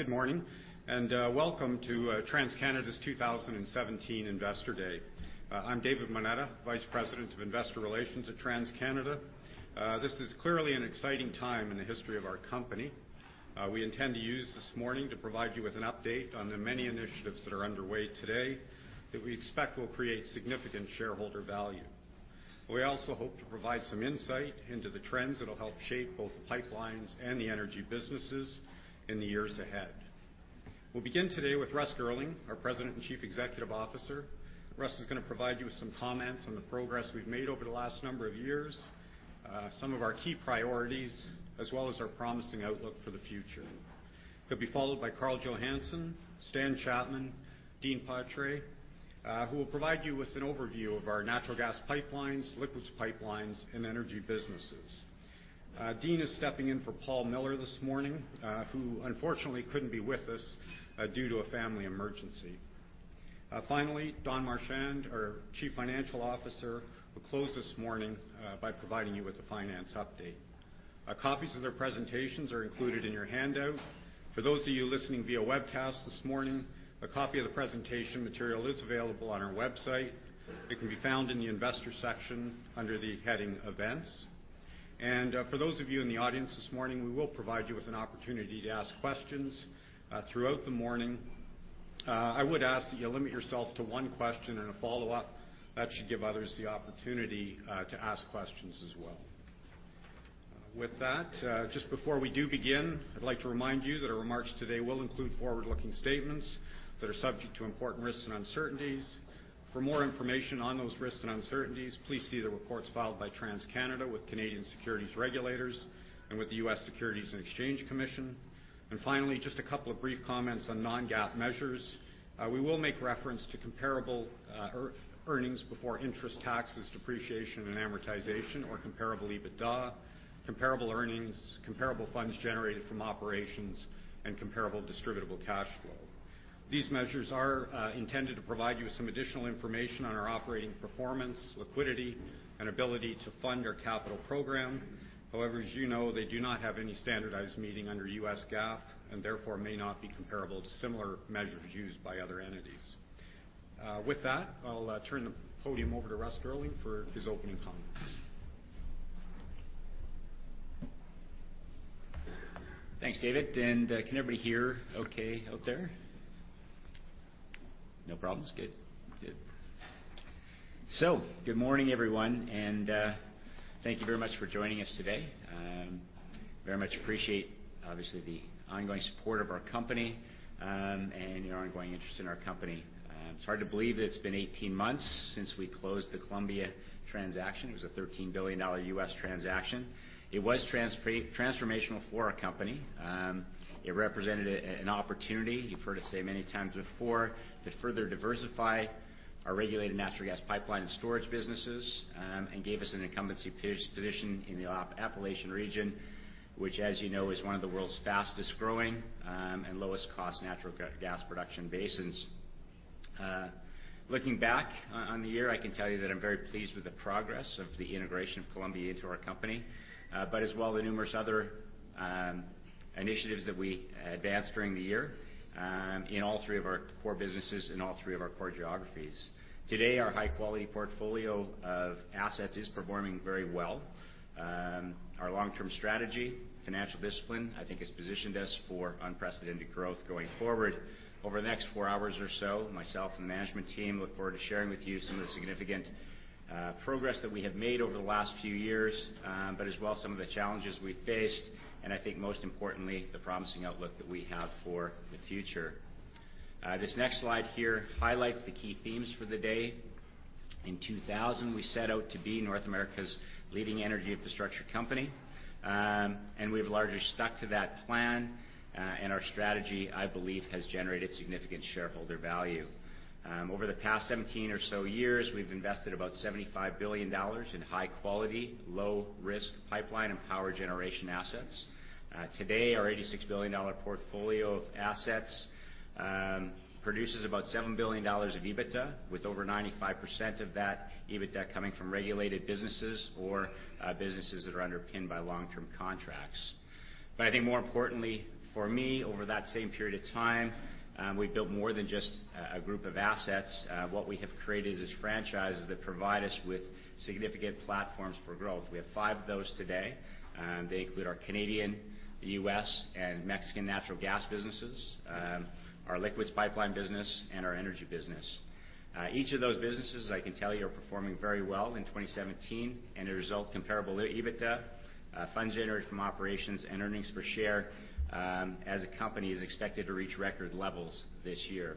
Good morning. Welcome to TransCanada's 2017 Investor Day. I'm David Moneta, Vice President of Investor Relations at TransCanada. This is clearly an exciting time in the history of our company. We intend to use this morning to provide you with an update on the many initiatives that are underway today that we expect will create significant shareholder value. We also hope to provide some insight into the trends that'll help shape both the pipelines and the energy businesses in the years ahead. We'll begin today with Russ Girling, our President and Chief Executive Officer. Russ is going to provide you with some comments on the progress we've made over the last number of years, some of our key priorities, as well as our promising outlook for the future. He'll be followed by Karl Johannson, Stan Chapman, Dean Patry, who will provide you with an overview of our natural gas pipelines, liquids pipelines, and energy businesses. Dean is stepping in for Paul Miller this morning, who unfortunately couldn't be with us due to a family emergency. Finally, Don Marchand, our Chief Financial Officer, will close this morning by providing you with a finance update. Copies of their presentations are included in your handout. For those of you listening via webcast this morning, a copy of the presentation material is available on our website. It can be found in the investor section under the heading Events. For those of you in the audience this morning, we will provide you with an opportunity to ask questions throughout the morning. I would ask that you limit yourself to one question and a follow-up. That should give others the opportunity to ask questions as well. With that, just before we do begin, I'd like to remind you that our remarks today will include forward-looking statements that are subject to important risks and uncertainties. For more information on those risks and uncertainties, please see the reports filed by TransCanada with Canadian securities regulators and with the U.S. Securities and Exchange Commission. Finally, just a couple of brief comments on non-GAAP measures. We will make reference to comparable earnings before interest taxes, depreciation, and amortization or comparable EBITDA, comparable earnings, comparable funds generated from operations, and comparable distributable cash flow. These measures are intended to provide you with some additional information on our operating performance, liquidity, and ability to fund our capital program. However, as you know, they do not have any standardized meaning under US GAAP and therefore may not be comparable to similar measures used by other entities. With that, I'll turn the podium over to Russ Girling for his opening comments. Thanks, David. Can everybody hear okay out there? No problems? Good. Good morning, everyone, and thank you very much for joining us today. Very much appreciate, obviously, the ongoing support of our company and your ongoing interest in our company. It's hard to believe it's been 18 months since we closed the Columbia transaction. It was a $13 billion U.S. transaction. It was transformational for our company. It represented an opportunity, you've heard us say many times before, to further diversify our regulated natural gas pipeline and storage businesses, and gave us an incumbency position in the Appalachian region, which, as you know, is one of the world's fastest-growing and lowest-cost natural gas production basins. Looking back on the year, I can tell you that I'm very pleased with the progress of the integration of Columbia into our company, but as well, the numerous other initiatives that we advanced during the year in all three of our core businesses in all three of our core geographies. Today, our high-quality portfolio of assets is performing very well. Our long-term strategy, financial discipline, I think, has positioned us for unprecedented growth going forward. Over the next four hours or so, myself and the management team look forward to sharing with you some of the significant progress that we have made over the last few years, but as well, some of the challenges we faced, and I think most importantly, the promising outlook that we have for the future. This next slide here highlights the key themes for the day. In 2000, we set out to be North America's leading energy infrastructure company, and we've largely stuck to that plan, and our strategy, I believe, has generated significant shareholder value. Over the past 17 or so years, we've invested about 75 billion dollars in high-quality, low-risk pipeline and power generation assets. Today, our 86 billion dollar portfolio of assets produces about 7 billion dollars of EBITDA, with over 95% of that EBITDA coming from regulated businesses or businesses that are underpinned by long-term contracts. I think more importantly for me, over that same period of time, we've built more than just a group of assets. What we have created is franchises that provide us with significant platforms for growth. We have five of those today. They include our Canadian, U.S., and Mexican natural gas businesses, our liquids pipeline business, and our energy business. Each of those businesses, I can tell you, are performing very well in 2017, and the result comparable EBITDA, funds generated from operations and earnings per share as a company is expected to reach record levels this year.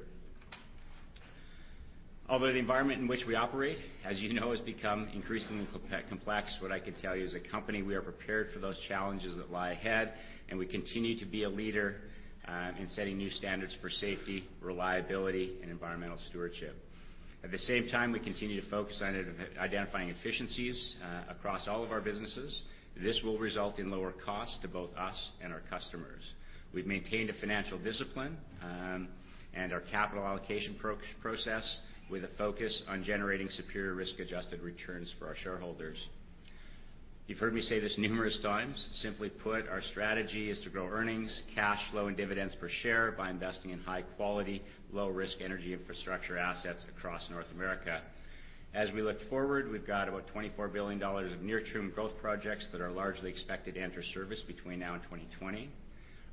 Although the environment in which we operate, as you know, has become increasingly complex, what I can tell you as a company, we are prepared for those challenges that lie ahead, and we continue to be a leader in setting new standards for safety, reliability, and environmental stewardship. At the same time, we continue to focus on identifying efficiencies across all of our businesses. This will result in lower costs to both us and our customers. We've maintained a financial discipline and our capital allocation process with a focus on generating superior risk-adjusted returns for our shareholders. You've heard me say this numerous times. Simply put, our strategy is to grow earnings, cash flow, and dividends per share by investing in high quality, low risk energy infrastructure assets across North America. As we look forward, we've got about 24 billion dollars of near-term growth projects that are largely expected to enter service between now and 2020.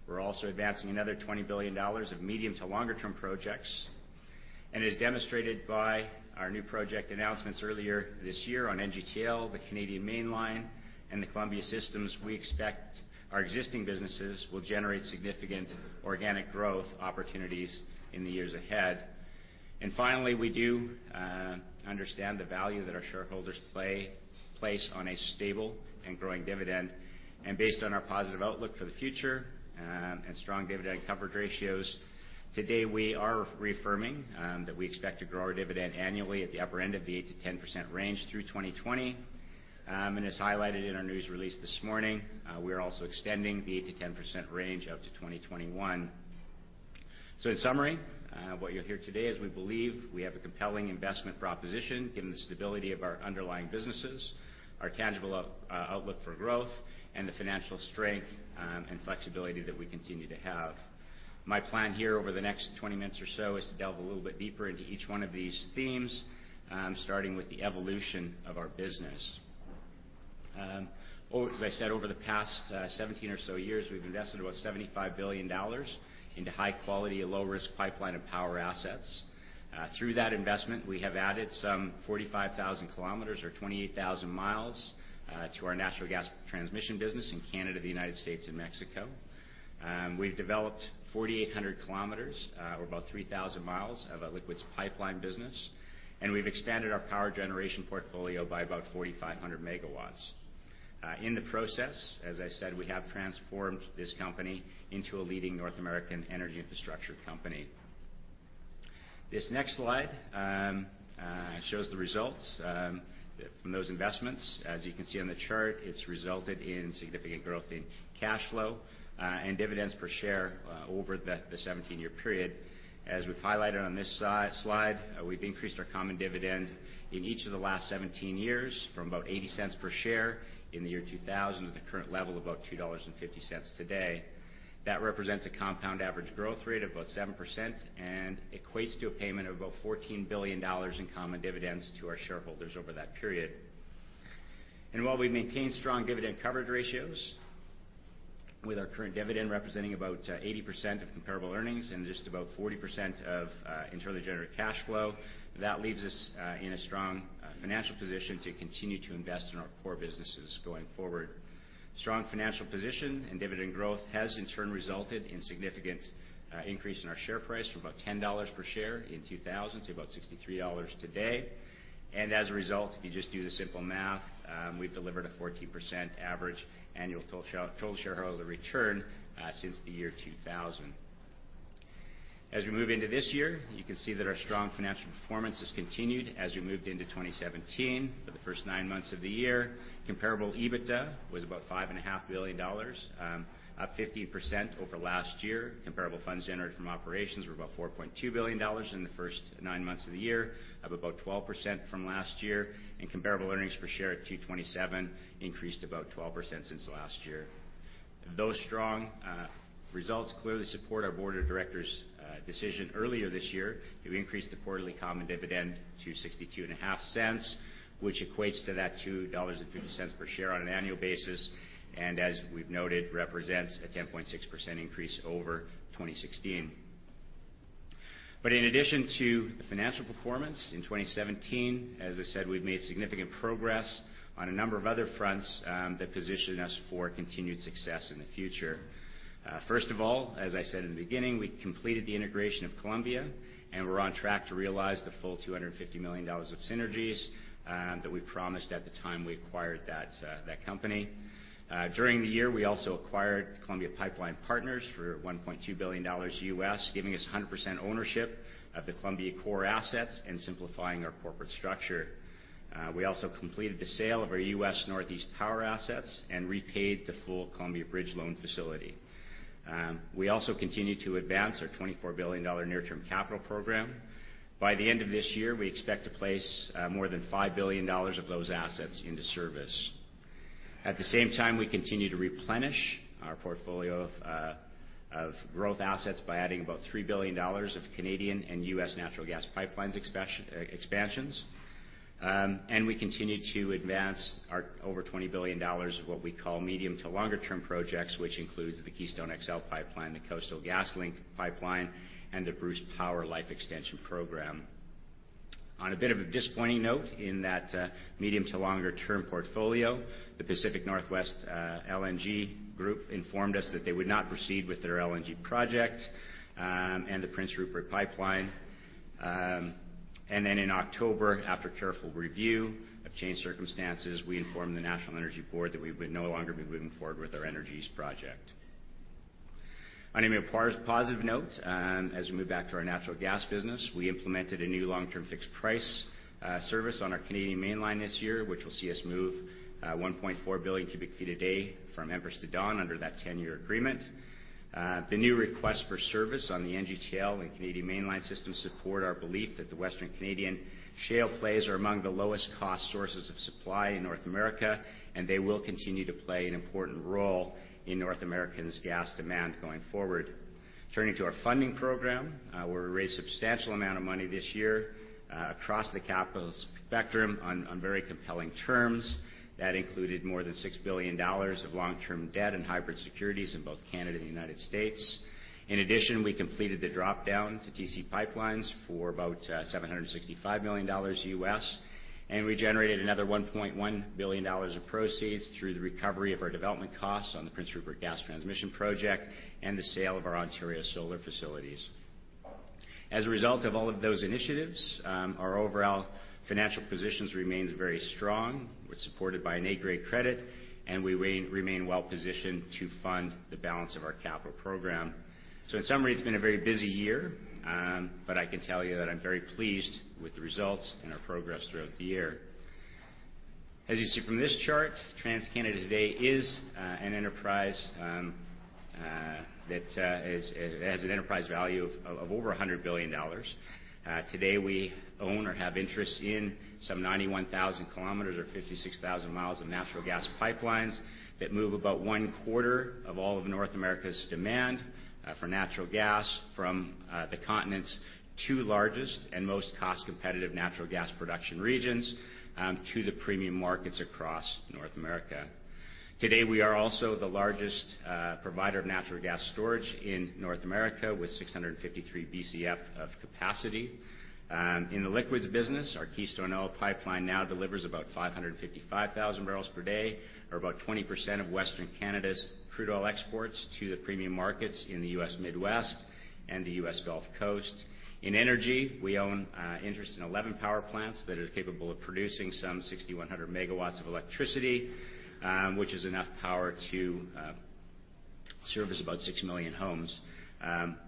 We're also advancing another 20 billion dollars of medium to longer term projects. As demonstrated by our new project announcements earlier this year on NGTL, the Canadian Mainline, and the Columbia systems, we expect our existing businesses will generate significant organic growth opportunities in the years ahead. Finally, we do understand the value that our shareholders place on a stable and growing dividend. Based on our positive outlook for the future, and strong dividend coverage ratios, today we are reaffirming that we expect to grow our dividend annually at the upper end of the 8%-10% range through 2020. As highlighted in our news release this morning, we are also extending the 8%-10% range out to 2021. In summary, what you'll hear today is we believe we have a compelling investment proposition given the stability of our underlying businesses, our tangible outlook for growth, and the financial strength, and flexibility that we continue to have. My plan here over the next 20 minutes or so is to delve a little bit deeper into each one of these themes, starting with the evolution of our business. As I said, over the past 17 or so years, we've invested about 75 billion dollars into high quality and low risk pipeline and power assets. Through that investment, we have added some 45,000 km or 28,000 miles, to our natural gas transmission business in Canada, the U.S., and Mexico. We've developed 4,800 km, or about 3,000 miles of our liquids pipeline business, and we've expanded our power generation portfolio by about 4,500 MW. In the process, as I said, we have transformed this company into a leading North American energy infrastructure company. This next slide shows the results from those investments. As you can see on the chart, it's resulted in significant growth in cash flow and dividends per share over the 17-year period. As we've highlighted on this slide, we've increased our common dividend in each of the last 17 years from about 0.80 per share in 2000 to the current level of about 2.50 dollars today. That represents a compound average growth rate of about 7% and equates to a payment of about 14 billion dollars in common dividends to our shareholders over that period. While we've maintained strong dividend coverage ratios, with our current dividend representing about 80% of comparable earnings and just about 40% of internally generated cash flow, that leaves us in a strong financial position to continue to invest in our core businesses going forward. Strong financial position and dividend growth has in turn resulted in significant increase in our share price from about 10 dollars per share in 2000 to about 63 dollars today. As a result, if you just do the simple math, we've delivered a 14% average annual total shareholder return since the year 2000. As we move into this year, you can see that our strong financial performance has continued as we moved into 2017. For the first nine months of the year, comparable EBITDA was about 5.5 billion dollars, up 50% over last year. Comparable funds generated from operations were about 4.2 billion dollars in the first nine months of the year, up about 12% from last year, and comparable earnings per share at 2.27 increased about 12% since last year. Those strong results clearly support our board of directors' decision earlier this year to increase the quarterly common dividend to 0.625, which equates to that 2.50 dollars per share on an annual basis, and as we've noted, represents a 10.6% increase over 2016. In addition to the financial performance in 2017, as I said, we've made significant progress on a number of other fronts that position us for continued success in the future. First of all, as I said in the beginning, we completed the integration of Columbia, and we're on track to realize the full 250 million dollars of synergies that we promised at the time we acquired that company. During the year, we also acquired Columbia Pipeline Partners for $1.2 billion, giving us 100% ownership of the Columbia core assets and simplifying our corporate structure. We also completed the sale of our U.S. Northeast power assets and repaid the full Columbia bridge loan facility. We also continue to advance our 24 billion dollar near-term capital program. By the end of this year, we expect to place more than 5 billion dollars of those assets into service. At the same time, we continue to replenish our portfolio of growth assets by adding about 3 billion dollars of Canadian and U.S. natural gas pipelines expansions. We continue to advance our over 20 billion dollars of what we call medium to longer term projects, which includes the Keystone XL Pipeline, the Coastal GasLink pipeline, and the Bruce Power life extension program. On a bit of a disappointing note in that medium to longer term portfolio, the Pacific NorthWest LNG group informed us that they would not proceed with their LNG project, and the Prince Rupert pipeline. In October, after careful review of changed circumstances, we informed the National Energy Board that we would no longer be moving forward with our Energy East project. On a more positive note, as we move back to our natural gas business, we implemented a new long-term fixed price service on our Canadian Mainline this year, which will see us move 1.4 billion cubic feet a day from Empress to Dawn under that 10-year agreement. The new request for service on the NGTL and Canadian Mainline system support our belief that the Western Canadian Shale plays are among the lowest cost sources of supply in North America, and they will continue to play an important role in North America's gas demand going forward. Turning to our funding program, we raised a substantial amount of money this year across the capital spectrum on very compelling terms. That included more than 6 billion dollars of long-term debt and hybrid securities in both Canada and the United States. In addition, we completed the drop-down to TC PipeLines for about $765 million U.S., and we generated another 1.1 billion dollars of proceeds through the recovery of our development costs on the Prince Rupert Gas Transmission project and the sale of our Ontario solar facilities. As a result of all of those initiatives, our overall financial positions remains very strong. We are supported by an A-grade credit, and we remain well-positioned to fund the balance of our capital program. In summary, it has been a very busy year, but I can tell you that I am very pleased with the results and our progress throughout the year. As you see from this chart, TransCanada today is an enterprise that has an enterprise value of over 100 billion dollars. Today, we own or have interest in some 91,000 kilometers or 56,000 miles of natural gas pipelines that move about one-quarter of all of North America's demand for natural gas from the continent's two largest and most cost-competitive natural gas production regions to the premium markets across North America. Today, we are also the largest provider of natural gas storage in North America, with 653 Bcf of capacity. In the liquids business, our Keystone Oil pipeline now delivers about 555,000 barrels per day, or about 20% of Western Canada's crude oil exports to the premium markets in the U.S. Midwest and the U.S. Gulf Coast. In energy, we own interest in 11 power plants that are capable of producing some 6,100 megawatts of electricity, which is enough power to service about 6 million homes.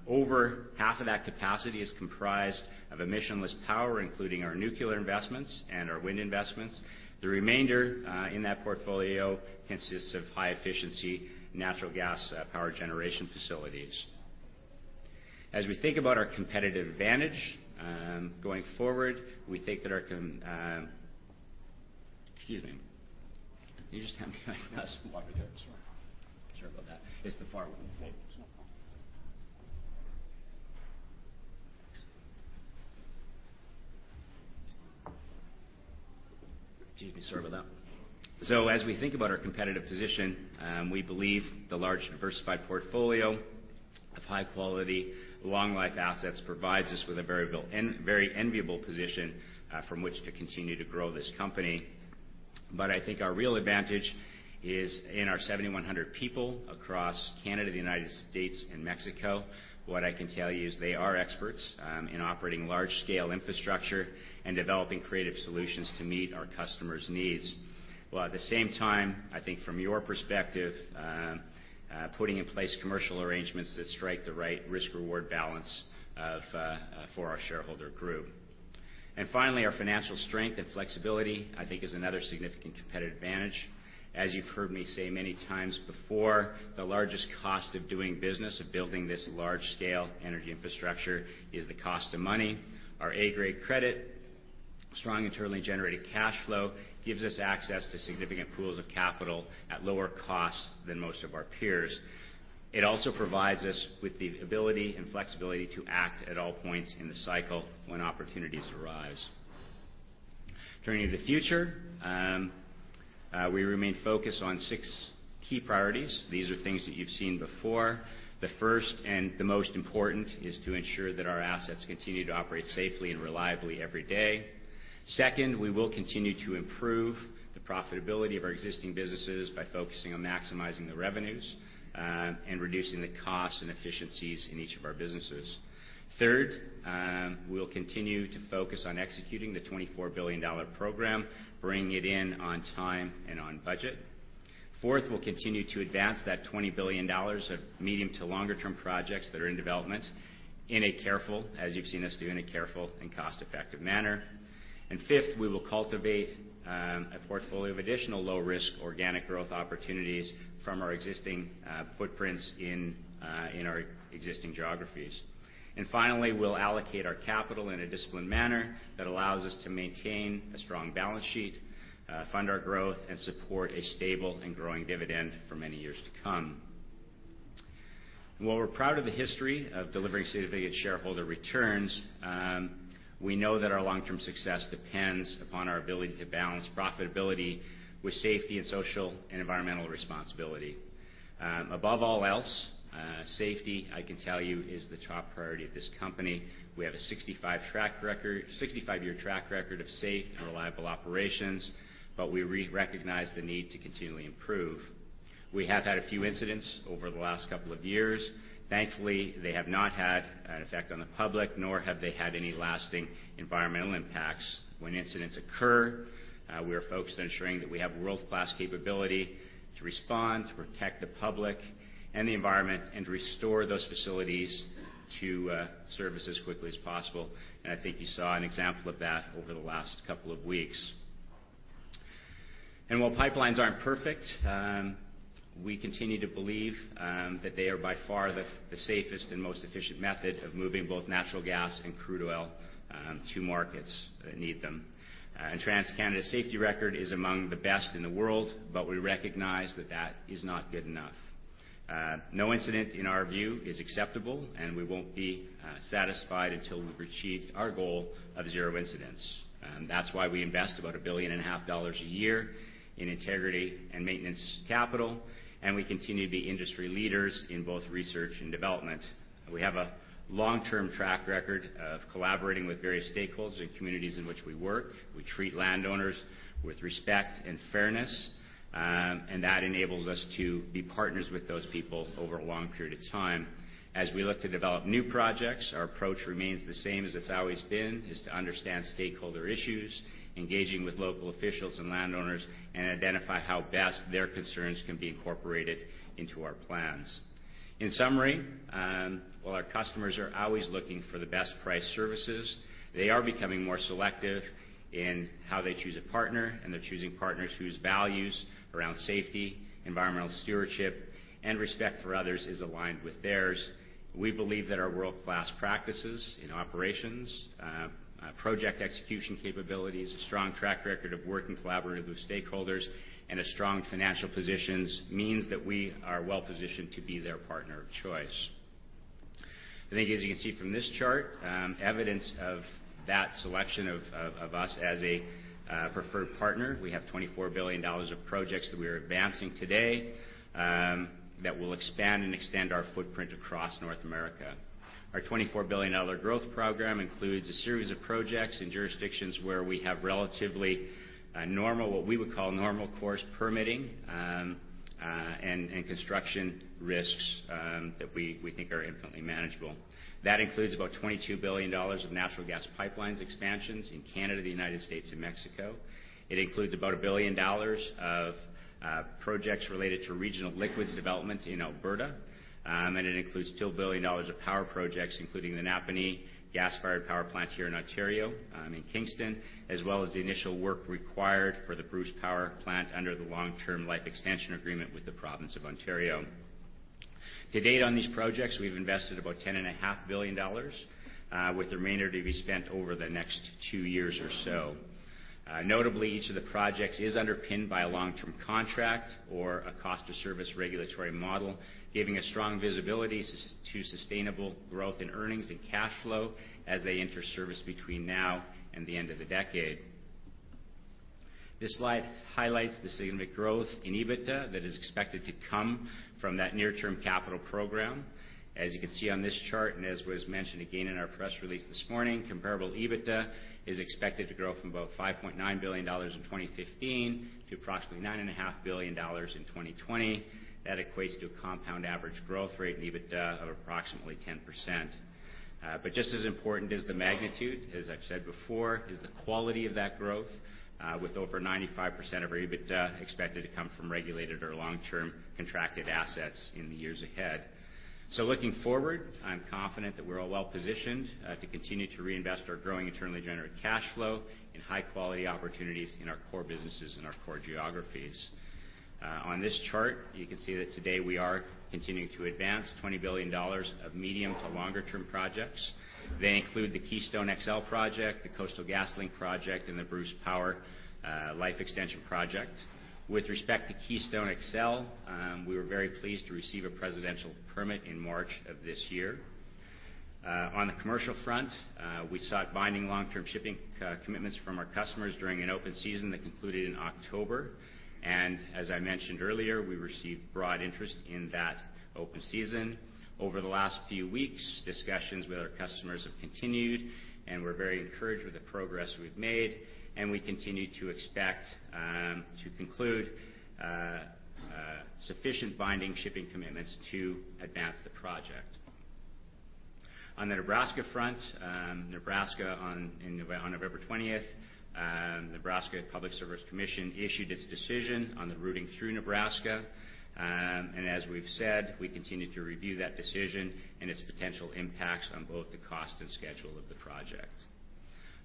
Over half of that capacity is comprised of emissionless power, including our nuclear investments and our wind investments. The remainder in that portfolio consists of high-efficiency natural gas power generation facilities. As we think about our competitive advantage going forward, we think that our Excuse me. Can you just hand me that glass of water there? Sure. Sorry about that. It is the far one. Yeah. It's no problem. Thanks. Excuse me. Sorry about that. As we think about our competitive position, we believe the large, diversified portfolio of high-quality, long-life assets provides us with a very enviable position from which to continue to grow this company. I think our real advantage is in our 7,100 people across Canada, the U.S., and Mexico. What I can tell you is they are experts in operating large-scale infrastructure and developing creative solutions to meet our customers' needs, while at the same time, I think from your perspective, putting in place commercial arrangements that strike the right risk-reward balance for our shareholder group. Finally, our financial strength and flexibility, I think, is another significant competitive advantage. As you've heard me say many times before, the largest cost of doing business, of building this large-scale energy infrastructure, is the cost of money. Our A-grade credit, strong internally generated cash flow gives us access to significant pools of capital at lower costs than most of our peers. It also provides us with the ability and flexibility to act at all points in the cycle when opportunities arise. Turning to the future, we remain focused on six key priorities. These are things that you've seen before. The first and the most important is to ensure that our assets continue to operate safely and reliably every day. Second, we will continue to improve the profitability of our existing businesses by focusing on maximizing the revenues and reducing the cost and efficiencies in each of our businesses. Third, we'll continue to focus on executing the 24 billion dollar program, bringing it in on time and on budget. Fourth, we'll continue to advance that 20 billion dollars of medium to longer term projects that are in development, as you've seen us do, in a careful and cost-effective manner. Fifth, we will cultivate a portfolio of additional low-risk, organic growth opportunities from our existing footprints in our existing geographies. Finally, we'll allocate our capital in a disciplined manner that allows us to maintain a strong balance sheet, fund our growth, and support a stable and growing dividend for many years to come. While we're proud of the history of delivering significant shareholder returns, we know that our long-term success depends upon our ability to balance profitability with safety and social and environmental responsibility. Above all else, safety, I can tell you, is the top priority of this company. We have a 65-year track record of safe and reliable operations, but we recognize the need to continually improve. We have had a few incidents over the last couple of years. Thankfully, they have not had an effect on the public, nor have they had any lasting environmental impacts. When incidents occur, we're focused on ensuring that we have world-class capability to respond, to protect the public and the environment, and to restore those facilities to service as quickly as possible, I think you saw an example of that over the last couple of weeks. While pipelines aren't perfect, we continue to believe that they are by far the safest and most efficient method of moving both natural gas and crude oil to markets that need them. TransCanada's safety record is among the best in the world, but we recognize that that is not good enough. No incident, in our view, is acceptable, we won't be satisfied until we've achieved our goal of zero incidents. That's why we invest about 1.5 billion a year in integrity and maintenance capital, we continue to be industry leaders in both research and development. We have a long-term track record of collaborating with various stakeholders in communities in which we work. We treat landowners with respect and fairness, that enables us to be partners with those people over a long period of time. As we look to develop new projects, our approach remains the same as it's always been, is to understand stakeholder issues, engaging with local officials and landowners, identify how best their concerns can be incorporated into our plans. In summary, while our customers are always looking for the best-priced services, they are becoming more selective in how they choose a partner, they're choosing partners whose values around safety, environmental stewardship, respect for others is aligned with theirs. We believe that our world-class practices in operations, project execution capabilities, a strong track record of working collaboratively with stakeholders, a strong financial positions means that we are well-positioned to be their partner of choice. I think, as you can see from this chart, evidence of that selection of us as a preferred partner, we have 24 billion dollars of projects that we are advancing today that will expand and extend our footprint across North America. Our 24 billion dollar growth program includes a series of projects in jurisdictions where we have relatively what we would call normal course permitting, construction risks that we think are infinitely manageable. That includes about 22 billion dollars of natural gas pipelines expansions in Canada, the U.S., and Mexico. It includes about 1 billion dollars of projects related to regional liquids development in Alberta, it includes 2 billion dollars of power projects, including the Napanee gas-fired power plant here in Ontario, in Kingston, as well as the initial work required for the Bruce Power plant under the long-term life extension agreement with the province of Ontario. To date on these projects, we've invested about 10.5 billion dollars, with the remainder to be spent over the next two years or so. Notably, each of the projects is underpinned by a long-term contract or a cost-of-service regulatory model, giving us strong visibility to sustainable growth in earnings and cash flow as they enter service between now and the end of the decade. This slide highlights the significant growth in EBITDA that is expected to come from that near-term capital program. As you can see on this chart, and as was mentioned again in our press release this morning, comparable EBITDA is expected to grow from about 5.9 billion dollars in 2015 to approximately 9.5 billion dollars in 2020. That equates to a compound average growth rate in EBITDA of approximately 10%. Just as important as the magnitude, as I've said before, is the quality of that growth, with over 95% of our EBITDA expected to come from regulated or long-term contracted assets in the years ahead. Looking forward, I'm confident that we're well-positioned to continue to reinvest our growing internally generated cash flow in high-quality opportunities in our core businesses and our core geographies. On this chart, you can see that today we are continuing to advance 20 billion dollars of medium to longer-term projects. They include the Keystone XL project, the Coastal GasLink project, and the Bruce Power life extension project. With respect to Keystone XL, we were very pleased to receive a presidential permit in March of this year. On the commercial front, we sought binding long-term shipping commitments from our customers during an open season that concluded in October. As I mentioned earlier, we received broad interest in that open season. Over the last few weeks, discussions with our customers have continued. We're very encouraged with the progress we've made, and we continue to expect to conclude sufficient binding shipping commitments to advance the project. On the Nebraska front, on November 20th, Nebraska Public Service Commission issued its decision on the routing through Nebraska. As we've said, we continue to review that decision and its potential impacts on both the cost and schedule of the project.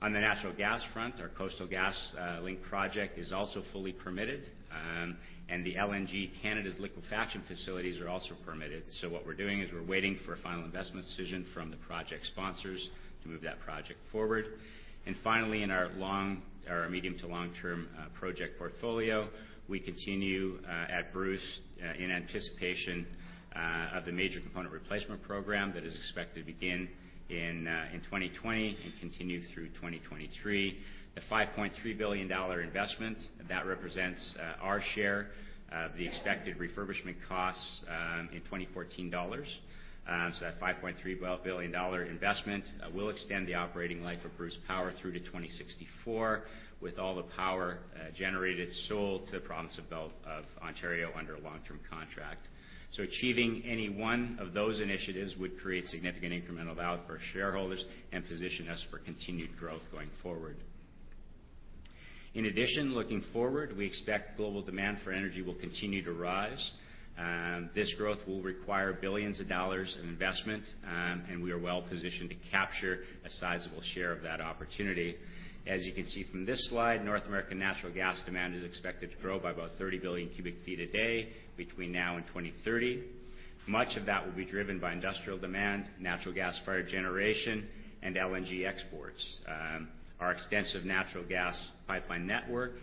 On the natural gas front, our Coastal GasLink project is also fully permitted. The LNG Canada's liquefaction facilities are also permitted. What we're doing is we're waiting for a final investment decision from the project sponsors to move that project forward. Finally, in our medium to long-term project portfolio, we continue at Bruce in anticipation of the major component replacement program that is expected to begin in 2020 and continue through 2023. The 5.3 billion dollar investment, that represents our share of the expected refurbishment costs in 2014 dollars. That 5.3 billion dollar investment will extend the operating life of Bruce Power through to 2064, with all the power generated sold to the province of Ontario under a long-term contract. Achieving any one of those initiatives would create significant incremental value for our shareholders and position us for continued growth going forward. In addition, looking forward, we expect global demand for energy will continue to rise. This growth will require billions of CAD in investment, and we are well-positioned to capture a sizable share of that opportunity. As you can see from this slide, North American natural gas demand is expected to grow by about 30 billion cubic feet a day between now and 2030. Much of that will be driven by industrial demand, natural gas-fired generation, and LNG exports. Our extensive natural gas pipeline network,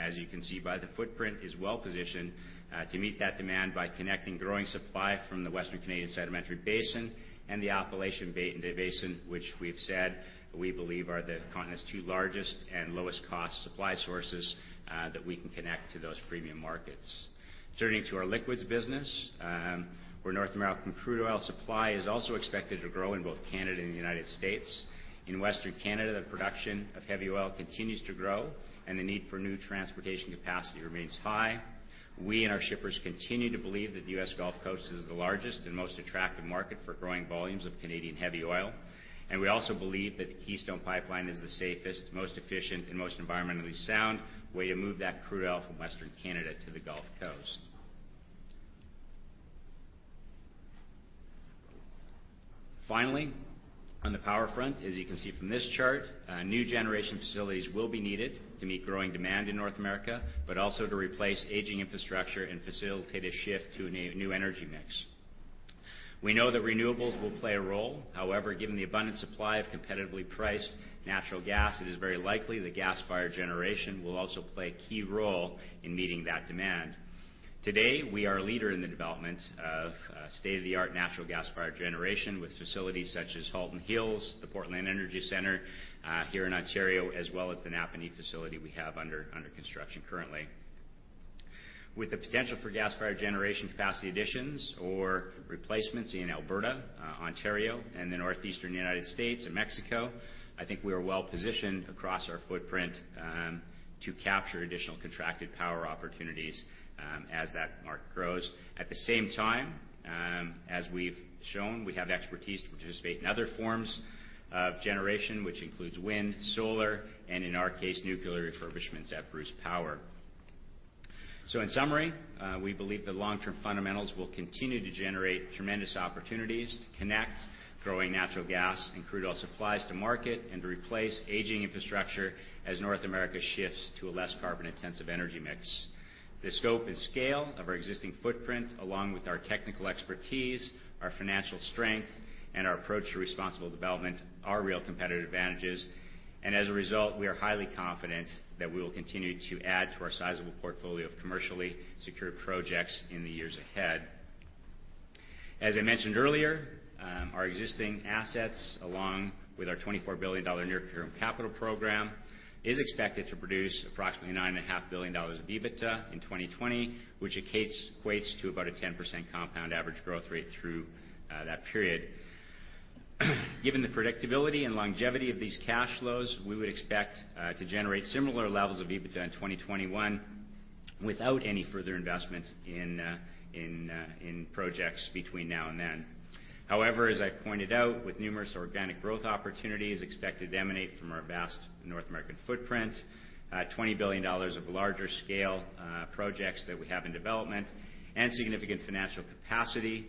as you can see by the footprint, is well-positioned to meet that demand by connecting growing supply from the Western Canadian Sedimentary Basin and the Appalachian Basin, which we've said we believe are the continent's two largest and lowest-cost supply sources that we can connect to those premium markets. Turning to our liquids business, where North American crude oil supply is also expected to grow in both Canada and the U.S. In Western Canada, the production of heavy oil continues to grow, and the need for new transportation capacity remains high. We and our shippers continue to believe that the U.S. Gulf Coast is the largest and most attractive market for growing volumes of Canadian heavy oil. We also believe that the Keystone Pipeline is the safest, most efficient, and most environmentally sound way to move that crude oil from Western Canada to the Gulf Coast. Finally, on the power front, as you can see from this chart, new generation facilities will be needed to meet growing demand in North America, but also to replace aging infrastructure and facilitate a shift to a new energy mix. We know that renewables will play a role. However, given the abundant supply of competitively priced natural gas, it is very likely that gas-fired generation will also play a key role in meeting that demand. Today, we are a leader in the development of state-of-the-art natural gas-fired generation with facilities such as Halton Hills, the Portlands Energy Centre here in Ontario, as well as the Napanee facility we have under construction currently. With the potential for gas-fired generation capacity additions or replacements in Alberta, Ontario, and the Northeastern U.S. and Mexico, I think we are well-positioned across our footprint to capture additional contracted power opportunities as that market grows. At the same time, as we've shown, we have the expertise to participate in other forms of generation, which includes wind, solar, and in our case, nuclear refurbishments at Bruce Power. In summary, we believe the long-term fundamentals will continue to generate tremendous opportunities to connect growing natural gas and crude oil supplies to market and to replace aging infrastructure as North America shifts to a less carbon-intensive energy mix. The scope and scale of our existing footprint, along with our technical expertise, our financial strength, and our approach to responsible development are real competitive advantages. As a result, we are highly confident that we will continue to add to our sizable portfolio of commercially secured projects in the years ahead. As I mentioned earlier, our existing assets, along with our 24 billion dollar near-term capital program, is expected to produce approximately 9.5 billion dollars of EBITDA in 2020, which equates to about a 10% compound average growth rate through that period. Given the predictability and longevity of these cash flows, we would expect to generate similar levels of EBITDA in 2021 without any further investment in projects between now and then. As I pointed out, with numerous organic growth opportunities expected to emanate from our vast North American footprint, 20 billion dollars of larger scale projects that we have in development and significant financial capacity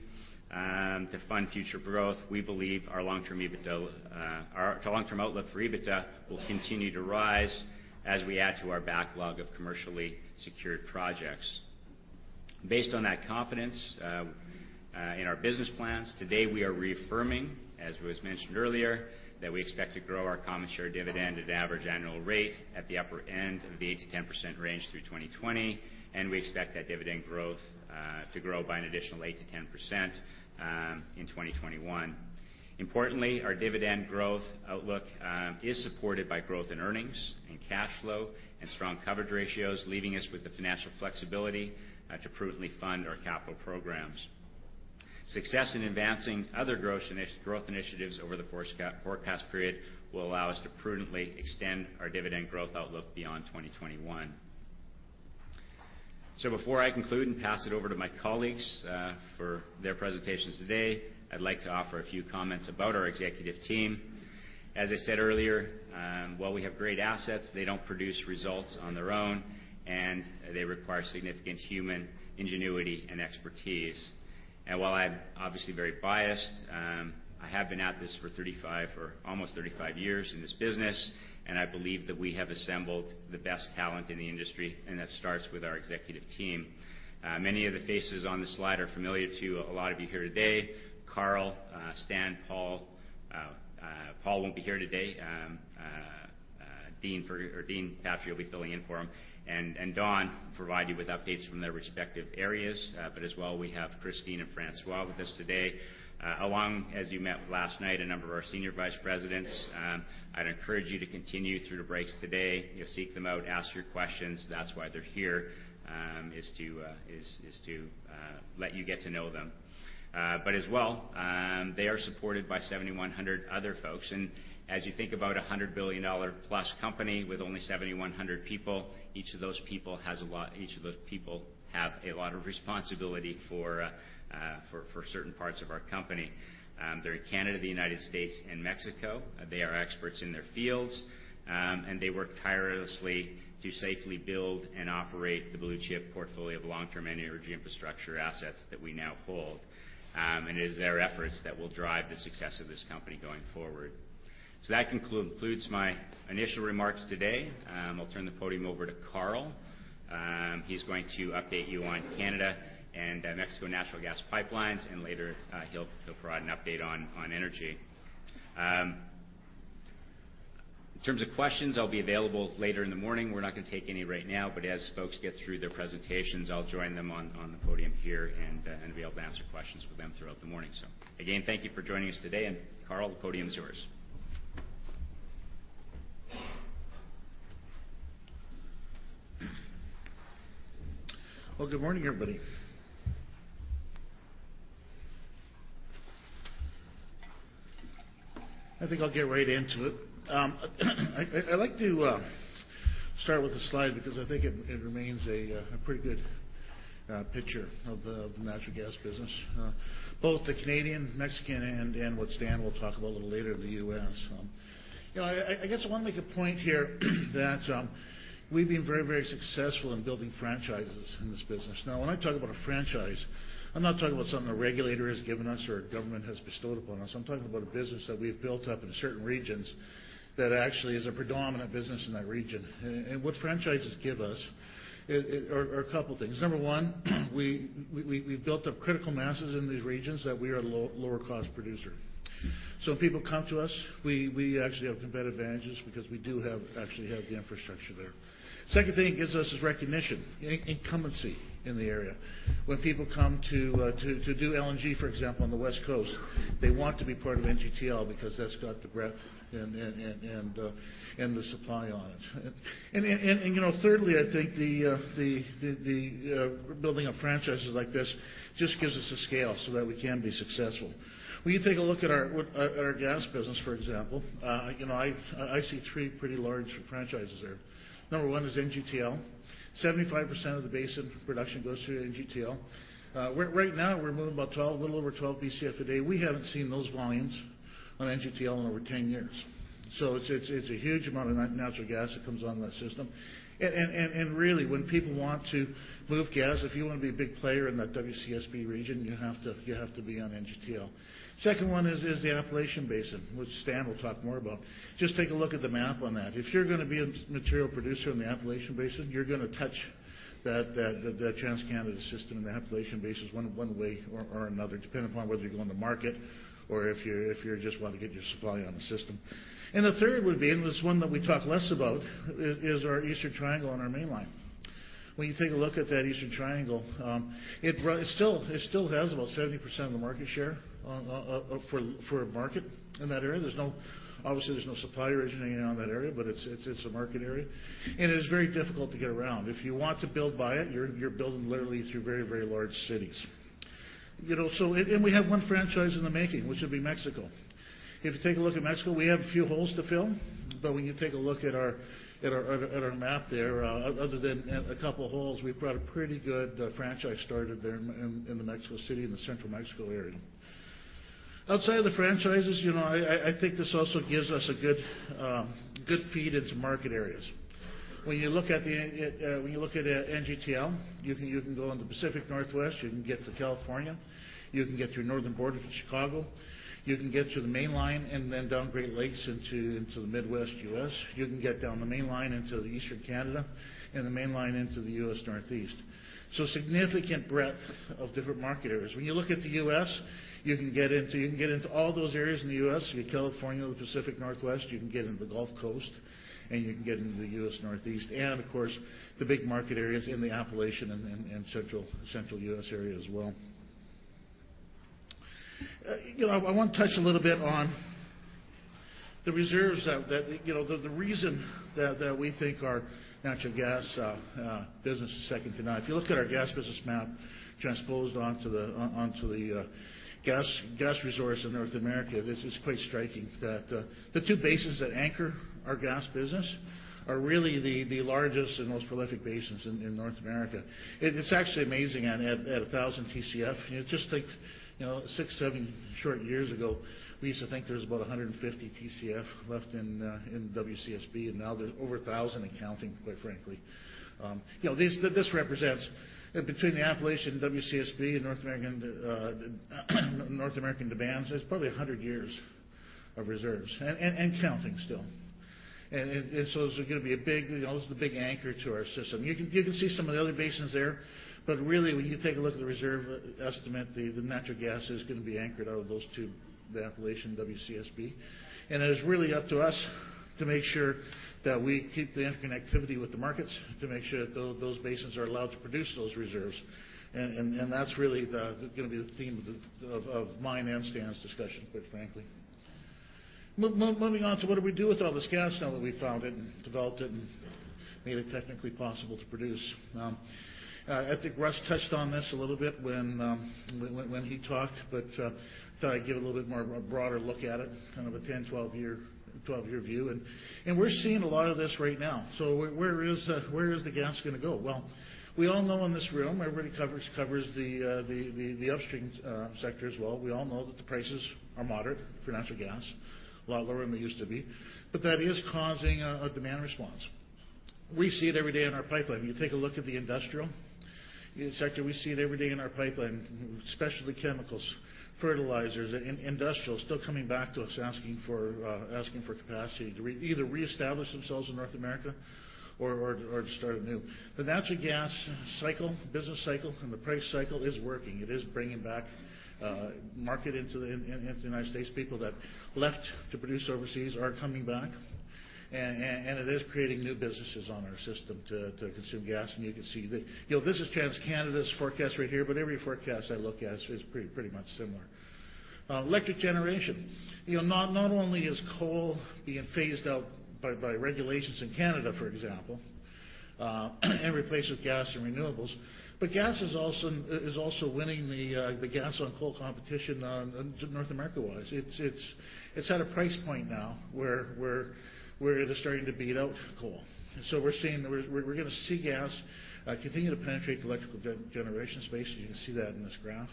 to fund future growth, we believe our long-term outlook for EBITDA will continue to rise as we add to our backlog of commercially secured projects. Based on that confidence in our business plans, today, we are reaffirming, as was mentioned earlier, that we expect to grow our common share dividend at an average annual rate at the upper end of the 8%-10% range through 2020, and we expect that dividend growth to grow by an additional 8%-10% in 2021. Our dividend growth outlook is supported by growth in earnings and cash flow and strong coverage ratios, leaving us with the financial flexibility to prudently fund our capital programs. Success in advancing other growth initiatives over the forecast period will allow us to prudently extend our dividend growth outlook beyond 2021. Before I conclude and pass it over to my colleagues for their presentations today, I would like to offer a few comments about our executive team. As I said earlier, while we have great assets, they do not produce results on their own, and they require significant human ingenuity and expertise. While I am obviously very biased, I have been at this for almost 35 years in this business, and I believe that we have assembled the best talent in the industry, and that starts with our executive team. Many of the faces on this slide are familiar to a lot of you here today. Karl, Stan, Paul. Paul will not be here today. Dean Patry will be filling in for him, and Don will provide you with updates from their respective areas. As well, we have Christine and François with us today, along, as you met last night, a number of our senior vice presidents. I would encourage you to continue through the breaks today. Seek them out, ask your questions. That is why they are here, is to let you get to know them. As well, they are supported by 7,100 other folks. As you think about a 100 billion dollar-plus company with only 7,100 people, each of those people have a lot of responsibility for certain parts of our company. They are in Canada, the U.S., and Mexico. They are experts in their fields, and they work tirelessly to safely build and operate the blue-chip portfolio of long-term energy infrastructure assets that we now hold. It is their efforts that will drive the success of this company going forward. That concludes my initial remarks today. I will turn the podium over to Karl. He is going to update you on Canada and Mexico natural gas pipelines, and later, he will provide an update on energy. In terms of questions, I will be available later in the morning. We are not going to take any right now, but as folks get through their presentations, I will join them on the podium here and be able to answer questions with them throughout the morning. Again, thank you for joining us today. Karl, the podium is yours. Well, good morning, everybody. I think I'll get right into it. I'd like to start with a slide because I think it remains a pretty good picture of the natural gas business, both the Canadian, Mexican, and what Stan will talk about a little later, the U.S. I guess I want to make a point here that we've been very successful in building franchises in this business. When I talk about a franchise, I'm not talking about something a regulator has given us or a government has bestowed upon us. I'm talking about a business that we've built up in certain regions that actually is a predominant business in that region. What franchises give us are a couple of things. Number one, we've built up critical masses in these regions that we are a lower cost producer. When people come to us, we actually have competitive advantages because we do actually have the infrastructure there. Second thing it gives us is recognition, incumbency in the area. When people come to do LNG, for example, on the West Coast, they want to be part of NGTL because that's got the breadth and the supply on it. Thirdly, I think the building of franchises like this just gives us a scale so that we can be successful. When you take a look at our gas business, for example, I see three pretty large franchises there. Number one is NGTL. 75% of the basin production goes through NGTL. Right now, we're moving a little over 12 Bcf a day. We haven't seen those volumes on NGTL in over 10 years. It's a huge amount of natural gas that comes on that system. When people want to move gas, if you want to be a big player in that WCSB region, you have to be on NGTL. Second one is the Appalachian Basin, which Stan will talk more about. Just take a look at the map on that. If you're going to be a material producer in the Appalachian Basin, you're going to touch the TransCanada system and the Appalachian Basin one way or another, depending upon whether you're going to market or if you just want to get your supply on the system. The third would be, this one that we talk less about, is our Eastern Triangle on our main line. When you take a look at that Eastern Triangle, it still has about 70% of the market share for a market in that area. Obviously, there's no supply originating in on that area, it's a market area, it is very difficult to get around. If you want to build by it, you're building literally through very large cities. We have one franchise in the making, which would be Mexico. If you take a look at Mexico, we have a few holes to fill, when you take a look at our map there, other than a couple holes, we've got a pretty good franchise started there in the Mexico City and the central Mexico area. Outside of the franchises, I think this also gives us a good feed into market areas. When you look at NGTL, you can go on the Pacific Northwest, you can get to California, you can get to your northern border to Chicago, you can get to the main line and then down Great Lakes into the Midwest U.S. You can get down the main line into the Eastern Canada and the main line into the U.S. Northeast. Significant breadth of different market areas. When you look at the U.S., you can get into all those areas in the U.S., California, the Pacific Northwest. You can get into the Gulf Coast and you can get into the U.S. Northeast, and of course, the big market areas in the Appalachian and central U.S. area as well. I want to touch a little bit on the reserves. The reason that we think our natural gas business is second to none. If you look at our gas business map transposed onto the gas resource in North America, this is quite striking that the two basins that anchor our gas business are really the largest and most prolific basins in North America. It's actually amazing at 1,000 Tcf. Just think six, seven short years ago, we used to think there was about 150 Tcf left in WCSB, and now there's over 1,000 and counting, quite frankly. This represents between the Appalachian, WCSB, and North American demands, there's probably 100 years of reserves and counting still. This is going to be a big anchor to our system. You can see some of the other basins there, but really, when you take a look at the reserve estimate, the natural gas is going to be anchored out of those two, the Appalachian and WCSB. It is really up to us to make sure that we keep the interconnectivity with the markets to make sure that those basins are allowed to produce those reserves, and that's really going to be the theme of mine and Stan's discussion, quite frankly. Moving on to what do we do with all this gas now that we've found it and developed it and made it technically possible to produce. I think Russ touched on this a little bit when he talked, but thought I'd give a little bit more broader look at it, kind of a 10, 12 year view. We're seeing a lot of this right now. Where is the gas going to go? Well, we all know in this room, everybody covers the upstream sector as well. We all know that the prices are moderate for natural gas, a lot lower than they used to be. That is causing a demand response. We see it every day in our pipeline. You take a look at the industrial sector, we see it every day in our pipeline, especially chemicals, fertilizers, and industrial still coming back to us asking for capacity to either reestablish themselves in North America or to start anew. The natural gas cycle, business cycle, and the price cycle is working. It is bringing back market into the United States. People that left to produce overseas are coming back, and it is creating new businesses on our system to consume gas. You can see that this is TransCanada's forecast right here, but every forecast I look at is pretty much similar. Electric generation. Not only is coal being phased out by regulations in Canada, for example, and replaced with gas and renewables, but gas is also winning the gas on coal competition North America-wise. It's at a price point now where it is starting to beat out coal. So we're going to see gas continuing to penetrate the electrical generation space. You can see that in this graph.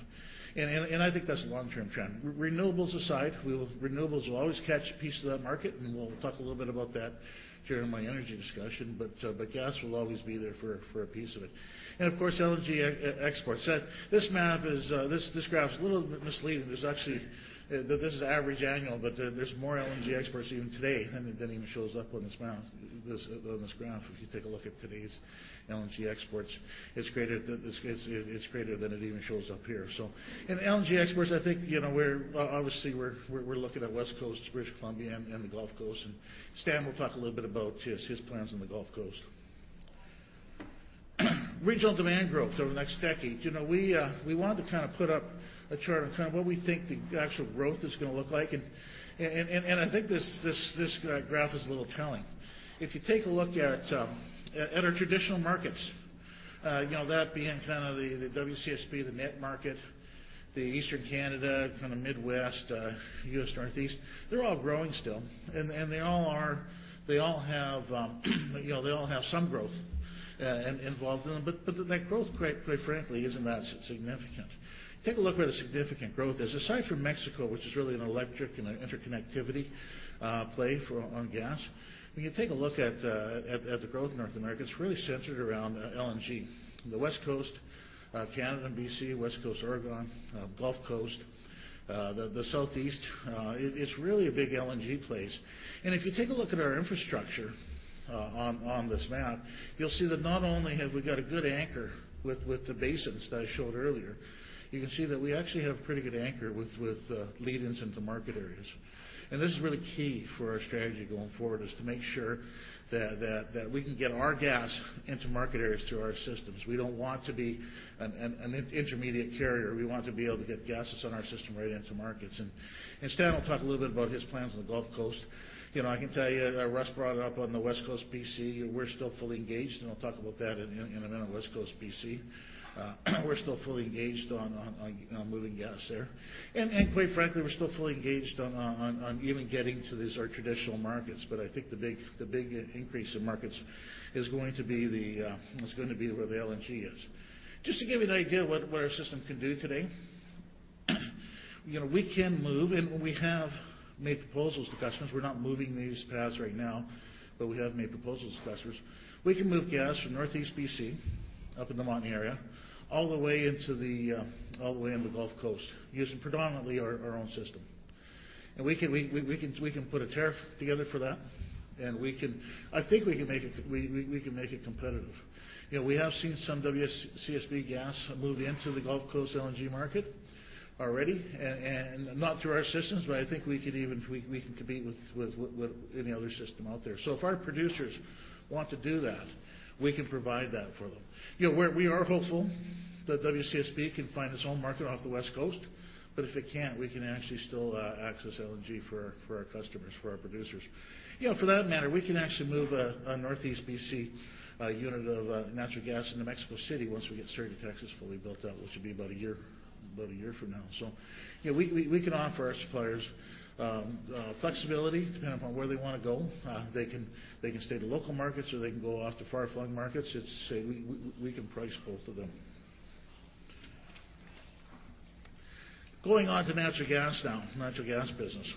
I think that's a long-term trend. Renewables aside, renewables will always catch a piece of that market, and we'll talk a little bit about that during my energy discussion, but gas will always be there for a piece of it. Of course, LNG exports. This graph's a little bit misleading. This is average annual, but there's more LNG exports even today than even shows up on this graph. If you take a look at today's LNG exports, it's greater than it even shows up here. In LNG exports, I think, obviously, we're looking at West Coast, British Columbia, and the Gulf Coast, and Stan will talk a little bit about his plans on the Gulf Coast. Regional demand growth over the next decade. We wanted to put up a chart on what we think the actual growth is going to look like, and I think this graph is a little telling. If you take a look at our traditional markets, that being the WCSB, the NIT market, the Eastern Canada, Midwest, U.S. Northeast, they're all growing still. They all have some growth involved in them, but that growth, quite frankly, isn't that significant. Take a look where the significant growth is. Aside from Mexico, which is really an electric and an interconnectivity play for on gas, when you take a look at the growth in North America, it's really centered around LNG. The West Coast of Canada and BC, West Coast, Oregon, Gulf Coast, the Southeast, it's really a big LNG place. If you take a look at our infrastructure on this map, you'll see that not only have we got a good anchor with the basins that I showed earlier, you can see that we actually have pretty good anchor with lead-ins into market areas. This is really key for our strategy going forward, is to make sure that we can get our gas into market areas through our systems. We don't want to be an intermediate carrier. We want to be able to get gases on our system right into markets, Stan will talk a little bit about his plans on the Gulf Coast. I can tell you, Russ brought it up on the West Coast BC. We're still fully engaged, I'll talk about that in a minute on West Coast BC. We're still fully engaged on moving gas there. Quite frankly, we're still fully engaged on even getting to these, our traditional markets, but I think the big increase in markets is going to be where the LNG is. Just to give you an idea what our system can do today, we can move, we have made proposals to customers. We're not moving these paths right now, but we have made proposals to customers. We can move gas from Northeast BC up in the Montney area, all the way into the Gulf Coast using predominantly our own system. We can put a tariff together for that, and I think we can make it competitive. We have seen some WCSB gas moved into the Gulf Coast LNG market already, not through our systems, but I think we can compete with any other system out there. If our producers want to do that, we can provide that for them. We are hopeful that WCSB can find its own market off the West Coast, if it can't, we can actually still access LNG for our customers, for our producers. For that matter, we can actually move a Northeast BC unit of natural gas into Mexico City once we get Sur de Texas fully built out, which will be about a year from now. We can offer our suppliers flexibility depending upon where they want to go. They can stay to local markets, or they can go off to far-flung markets. We can price both of them. Going on to natural gas now, natural gas business.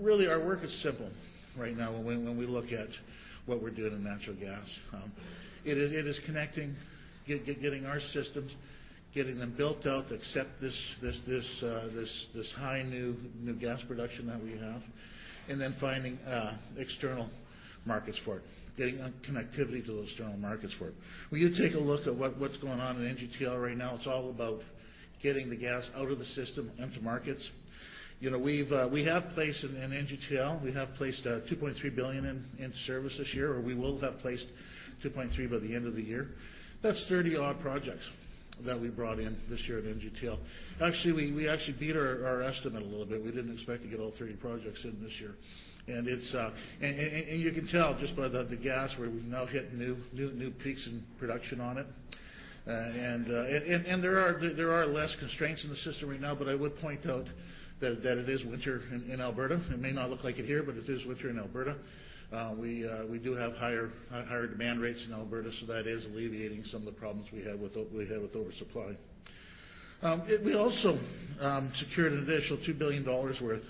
Really, our work is simple right now when we look at what we're doing in natural gas. It is connecting, getting our systems, getting them built out to accept this high new gas production that we have, and then finding external markets for it, getting connectivity to those external markets for it. When you take a look at what's going on in NGTL right now, it's all about getting the gas out of the system into markets. In NGTL, we have placed 2.3 billion into service this year, or we will have placed 2.3 billion by the end of the year. That's 30-odd projects that we brought in this year at NGTL. We actually beat our estimate a little bit. We didn't expect to get all 30 projects in this year. You can tell just by the gas where we've now hit new peaks in production on it. There are less constraints in the system right now, I would point out that it is winter in Alberta. It may not look like it here, but it is winter in Alberta. We do have higher demand rates in Alberta, that is alleviating some of the problems we had with oversupply. We also secured an additional 2 billion dollars worth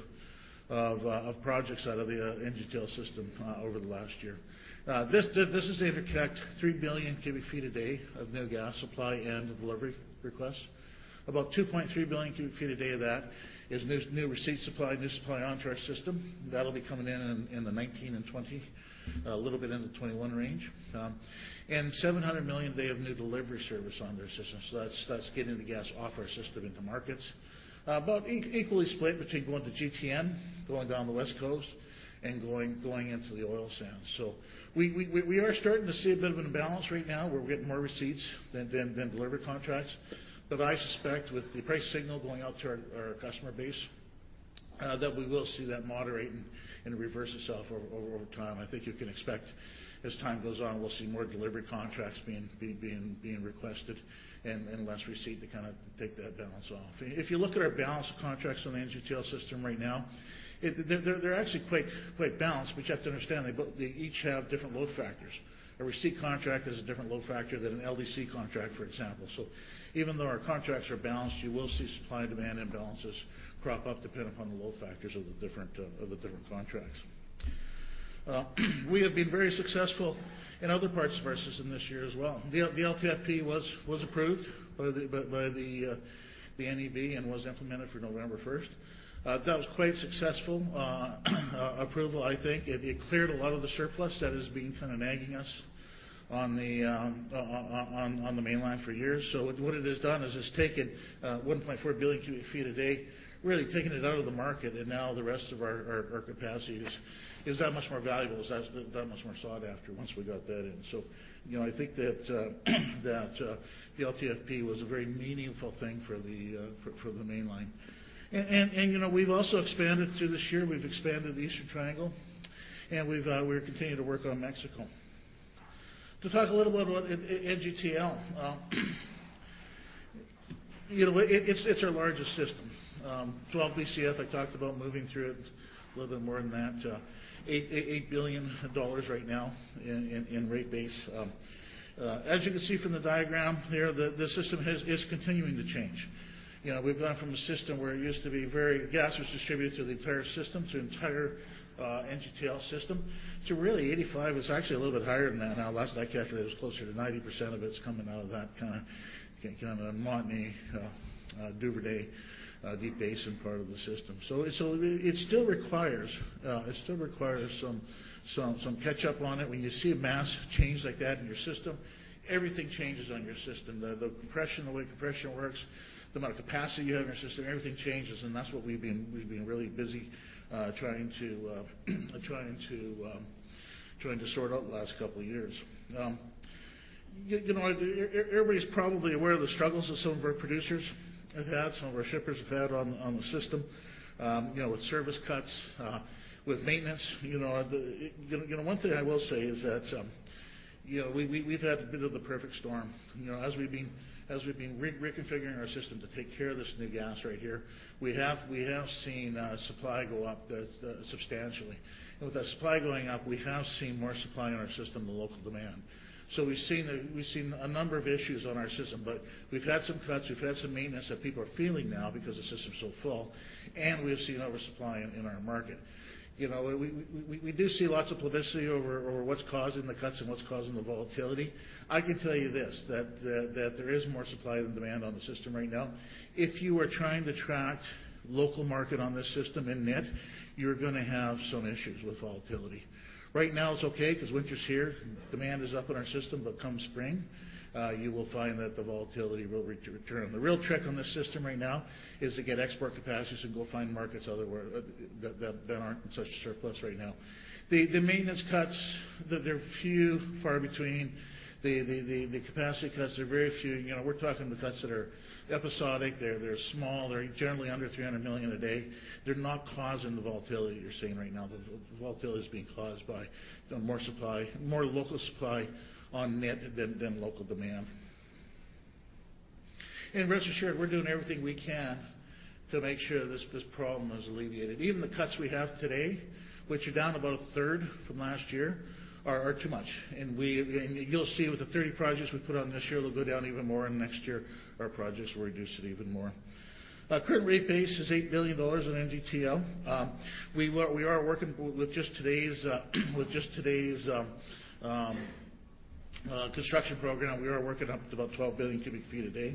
of projects out of the NGTL system over the last year. This is interconnect 3 billion cubic feet a day of new gas supply and delivery requests. About 2.3 billion cubic feet a day of that is new receipt supply, new supply onto our system. That'll be coming in the 2019 and 2020, a little bit into 2021 range. 700 million day of new delivery service on their system. That's getting the gas off our system into markets. About equally split between going to GTN, going down the West Coast, and going into the oil sands. We are starting to see a bit of an imbalance right now where we're getting more receipts than delivery contracts. I suspect with the price signal going out to our customer base, that we will see that moderate and reverse itself over time. I think you can expect as time goes on, we'll see more delivery contracts being requested and less receipt to take that balance off. If you look at our balance contracts on the NGTL system right now, they're actually quite balanced, but you have to understand, they each have different load factors. A receipt contract has a different load factor than an LDC contract, for example. Even though our contracts are balanced, you will see supply-demand imbalances crop up depending upon the load factors of the different contracts. We have been very successful in other parts of our system this year as well. The LTFP was approved by the NEB and was implemented for November 1st. That was quite successful approval. I think it cleared a lot of the surplus that has been nagging us on the mainline for years. What it has done is it's taken 1.4 billion cubic feet a day, really taking it out of the market, and now the rest of our capacity is that much more valuable, that much more sought after once we got that in. I think that the LTFP was a very meaningful thing for the mainline. We've also expanded through this year. We've expanded the Eastern Triangle, and we're continuing to work on Mexico. To talk a little bit about NGTL. It's our largest system. 12 Bcf, I talked about moving through it, a little bit more than that. 8 billion dollars right now in rate base. As you can see from the diagram there, the system is continuing to change. We've gone from a system where it used to be very Gas was distributed through the entire system, through the entire NGTL system, to really 85%. It's actually a little bit higher than that now. Last I calculated, it was closer to 90% of it's coming out of that Montney, Duvernay deep basin part of the system. It still requires some catch-up on it. When you see a mass change like that in your system, everything changes on your system. The compression, the way compression works, the amount of capacity you have in your system, everything changes, and that's what we've been really busy trying to sort out the last couple of years. Everybody's probably aware of the struggles that some of our producers have had, some of our shippers have had on the system with service cuts, with maintenance. One thing I will say is that we've had a bit of the perfect storm. As we've been reconfiguring our system to take care of this new gas right here, we have seen supply go up substantially. With that supply going up, we have seen more supply in our system than local demand. We've seen a number of issues on our system, we've had some cuts, we've had some maintenance that people are feeling now because the system's so full, we've seen oversupply in our market. We do see lots of publicity over what's causing the cuts and what's causing the volatility. I can tell you this, that there is more supply than demand on the system right now. If you are trying to track local market on this system in net, you're going to have some issues with volatility. Right now it's okay because winter's here. Demand is up in our system. Come spring, you will find that the volatility will return. The real trick on this system right now is to get export capacities and go find markets that aren't in such surplus right now. The maintenance cuts, they're few and far between. The capacity cuts are very few. We're talking the cuts that are episodic. They're small. They're generally under 300 million a day. They're not causing the volatility that you're seeing right now. The volatility is being caused by more local supply on net than local demand. Rest assured, we're doing everything we can to make sure this problem is alleviated. Even the cuts we have today, which are down about a third from last year, are too much. You'll see with the 30 projects we put on this year, they'll go down even more, and next year, our projects will reduce it even more. Current rate base is 8 billion dollars on NGTL. With just today's construction program, we are working up to about 12 Bcf a day.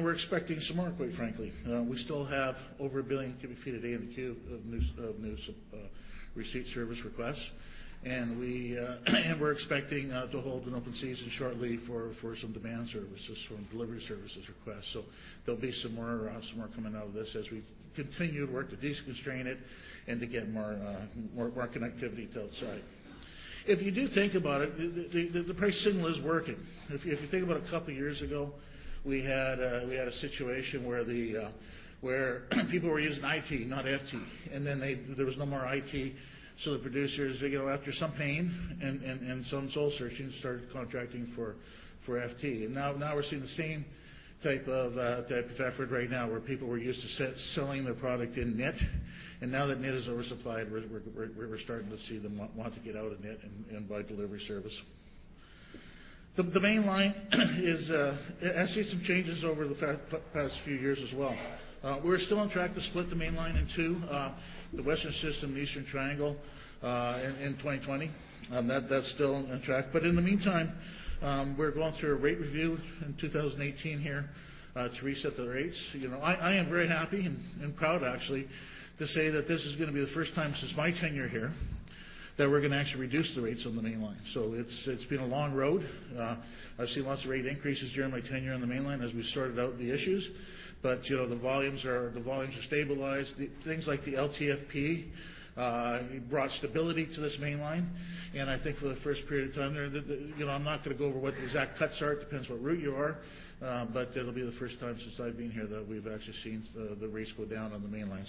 We're expecting some more, quite frankly. We still have over 1 Bcf a day in the queue of new receipt service requests. We are expecting to hold an open season shortly for some demand services, for delivery services requests. There'll be some more coming out of this as we continue to work to de-constrain it and to get more connectivity to outside. If you do think about it, the price signal is working. If you think about a couple of years ago, we had a situation where people were using IT, not FT, and then there was no more IT. The producers, after some pain and some soul-searching, started contracting for FT. Now we're seeing the same type of effort right now, where people were used to selling their product in net, and now that net is oversupplied, we're starting to see them want to get out of net and buy delivery service. The Mainline has seen some changes over the past few years as well. We're still on track to split the Mainline in two, the Western system and the Eastern triangle, in 2020. That's still on track. In the meantime, we're going through a rate review in 2018 here, to reset the rates. I am very happy and proud actually, to say that this is going to be the first time since my tenure here that we're going to actually reduce the rates on the Mainline. It's been a long road. I've seen lots of rate increases during my tenure on the Mainline as we sorted out the issues. The volumes are stabilized. Things like the LTFP brought stability to this Mainline. I think for the first period of time I'm not going to go over what the exact cuts are. It depends what route you are. It'll be the first time since I've been here that we've actually seen the rates go down on the Mainline.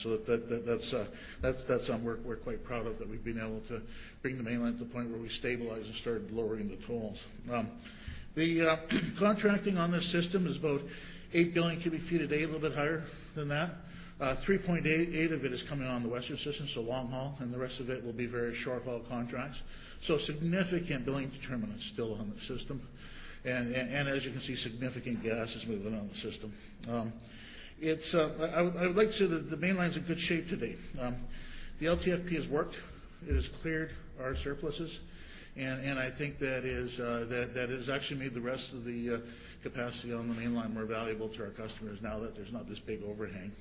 That's something we're quite proud of, that we've been able to bring the Mainline to the point where we stabilized and started lowering the tolls. The contracting on this system is about 8 billion cubic feet a day, a little bit higher than that. 3.8 of it is coming on the Western system, long haul, and the rest of it will be very short-haul contracts. Significant billing determinants still on the system. As you can see, significant gas is moving on the system. I would like to say that the Mainline's in good shape today. The LTFP has worked. It has cleared our surpluses, and I think that has actually made the rest of the capacity on the Mainline more valuable to our customers now that there's not this big overhang.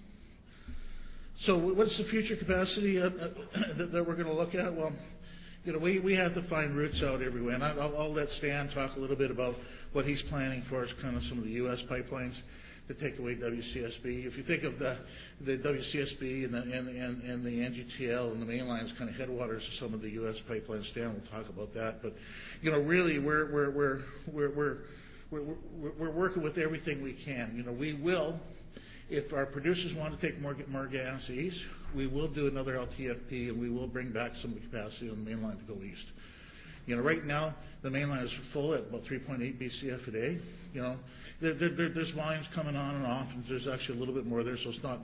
What's the future capacity that we're going to look at? We have to find routes out everywhere, and I'll let Stan talk a little bit about what he's planning for as some of the U.S. pipelines that take away WCSB. If you think of the WCSB and the NGTL and the Mainline's headwaters to some of the U.S. pipelines, Stan will talk about that. Really, we're working with everything we can. If our producers want to take more gas east, we will do another LTFP, and we will bring back some of the capacity on the Mainline to go east. Right now, the Mainline is full at about 3.8 Bcf a day. There's volumes coming on and off, and there's actually a little bit more there, so it's not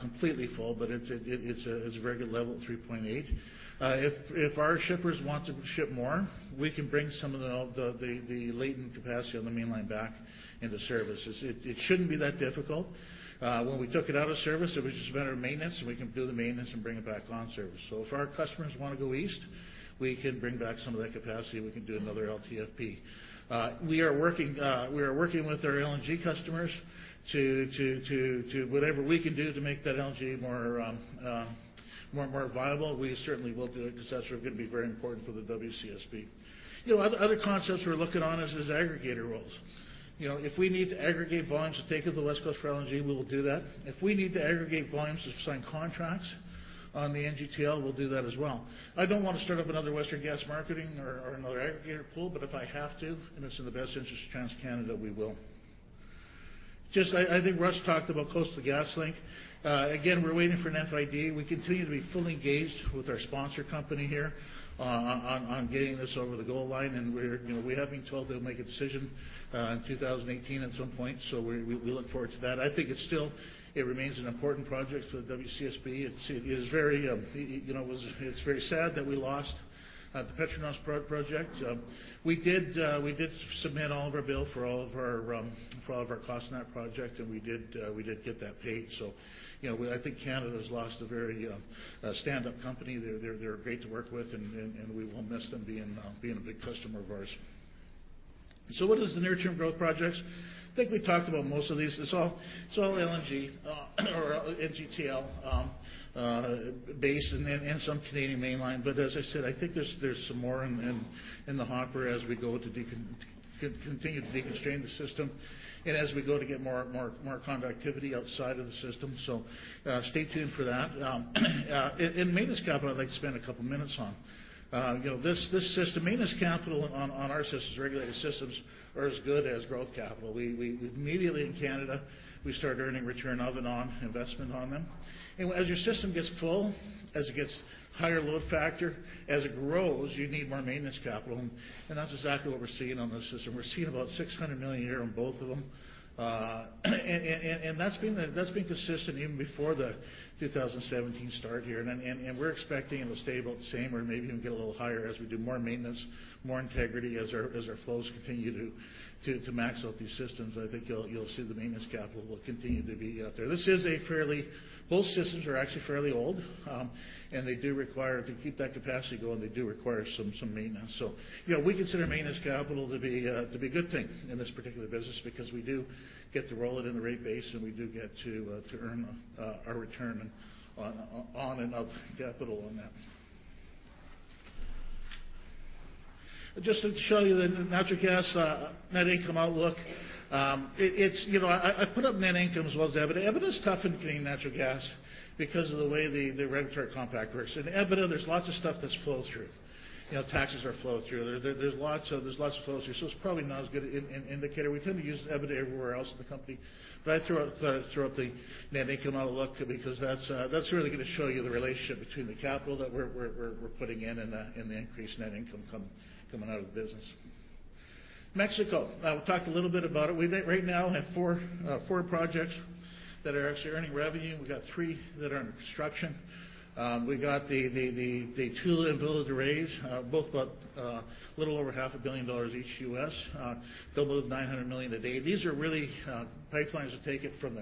completely full, but it's a very good level at 3.8. If our shippers want to ship more, we can bring some of the latent capacity on the Mainline back into services. It shouldn't be that difficult. When we took it out of service, it was just a matter of maintenance, and we can do the maintenance and bring it back on service. If our customers want to go east, we can bring back some of that capacity, and we can do another LTFP. We are working with our LNG customers to do whatever we can do to make that LNG more viable. We certainly will do it because that's going to be very important for the WCSB. Other concepts we're looking on is aggregator roles. If we need to aggregate volumes to take to the West Coast for LNG, we will do that. If we need to aggregate volumes to sign contracts on the NGTL, we'll do that as well. I don't want to start up another Western Gas Marketing or another aggregator pool, but if I have to, and it's in the best interest of TransCanada, we will. I think Russ talked about Coastal GasLink. Again, we're waiting for an FID. We continue to be fully engaged with our sponsor company here on getting this over the goal line, and we have been told they'll make a decision in 2018 at some point, we look forward to that. I think it remains an important project for the WCSB. It's very sad that we lost the Petronas project. We did submit all of our bill for all of our cost on that project, and we did get that paid. I think Canada's lost a very stand-up company. They're great to work with, and we will miss them being a big customer of ours. What is the near-term growth projects? I think we've talked about most of these. It's all LNG, or NGTL base and some Canadian Mainline. As I said, I think there's some more in the hopper as we continue to deconstrain the system and as we go to get more connectivity outside of the system. Stay tuned for that. In maintenance capital, I'd like to spend a couple of minutes on. Maintenance capital on our systems, regulated systems, are as good as growth capital. We immediately, in Canada, we start earning return of and on investment on them. As your system gets full, as it gets higher load factor, as it grows, you need more maintenance capital, and that's exactly what we're seeing on this system. We're seeing about 600 million a year on both of them. That's been consistent even before the 2017 start here, and we're expecting it'll stay about the same or maybe even get a little higher as we do more maintenance, more integrity as our flows continue to max out these systems. I think you'll see the maintenance capital will continue to be out there. Both systems are actually fairly old, they do require, to keep that capacity going, they do require some maintenance. We consider maintenance capital to be a good thing in this particular business because we do get to roll it in the rate base, and we do get to earn our return on and of capital on that. Just to show you the natural gas net income outlook. I put up net income as well as EBITDA. EBITDA is tough in putting natural gas because of the way the regulatory compact works. In EBITDA, there's lots of stuff that's flow through. Taxes are flow through. There's lots of flows through. It's probably not as good an indicator. We tend to use EBITDA everywhere else in the company, but I threw up the net income outlook too, because that's really going to show you the relationship between the capital that we're putting in and the increased net income coming out of the business. Mexico. We talked a little bit about it. We right now have four projects that are actually earning revenue, we've got three that are under construction. We got the Tula and Villa de Reyes both a little over half a billion dollars each USD, they'll move 900 million a day. These are really pipelines that take it from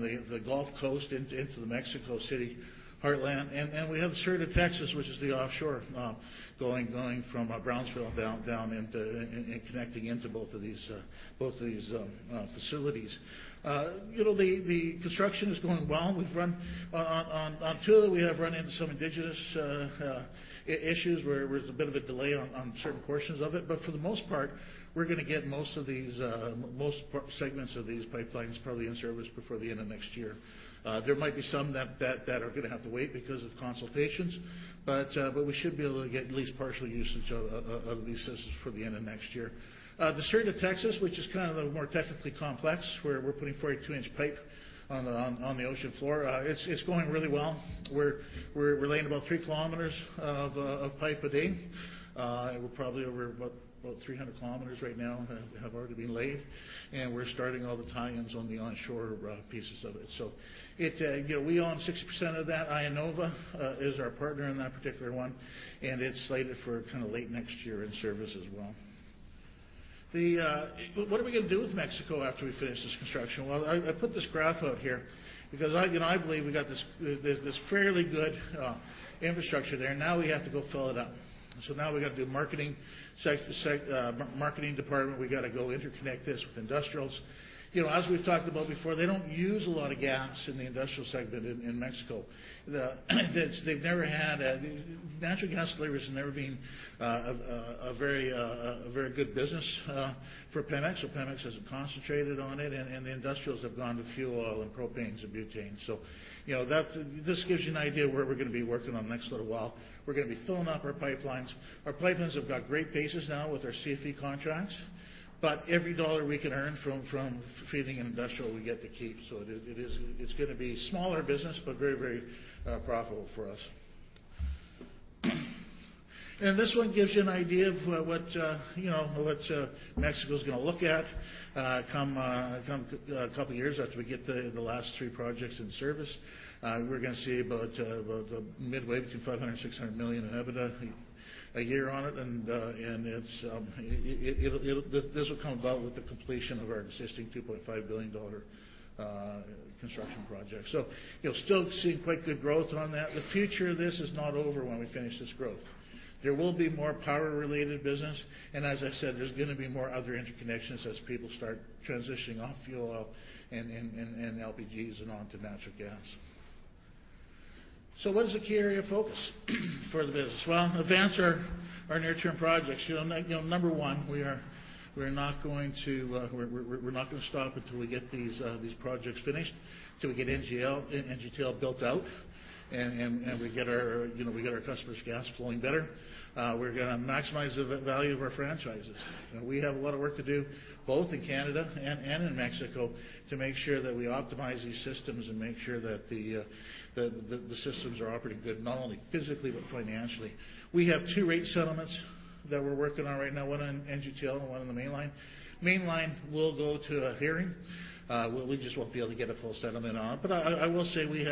the Gulf Coast into the Mexico City heartland. We have Sur de Texas, which is the offshore going from Brownsville down and connecting into both of these facilities. The construction is going well. On Tula, we have run into some indigenous issues where there was a bit of a delay on certain portions of it. For the most part, we're going to get most segments of these pipelines probably in service before the end of next year. There might be some that are going to have to wait because of consultations. We should be able to get at least partial usage of these systems before the end of next year. The Sur de Texas, which is kind of the more technically complex, where we're putting 42-inch pipe on the ocean floor. It's going really well. We're laying about 3 km of pipe a day. We're probably over about 300 km right now have already been laid, and we're starting all the tie-ins on the onshore pieces of it. We own 60% of that. IEnova is our partner in that particular one, and it's slated for late next year in service as well. What are we going to do with Mexico after we finish this construction? Well, I put this graph out here because I believe we've got this fairly good infrastructure there. Now we have to go fill it up. Now we've got to do marketing department. We've got to go interconnect this with industrials. As we've talked about before, they don't use a lot of gas in the industrial segment in Mexico. Natural gas delivery has never been a very good business for Pemex, so Pemex hasn't concentrated on it, and the industrials have gone to fuel oil and propanes and butanes. This gives you an idea of where we're going to be working on the next little while. We're going to be filling up our pipelines. Our pipelines have got great bases now with our CFE contracts. But every dollar we can earn from feeding an industrial, we get to keep. It's going to be smaller business, but very profitable for us. And this one gives you an idea of what Mexico's going to look at come a couple of years after we get the last three projects in service. We're going to see about midway between 500 million and 600 million in EBITDA a year on it, and this will come about with the completion of our existing 2.5 billion dollar construction project. You'll still see quite good growth on that. The future of this is not over when we finish this growth. There will be more power-related business, and as I said, there's going to be more other interconnections as people start transitioning off fuel oil and LPGs and onto natural gas. What is the key area of focus for the business? Well, advance our near-term projects. Number one, we're not going to stop until we get these projects finished, till we get NGTL built out, and we get our customers' gas flowing better. We're going to maximize the value of our franchises. We have a lot of work to do, both in Canada and Mexico, to make sure that we optimize these systems and make sure that the systems are operating good, not only physically but financially. We have two rate settlements that we're working on right now, one on NGTL and one on the Mainline. Mainline will go to a hearing. We just won't be able to get a full settlement on. I will say we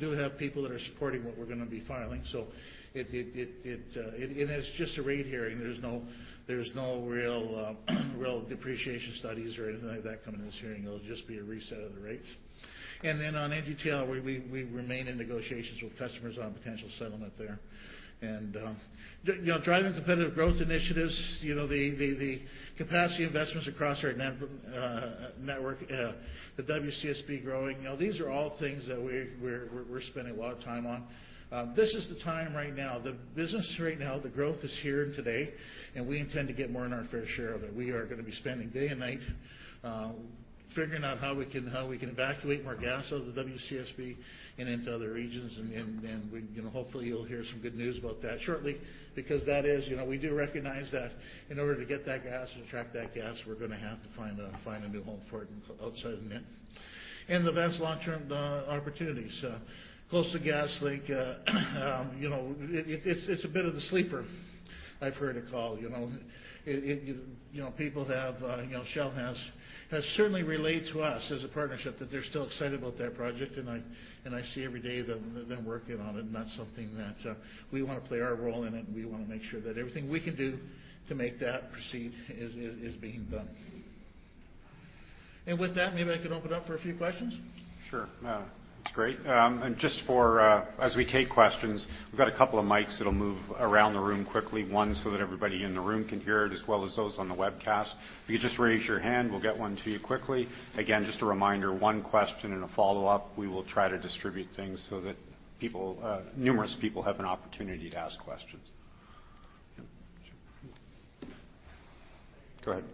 do have people that are supporting what we're going to be filing. So it is just a rate hearing. There's no real depreciation studies or anything like that coming to this hearing. It'll just be a reset of the rates. On NGTL, we remain in negotiations with customers on potential settlement there. Driving competitive growth initiatives, the capacity investments across our network, the WCSB growing, these are all things that we're spending a lot of time on. This is the time right now. The business right now, the growth is here today, and we intend to get more than our fair share of it. We are going to be spending day and night figuring out how we can evacuate more gas out of the WCSB and into other regions, and hopefully, you'll hear some good news about that shortly, because we do recognize that in order to get that gas and trap that gas, we're going to have to find a new home for it outside of NIT Advance long-term opportunities. Coastal GasLink, it's a bit of the sleeper I've heard it called. Shell has certainly relayed to us as a partnership that they're still excited about that project, and I see every day them working on it, and that's something that we want to play our role in it, and we want to make sure that everything we can do to make that proceed is being done. With that, maybe I could open up for a few questions. Sure. That's great. As we take questions, we've got a couple of mics that'll move around the room quickly, one so that everybody in the room can hear it as well as those on the webcast. If you could just raise your hand, we'll get one to you quickly. Again, just a reminder, one question and a follow-up. We will try to distribute things so that numerous people have an opportunity to ask questions. Go ahead.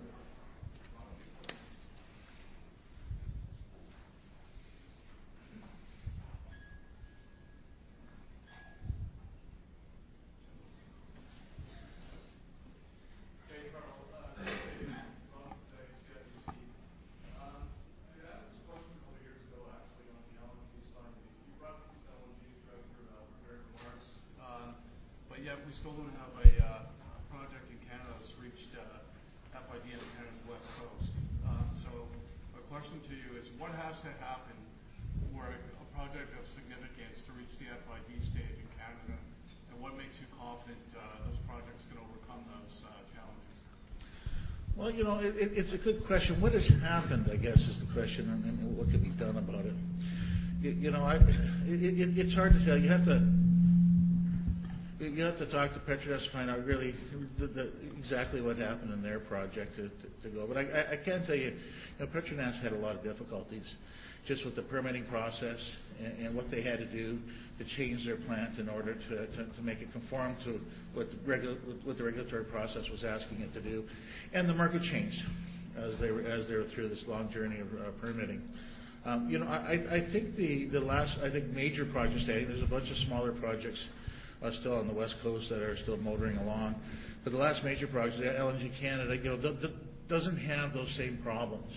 Yet we still don't have a project in Canada that's reached FID on Canada's West Coast. My question to you is, what has to happen for a project of significance to reach the FID stage in Canada? What makes you confident those projects can overcome those challenges? It's a good question. What has happened, I guess, is the question and then what can be done about it. It's hard to say. You have to talk to Petronas to find out really exactly what happened in their project to go. I can tell you, Petronas had a lot of difficulties just with the permitting process and what they had to do to change their plant in order to make it conform to what the regulatory process was asking it to do. The market changed as they were through this long journey of permitting. I think the last major project today, there's a bunch of smaller projects still on the West Coast that are still motoring along. The last major project, LNG Canada, doesn't have those same problems.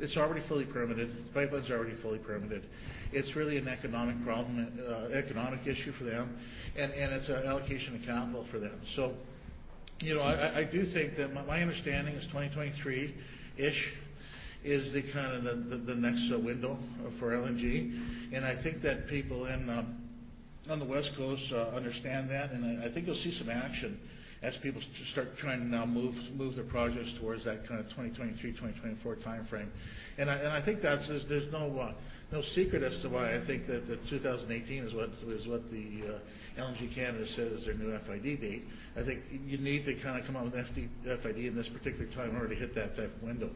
It's already fully permitted. The pipeline's already fully permitted. It's really an economic problem, economic issue for them, and it's an allocation of capital for them. I do think that my understanding is 2023-ish is the next window for LNG, and I think that people on the West Coast understand that, and I think you'll see some action as people start trying to now move their projects towards that kind of 2023, 2024 timeframe. I think that says there's no secret as to why I think that 2018 is what the LNG Canada says their new FID date. I think you need to come out with FID in this particular time in order to hit that type of window.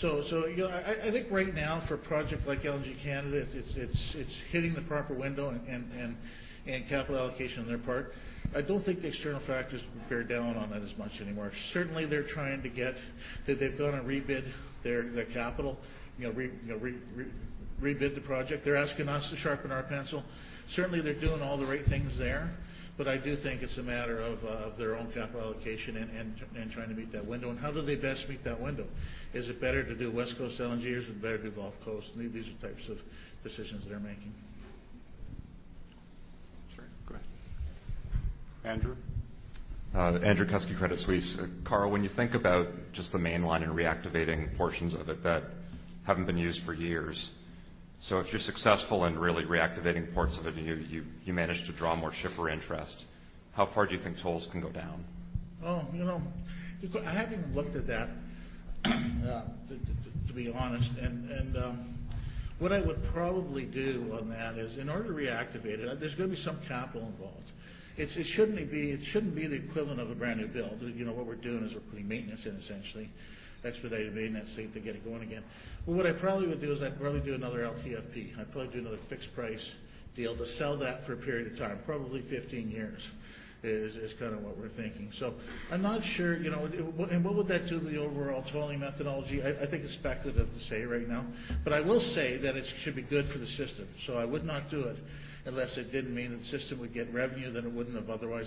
I think right now for a project like LNG Canada, it's hitting the proper window and capital allocation on their part. I don't think the external factors bear down on that as much anymore. Certainly, they're trying to get that they've gone and rebid their capital, rebid the project. They're asking us to sharpen our pencil. Certainly, they're doing all the right things there. I do think it's a matter of their own capital allocation and trying to meet that window. How do they best meet that window? Is it better to do West Coast LNG, or is it better to do Gulf Coast? These are types of decisions they're making. Sure. Go ahead. Andrew? Andrew Kuske, Credit Suisse. Karl, when you think about just the Canadian Mainline and reactivating portions of it that haven't been used for years, if you're successful in really reactivating parts of it and you manage to draw more shipper interest, how far do you think tolls can go down? I haven't looked at that, to be honest. What I would probably do on that is in order to reactivate it, there's going to be some capital involved. It shouldn't be the equivalent of a brand-new build. What we're doing is we're putting maintenance in, essentially, expedited maintenance to get it going again. What I probably would do is I'd probably do another LTFP. I'd probably do another fixed price deal to sell that for a period of time, probably 15 years, is kind of what we're thinking. I'm not sure. What would that do to the overall tolling methodology? I think it's speculative to say right now, but I will say that it should be good for the system. I would not do it unless it didn't mean that the system would get revenue that it wouldn't otherwise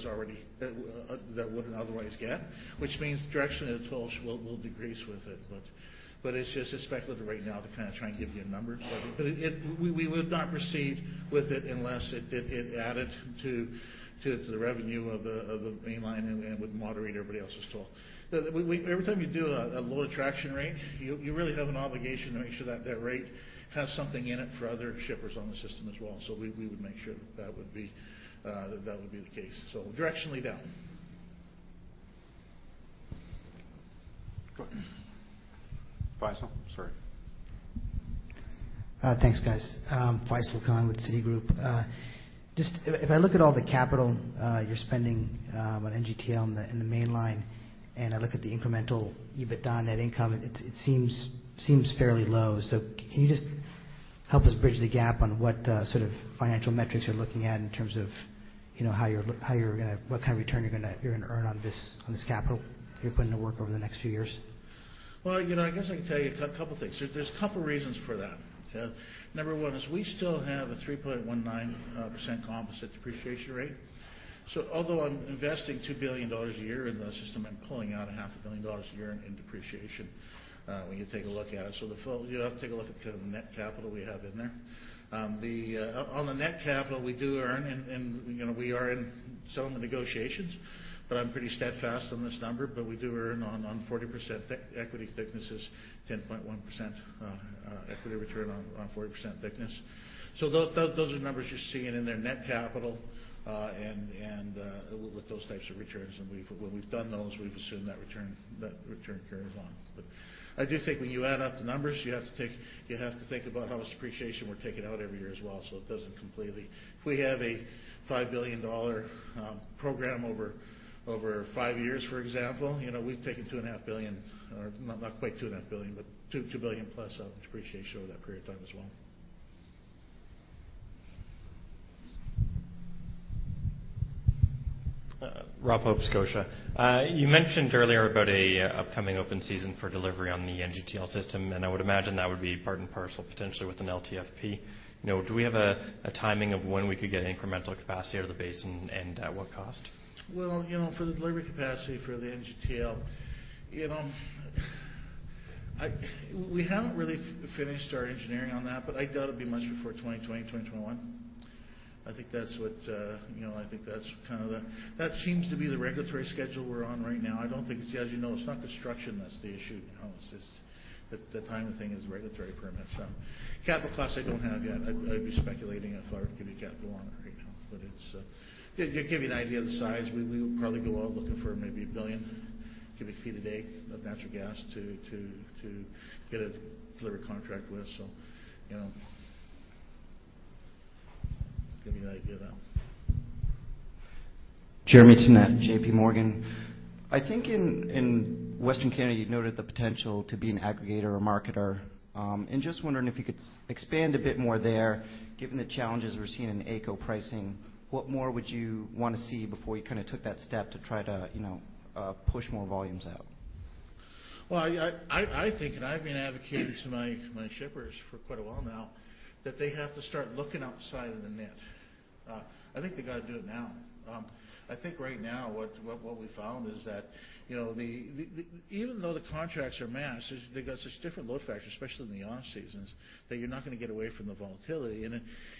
get, which means directionally the tolls will decrease with it. It's just speculative right now to try and give you a number. We would not proceed with it unless it added to the revenue of the Canadian Mainline and would moderate everybody else's toll. Every time you do a load-attraction rate, you really have an obligation to make sure that that rate has something in it for other shippers on the system as well. We would make sure that would be the case, directionally down. Go ahead. Faisel, sorry. Thanks, guys. Faisel Khan with Citigroup. If I look at all the capital you're spending on NGTL and the Canadian Mainline, and I look at the incremental EBITDA net income, it seems fairly low. Can you just help us bridge the gap on what sort of financial metrics you're looking at in terms of what kind of return you're going to earn on this capital that you're putting to work over the next few years? Well, I guess I can tell you a couple things. There's a couple reasons for that. Number one is we still have a 3.19% composite depreciation rate. Although I'm investing 2 billion dollars a year in the system and pulling out half a billion dollars a year in depreciation when you take a look at it. You'll have to take a look at the NIT capital we have in there. On the NIT capital we do earn, and we are in some of the negotiations, but I'm pretty steadfast on this number, but we do earn on 40% equity thicknesses, 10.1% equity return on 40% thickness. Those are numbers you're seeing in their NIT capital, and with those types of returns, and when we've done those, we've assumed that return carries on. I do think when you add up the numbers, you have to think about how much depreciation we're taking out every year as well. If we have a 5 billion dollar program over five years, for example, we've taken two and a half billion, or not quite two and a half billion, but 2 billion plus of depreciation over that period of time as well. Rob Hope, Scotiabank. You mentioned earlier about an upcoming open season for delivery on the NGTL system, and I would imagine that would be part and parcel potentially with an LTFP. Do we have a timing of when we could get incremental capacity out of the basin and at what cost? Well, for the delivery capacity for the NGTL, we haven't really finished our engineering on that, but I doubt it'll be much before 2020, 2021. I think that seems to be the regulatory schedule we're on right now. As you know, it's not construction that's the issue. The time thing is regulatory permits. Capital costs I don't have yet. I'd be speculating if I were to give you capital on it right now. To give you an idea of the size, we would probably go out looking for maybe 1 billion cubic feet a day of natural gas to get a delivery contract with. Give you an idea of that. Jeremy Tonet, J.P. Morgan. I think in Western Canada, you noted the potential to be an aggregator or marketer. Just wondering if you could expand a bit more there, given the challenges we're seeing in AECO pricing. What more would you want to see before you took that step to try to push more volumes out? Well, I think, I've been advocating this to my shippers for quite a while now, that they have to start looking outside of the net. I think they got to do it now. I think right now what we found is that even though the contracts are mass, they've got such different load factors, especially in the off seasons, that you're not going to get away from the volatility.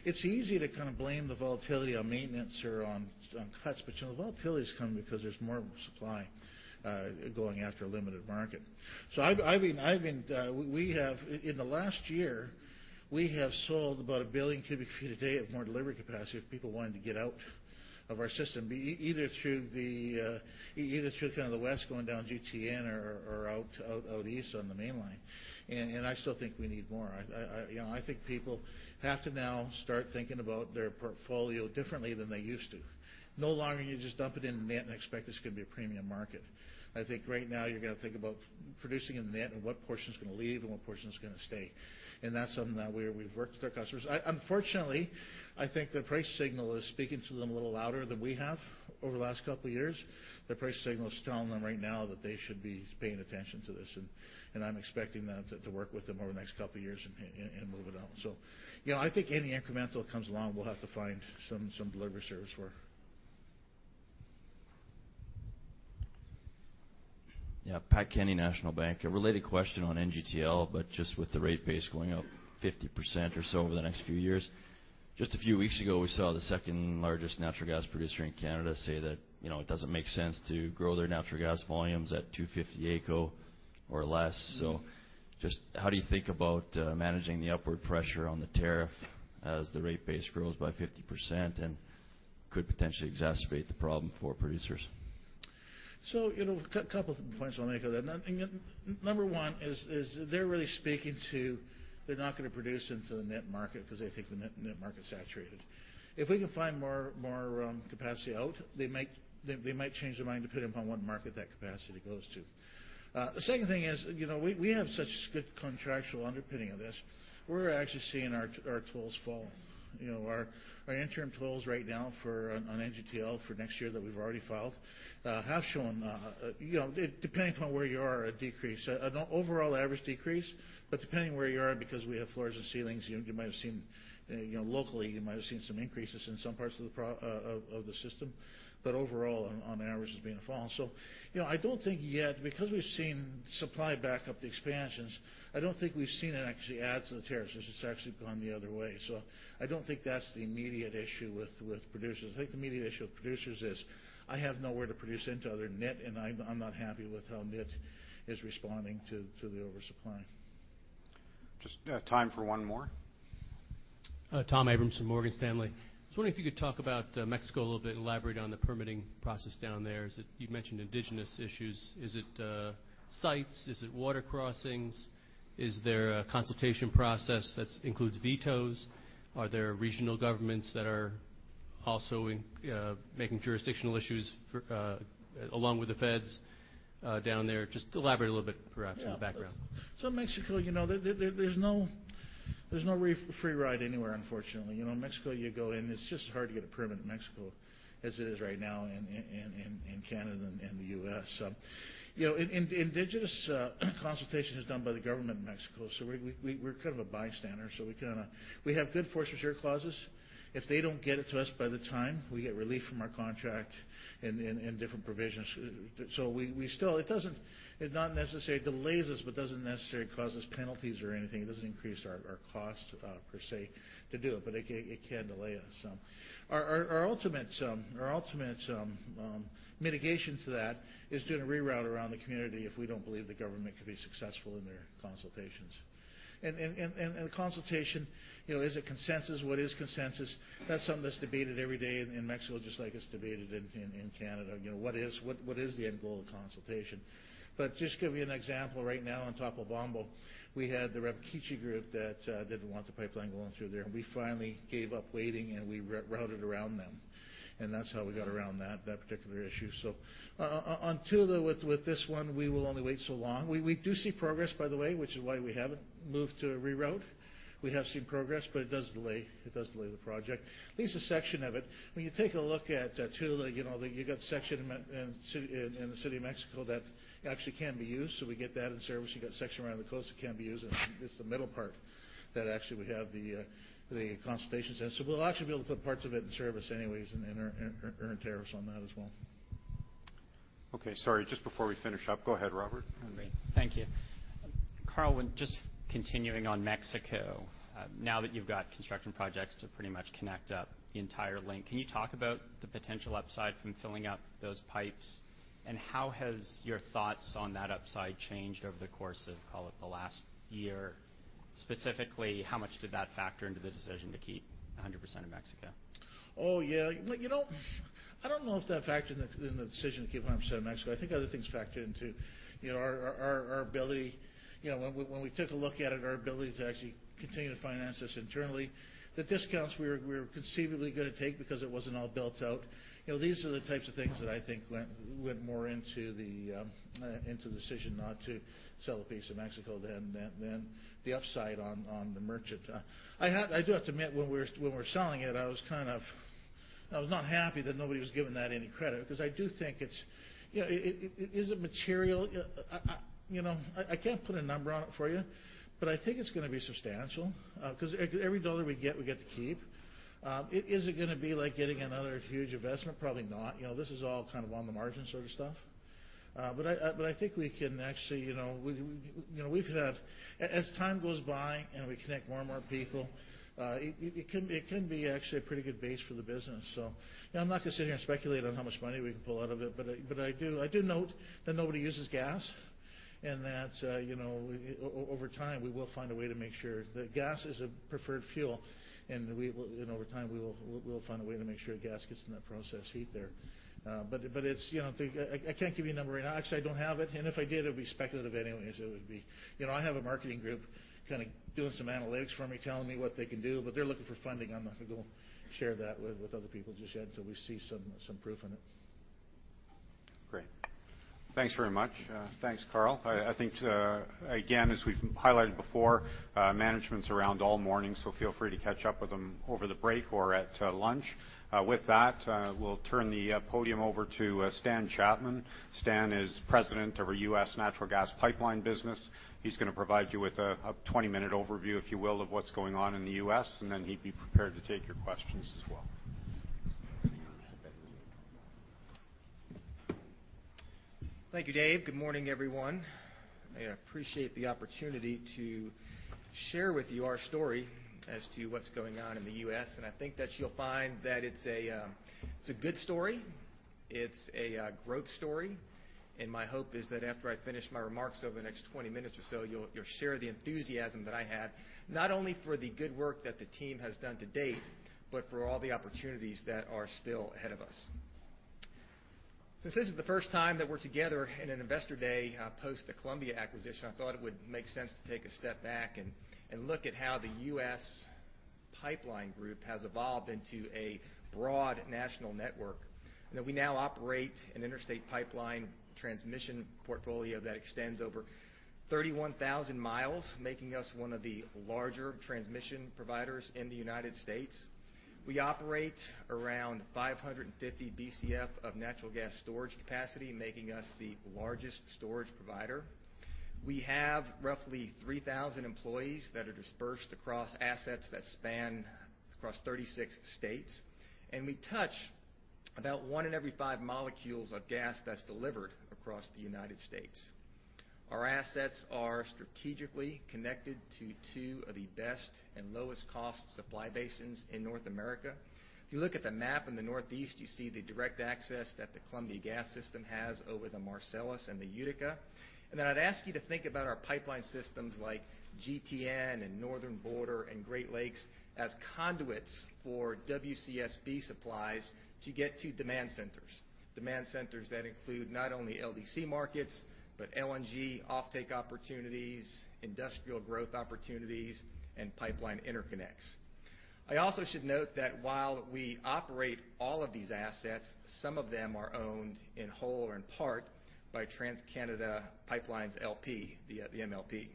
It's easy to blame the volatility on maintenance or on cuts, but the volatility is coming because there's more supply going after a limited market. In the last year, we have sold about 1 billion cubic feet a day of more delivery capacity of people wanting to get out of our system, either through the West going down GTN or out East on the Mainline. I still think we need more. I think people have to now start thinking about their portfolio differently than they used to. No longer can you just dump it in the net and expect it's going to be a premium market. I think right now you're going to think about producing in the net and what portion's going to leave and what portion's going to stay. That's something that we've worked with our customers. Unfortunately, I think the price signal is speaking to them a little louder than we have over the last couple of years. The price signal is telling them right now that they should be paying attention to this, I'm expecting that to work with them over the next couple of years and move it out. I think any incremental that comes along, we'll have to find some delivery service for. Yeah. Pat Kenny, National Bank. A related question on NGTL, just with the rate base going up 50% or so over the next few years. Just a few weeks ago, we saw the second-largest natural gas producer in Canada say that it doesn't make sense to grow their natural gas volumes at 2.50 AECO or less. Just how do you think about managing the upward pressure on the tariff as the rate base grows by 50% and could potentially exacerbate the problem for producers? A couple points I'll make of that. Number one is they're really speaking to, they're not going to produce into the net market because they think the net market's saturated. If we can find more capacity out, they might change their mind depending upon what market that capacity goes to. The second thing is, we have such good contractual underpinning of this. We're actually seeing our tolls fall. Our interim tolls right now on NGTL for next year that we've already filed have shown, depending upon where you are, a decrease. An overall average decrease, but depending on where you are, because we have floors and ceilings, locally, you might have seen some increases in some parts of the system, but overall, on average, it's been a fall. I don't think yet, because we've seen supply back up the expansions, I don't think we've seen it actually add to the tariffs. It's actually gone the other way. I don't think that's the immediate issue with producers. I think the immediate issue with producers is I have nowhere to produce into other net, and I'm not happy with how net is responding to the oversupply. Just time for one more. Tom Abrams from Morgan Stanley. I was wondering if you could talk about Mexico a little bit, elaborate on the permitting process down there, you've mentioned indigenous issues. Is it sites? Is it water crossings? Is there a consultation process that includes vetoes? Are there regional governments that are also making jurisdictional issues along with the feds down there? Just elaborate a little bit perhaps on the background. Mexico, there's no free ride anywhere, unfortunately. Mexico, you go in, it's just as hard to get a permit in Mexico as it is right now in Canada and the U.S. Indigenous consultation is done by the government of Mexico, so we're kind of a bystander. We have good force majeure clauses. If they don't get it to us by the time we get relief from our contract and different provisions. It not necessarily delays us, but doesn't necessarily cause us penalties or anything. It doesn't increase our cost per se to do it, but it can delay us. Our ultimate mitigation to that is doing a reroute around the community if we don't believe the government can be successful in their consultations. The consultation, is it consensus? What is consensus? That's something that's debated every day in Mexico, just like it's debated in Canada. What is the end goal of consultation? Just to give you an example, right now on Topolobampo, we had the Rarámuri group that didn't want the pipeline going through there, we finally gave up waiting, we routed around them. That's how we got around that particular issue. On Tula with this one, we will only wait so long. We do see progress, by the way, which is why we haven't moved to a reroute. We have seen progress, but it does delay the project, at least a section of it. When you take a look at Tula, you've got section in the City of Mexico that actually can be used, so we get that in service. You've got section around the coast that can be used, it's the middle part that actually we have the consultations. We'll actually be able to put parts of it in service anyways and earn tariffs on that as well. Okay. Sorry, just before we finish up. Go ahead, Robert. Great. Thank you. Karl, just continuing on Mexico, now that you've got construction projects to pretty much connect up the entire link, can you talk about the potential upside from filling up those pipes? How has your thoughts on that upside changed over the course of, call it, the last year? Specifically, how much did that factor into the decision to keep 100% in Mexico? Yeah. I don't know if that factored in the decision to keep 100% in Mexico. I think other things factored into our ability. When we took a look at it, our ability to actually continue to finance this internally, the discounts we were conceivably going to take because it wasn't all built out. These are the types of things that I think went more into the decision not to sell a piece of Mexico than the upside on the merchant. I do have to admit, when we were selling it, I was not happy that nobody was giving that any credit because I do think it's Is it material? I can't put a number on it for you, but I think it's going to be substantial. Because every CAD we get, we get to keep. Is it going to be like getting another huge investment? Probably not. This is all on the margin sort of stuff. I think we could have. As time goes by and we connect more and more people, it can be actually a pretty good base for the business. I'm not going to sit here and speculate on how much money we can pull out of it, but I do note that nobody uses gas, and that over time, we will find a way to make sure that gas is a preferred fuel. Over time, we'll find a way to make sure gas gets in that process heat there. I can't give you a number right now because I don't have it, and if I did, it would be speculative anyways. I have a marketing group kind of doing some analytics for me, telling me what they can do. They're looking for funding. I'm not going to go share that with other people just yet until we see some proof in it. Great. Thanks very much. Thanks, Carl. I think, again, as we've highlighted before, management's around all morning. Feel free to catch up with them over the break or at lunch. With that, we'll turn the podium over to Stan Chapman. Stan is President of our U.S. natural gas pipeline business. He's going to provide you with a 20-minute overview, if you will, of what's going on in the U.S. He'd be prepared to take your questions as well. Thank you, Dave. Good morning, everyone. I appreciate the opportunity to share with you our story as to what's going on in the U.S. I think that you'll find that it's a good story. It's a growth story. My hope is that after I finish my remarks over the next 20 minutes or so, you'll share the enthusiasm that I have, not only for the good work that the team has done to date, but for all the opportunities that are still ahead of us. Since this is the first time that we're together in an Investor Day post the Columbia acquisition, I thought it would make sense to take a step back and look at how the U.S. Pipeline group has evolved into a broad national network. We now operate an interstate pipeline transmission portfolio that extends over 31,000 miles, making us one of the larger transmission providers in the United States. We operate around 550 Bcf of natural gas storage capacity, making us the largest storage provider. We have roughly 3,000 employees that are dispersed across assets that span across 36 states. We touch about one in every five molecules of gas that's delivered across the United States. Our assets are strategically connected to two of the best and lowest-cost supply basins in North America. If you look at the map in the Northeast, you see the direct access that the Columbia Gas system has over the Marcellus and the Utica. I'd ask you to think about our pipeline systems like GTN and Northern Border and Great Lakes as conduits for WCSB supplies to get to demand centers. Demand centers that include not only LDC markets, but LNG offtake opportunities, industrial growth opportunities, and pipeline interconnects. I also should note that while we operate all of these assets, some of them are owned in whole or in part by TransCanada PipeLines, LP, the MLP.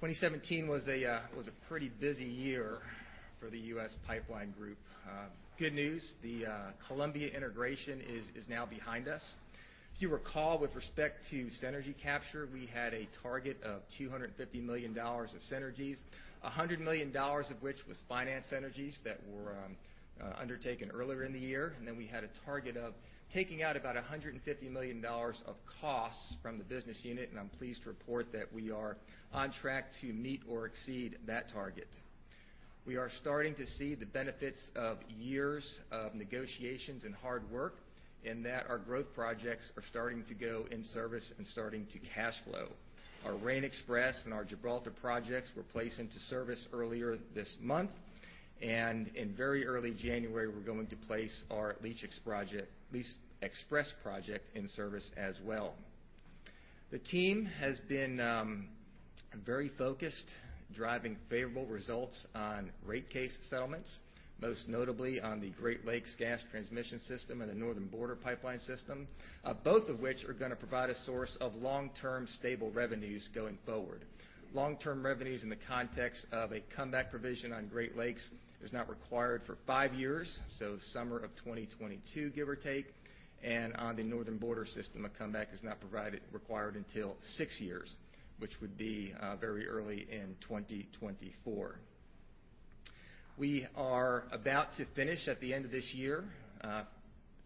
2017 was a pretty busy year for the U.S. Pipeline group. Good news, the Columbia Pipeline Group integration is now behind us. If you recall, with respect to synergy capture, we had a target of 250 million dollars of synergies, 100 million dollars of which was finance synergies that were undertaken earlier in the year. We had a target of taking out about 150 million dollars of costs from the business unit, and I'm pleased to report that we are on track to meet or exceed that target. We are starting to see the benefits of years of negotiations and hard work in that our growth projects are starting to go in service and starting to cash flow. Our Rayne XPress and our Gibraltar projects were placed into service earlier this month, and in very early January, we're going to place our Leach XPress project in service as well. The team has been very focused, driving favorable results on rate case settlements, most notably on the Great Lakes Gas Transmission system and the Northern Border Pipeline system, both of which are going to provide a source of long-term stable revenues going forward. Long-term revenues in the context of a comeback provision on Great Lakes is not required for five years, so summer of 2022, give or take. On the Northern Border system, a comeback is not required until six years, which would be very early in 2024. We are about to finish at the end of this year,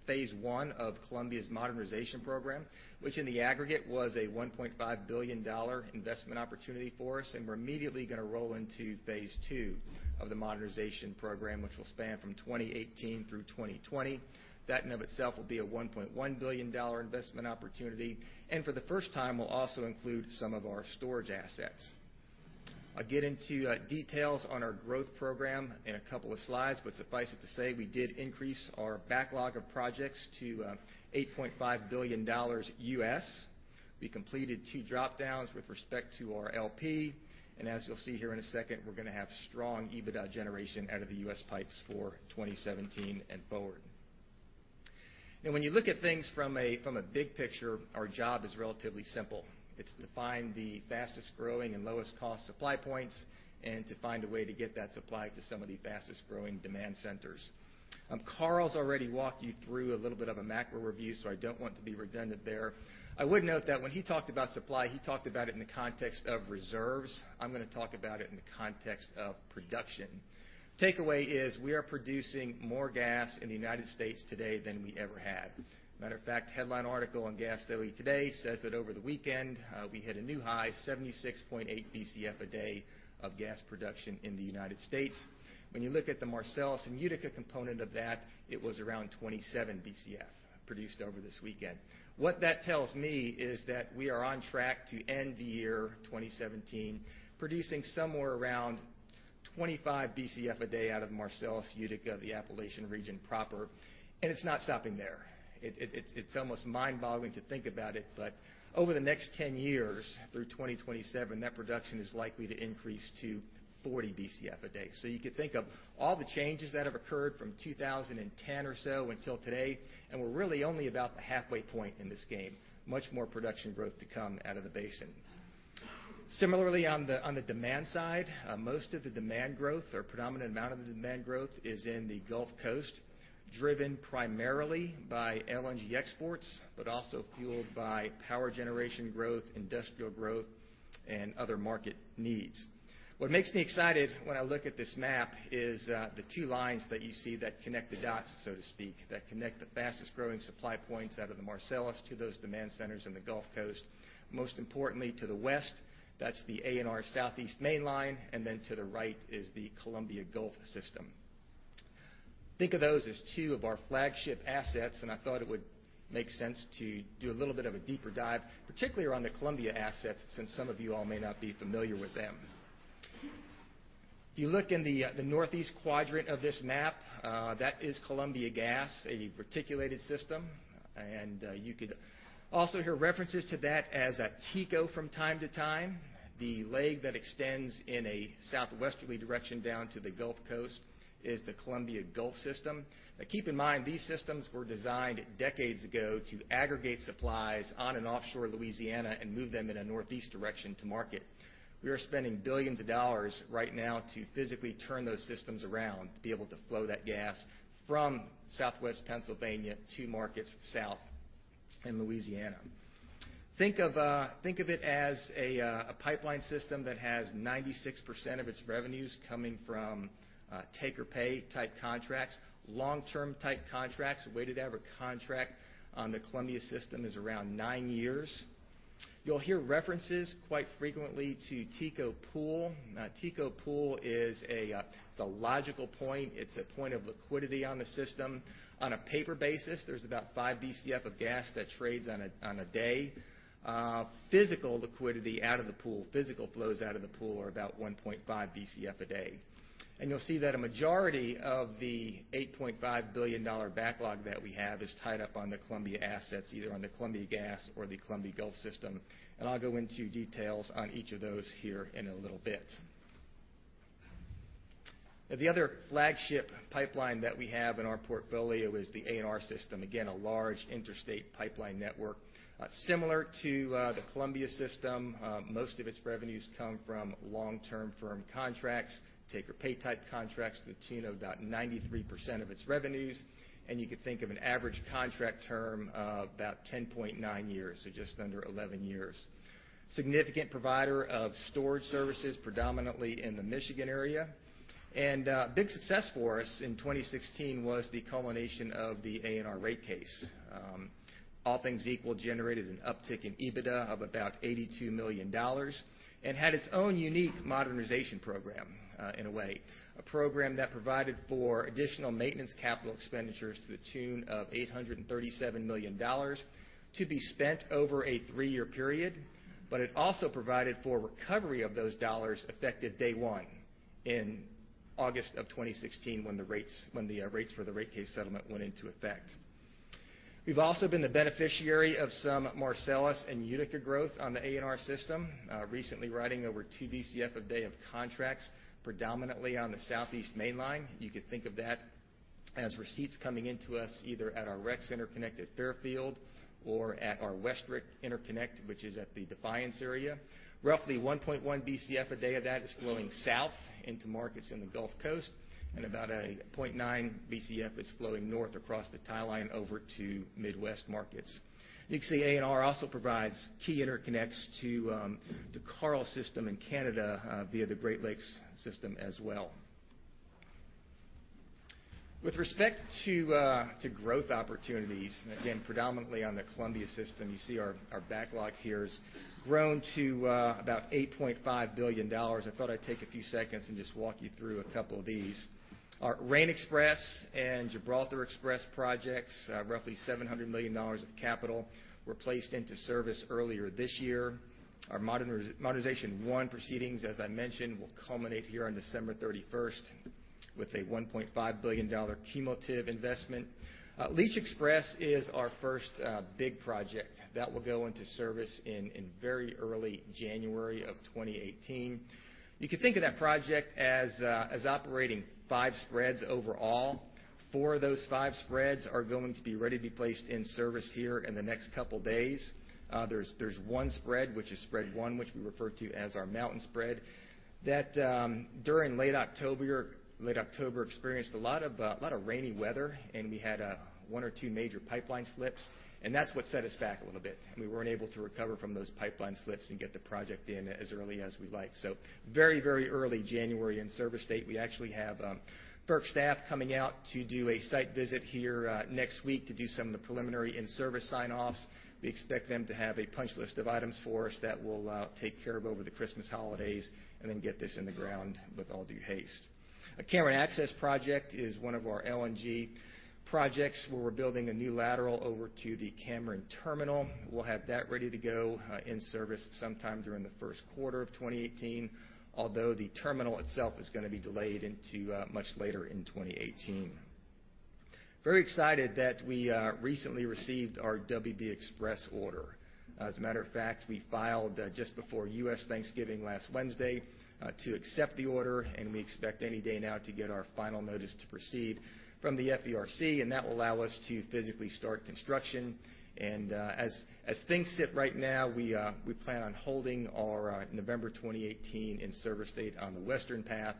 phase 1 of Columbia Gas modernization program, which in the aggregate was a 1.5 billion dollar investment opportunity for us, we're immediately going to roll into phase 2 of the modernization program, which will span from 2018 through 2020. That in of itself will be a 1.1 billion dollar investment opportunity, and for the first time will also include some of our storage assets. I'll get into details on our growth program in a couple of slides, but suffice it to say, we did increase our backlog of projects to $8.5 billion USD. We completed two drop-downs with respect to our LP. As you'll see here in a second, we're going to have strong EBITDA generation out of the U.S. pipes for 2017 and forward. When you look at things from a big picture, our job is relatively simple. It's to find the fastest-growing and lowest cost supply points and to find a way to get that supply to some of the fastest-growing demand centers. Karl's already walked you through a little bit of a macro review, so I don't want to be redundant there. I would note that when he talked about supply, he talked about it in the context of reserves. I'm going to talk about it in the context of production. Takeaway is we are producing more gas in the United States today than we ever have. Matter of fact, headline article on Gas Daily today says that over the weekend, we hit a new high, 76.8 Bcf a day of gas production in the United States. When you look at the Marcellus and Utica component of that, it was around 27 Bcf produced over this weekend. What that tells me is that we are on track to end the year 2017 producing somewhere around 25 Bcf a day out of Marcellus, Utica, the Appalachian region proper, and it's not stopping there. It's almost mind-boggling to think about it, but over the next 10 years through 2027, that production is likely to increase to 40 Bcf a day. You could think of all the changes that have occurred from 2010 or so until today, and we're really only about the halfway point in this game. Much more production growth to come out of the basin. Similarly, on the demand side, most of the demand growth or predominant amount of the demand growth is in the Gulf Coast, driven primarily by LNG exports, but also fueled by power generation growth, industrial growth, and other market needs. What makes me excited when I look at this map is the two lines that you see that connect the dots, so to speak, that connect the fastest-growing supply points out of the Marcellus to those demand centers in the Gulf Coast. Most importantly to the west, that's the ANR Southeast Mainline, and then to the right is the Columbia Gulf system. Think of those as two of our flagship assets, and I thought it would make sense to do a little bit of a deeper dive, particularly around the Columbia assets, since some of you all may not be familiar with them. If you look in the northeast quadrant of this map, that is Columbia Gas, a reticulated system. You could also hear references to that as TICO from time to time. The leg that extends in a southwesterly direction down to the Gulf Coast is the Columbia Gulf system. Keep in mind, these systems were designed decades ago to aggregate supplies on and offshore Louisiana and move them in a northeast direction to market. We are spending billions dollars right now to physically turn those systems around to be able to flow that gas from southwest Pennsylvania to markets south in Louisiana. Think of it as a pipeline system that has 96% of its revenues coming from take or pay type contracts, long-term type contracts. Weighted average contract on the Columbia system is around nine years. You'll hear references quite frequently to TICO Pool. TICO Pool is a logical point. It's a point of liquidity on the system. On a paper basis, there's about 5 Bcf of gas that trades on a day. Physical liquidity out of the pool, physical flows out of the pool are about 1.5 Bcf a day. You'll see that a majority of the 8.5 billion dollar backlog that we have is tied up on the Columbia assets, either on the Columbia Gas or the Columbia Gulf system. I'll go into details on each of those here in a little bit. The other flagship pipeline that we have in our portfolio is the ANR system. Again, a large interstate pipeline network. Similar to the Columbia system, most of its revenues come from long-term firm contracts, take or pay type contracts to the tune of about 93% of its revenues. You could think of an average contract term of about 10.9 years, so just under 11 years. Significant provider of storage services, predominantly in the Michigan area. Big success for us in 2016 was the culmination of the ANR rate case. All things equal generated an uptick in EBITDA of about 82 million dollars, and had its own unique modernization program in a way. A program that provided for additional maintenance capital expenditures to the tune of 837 million dollars to be spent over a 3-year period. It also provided for recovery of those dollars effective day 1 in August 2016 when the rates for the rate case settlement went into effect. We've also been the beneficiary of some Marcellus and Utica growth on the ANR system, recently riding over 2 Bcf a day of contracts, predominantly on the Southeast Mainline. You could think of that as receipts coming into us either at our REC Center connect at Fairfield or at our WestREC interconnect, which is at the Defiance area. Roughly 1.1 Bcf a day of that is flowing south into markets in the Gulf Coast, and about a 0.9 Bcf is flowing north across the tie line over to Midwest markets. You can see ANR also provides key interconnects to Karl's system in Canada via the Great Lakes system as well. With respect to growth opportunities, predominantly on the Columbia system, you see our backlog here has grown to about 8.5 billion dollars. I thought I'd take a few seconds and just walk you through a couple of these. Our Rayne XPress and Gibraltar Express projects, roughly 700 million dollars of capital, were placed into service earlier this year. Our Modernization I proceedings, as I mentioned, will culminate here on December 31st with a 1.5 billion dollar cumulative investment. Leach XPress is our first big project that will go into service in very early January 2018. You can think of that project as operating 5 spreads overall. 4 of those 5 spreads are going to be ready to be placed in service here in the next couple of days. There's 1 spread, which is spread 1, which we refer to as our mountain spread, that during late October experienced a lot of rainy weather, and we had 1 or 2 major pipeline slips, and that's what set us back a little bit. We weren't able to recover from those pipeline slips and get the project in as early as we'd like. Very early January in-service date. We actually have FERC staff coming out to do a site visit here next week to do some of the preliminary in-service sign-offs. We expect them to have a punch list of items for us that we'll take care of over the Christmas holidays and then get this in the ground with all due haste. Cameron Access project is 1 of our LNG projects, where we're building a new lateral over to the Cameron terminal. We'll have that ready to go in service sometime during the first quarter 2018, although the terminal itself is going to be delayed into much later in 2018. Very excited that we recently received our WB XPress order. As a matter of fact, we filed just before U.S. Thanksgiving last Wednesday to accept the order, and we expect any day now to get our final notice to proceed from the FERC, and that will allow us to physically start construction. As things sit right now, we plan on holding our November 2018 in-service date on the Western path.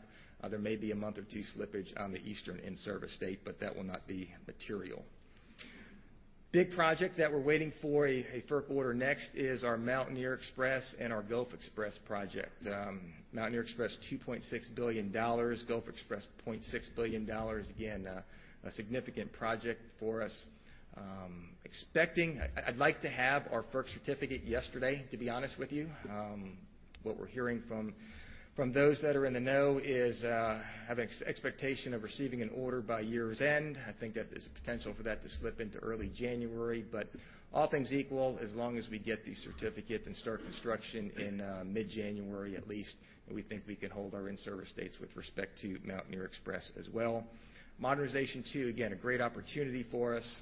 There may be a month or two slippage on the eastern in-service date, but that will not be material. Big project that we're waiting for a FERC order next is our Mountaineer XPress and our Gulf XPress project. Mountaineer XPress, 2.6 billion dollars. Gulf XPress, 0.6 billion dollars. A significant project for us. I'd like to have our FERC certificate yesterday, to be honest with you. What we're hearing from those that are in the know is have an expectation of receiving an order by year's end. I think that there's a potential for that to slip into early January. All things equal, as long as we get the certificate and start construction in mid-January at least, we think we can hold our in-service dates with respect to Mountaineer XPress as well. Modernization II, a great opportunity for us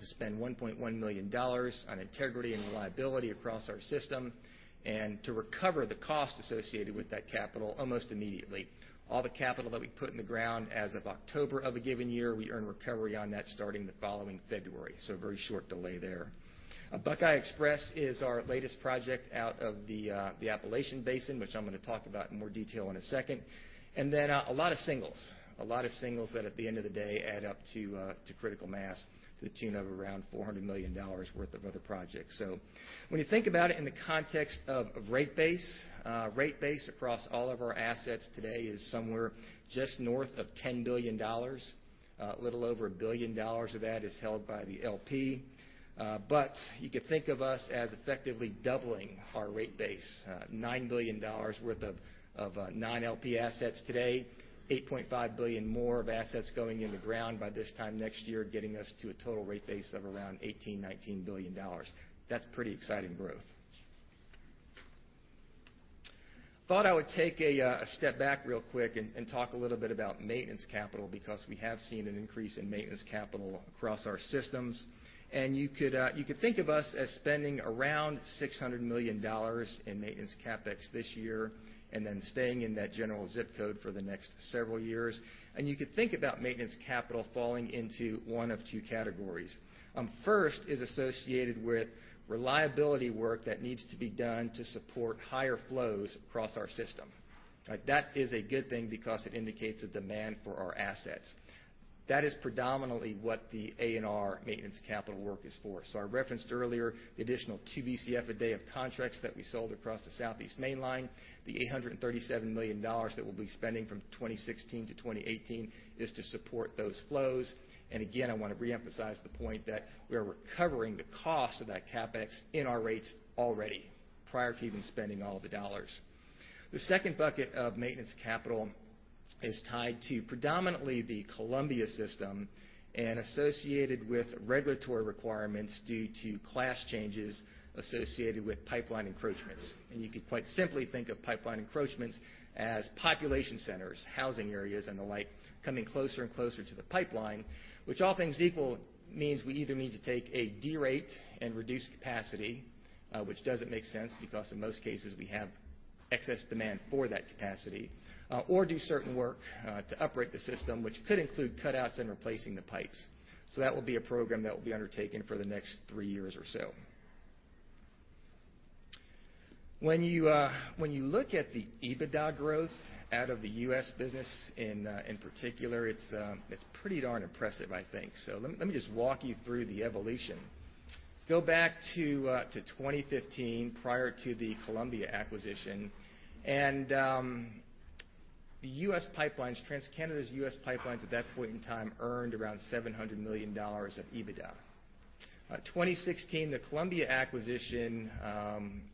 to spend 1.1 billion dollars on integrity and reliability across our system and to recover the cost associated with that capital almost immediately. All the capital that we put in the ground as of October of a given year, we earn recovery on that starting the following February, so very short delay there. Buckeye XPress is our latest project out of the Appalachian Basin, which I'm going to talk about in more detail in a second. A lot of singles. A lot of singles that at the end of the day add up to critical mass to the tune of around 400 million dollars worth of other projects. When you think about it in the context of rate base, rate base across all of our assets today is somewhere just north of 10 billion dollars. A little over 1 billion dollars of that is held by the LP. You could think of us as effectively doubling our rate base. 9 billion dollars worth of non-LP assets today, 8.5 billion more of assets going in the ground by this time next year, getting us to a total rate base of around 18 billion, 19 billion dollars. That's pretty exciting growth. I thought I would take a step back real quick and talk a little bit about maintenance capital because we have seen an increase in maintenance capital across our systems. You could think of us as spending around 600 million dollars in maintenance CapEx this year and then staying in that general zip code for the next several years. You could think about maintenance capital falling into one of two categories. First is associated with reliability work that needs to be done to support higher flows across our system. That is a good thing because it indicates a demand for our assets. That is predominantly what the ANR maintenance capital work is for. I referenced earlier the additional two Bcf a day of contracts that we sold across the Southeast Mainline. The 837 million dollars that we'll be spending from 2016 to 2018 is to support those flows. I want to reemphasize the point that we are recovering the cost of that CapEx in our rates already, prior to even spending all of the dollars. The second bucket of maintenance capital is tied to predominantly the Columbia system and associated with regulatory requirements due to class changes associated with pipeline encroachments. You could quite simply think of pipeline encroachments as population centers, housing areas, and the like, coming closer and closer to the pipeline, which all things equal means we either need to take a D rate and reduce capacity, which doesn't make sense because in most cases, we have excess demand for that capacity, or do certain work to upright the system, which could include cutouts and replacing the pipes. That will be a program that will be undertaken for the next three years or so. When you look at the EBITDA growth out of the U.S. business in particular, it's pretty darn impressive, I think. Let me just walk you through the evolution. Go back to 2015, prior to the Columbia acquisition, and TransCanada's U.S. pipelines at that point in time earned around $700 million of EBITDA. 2016, the Columbia acquisition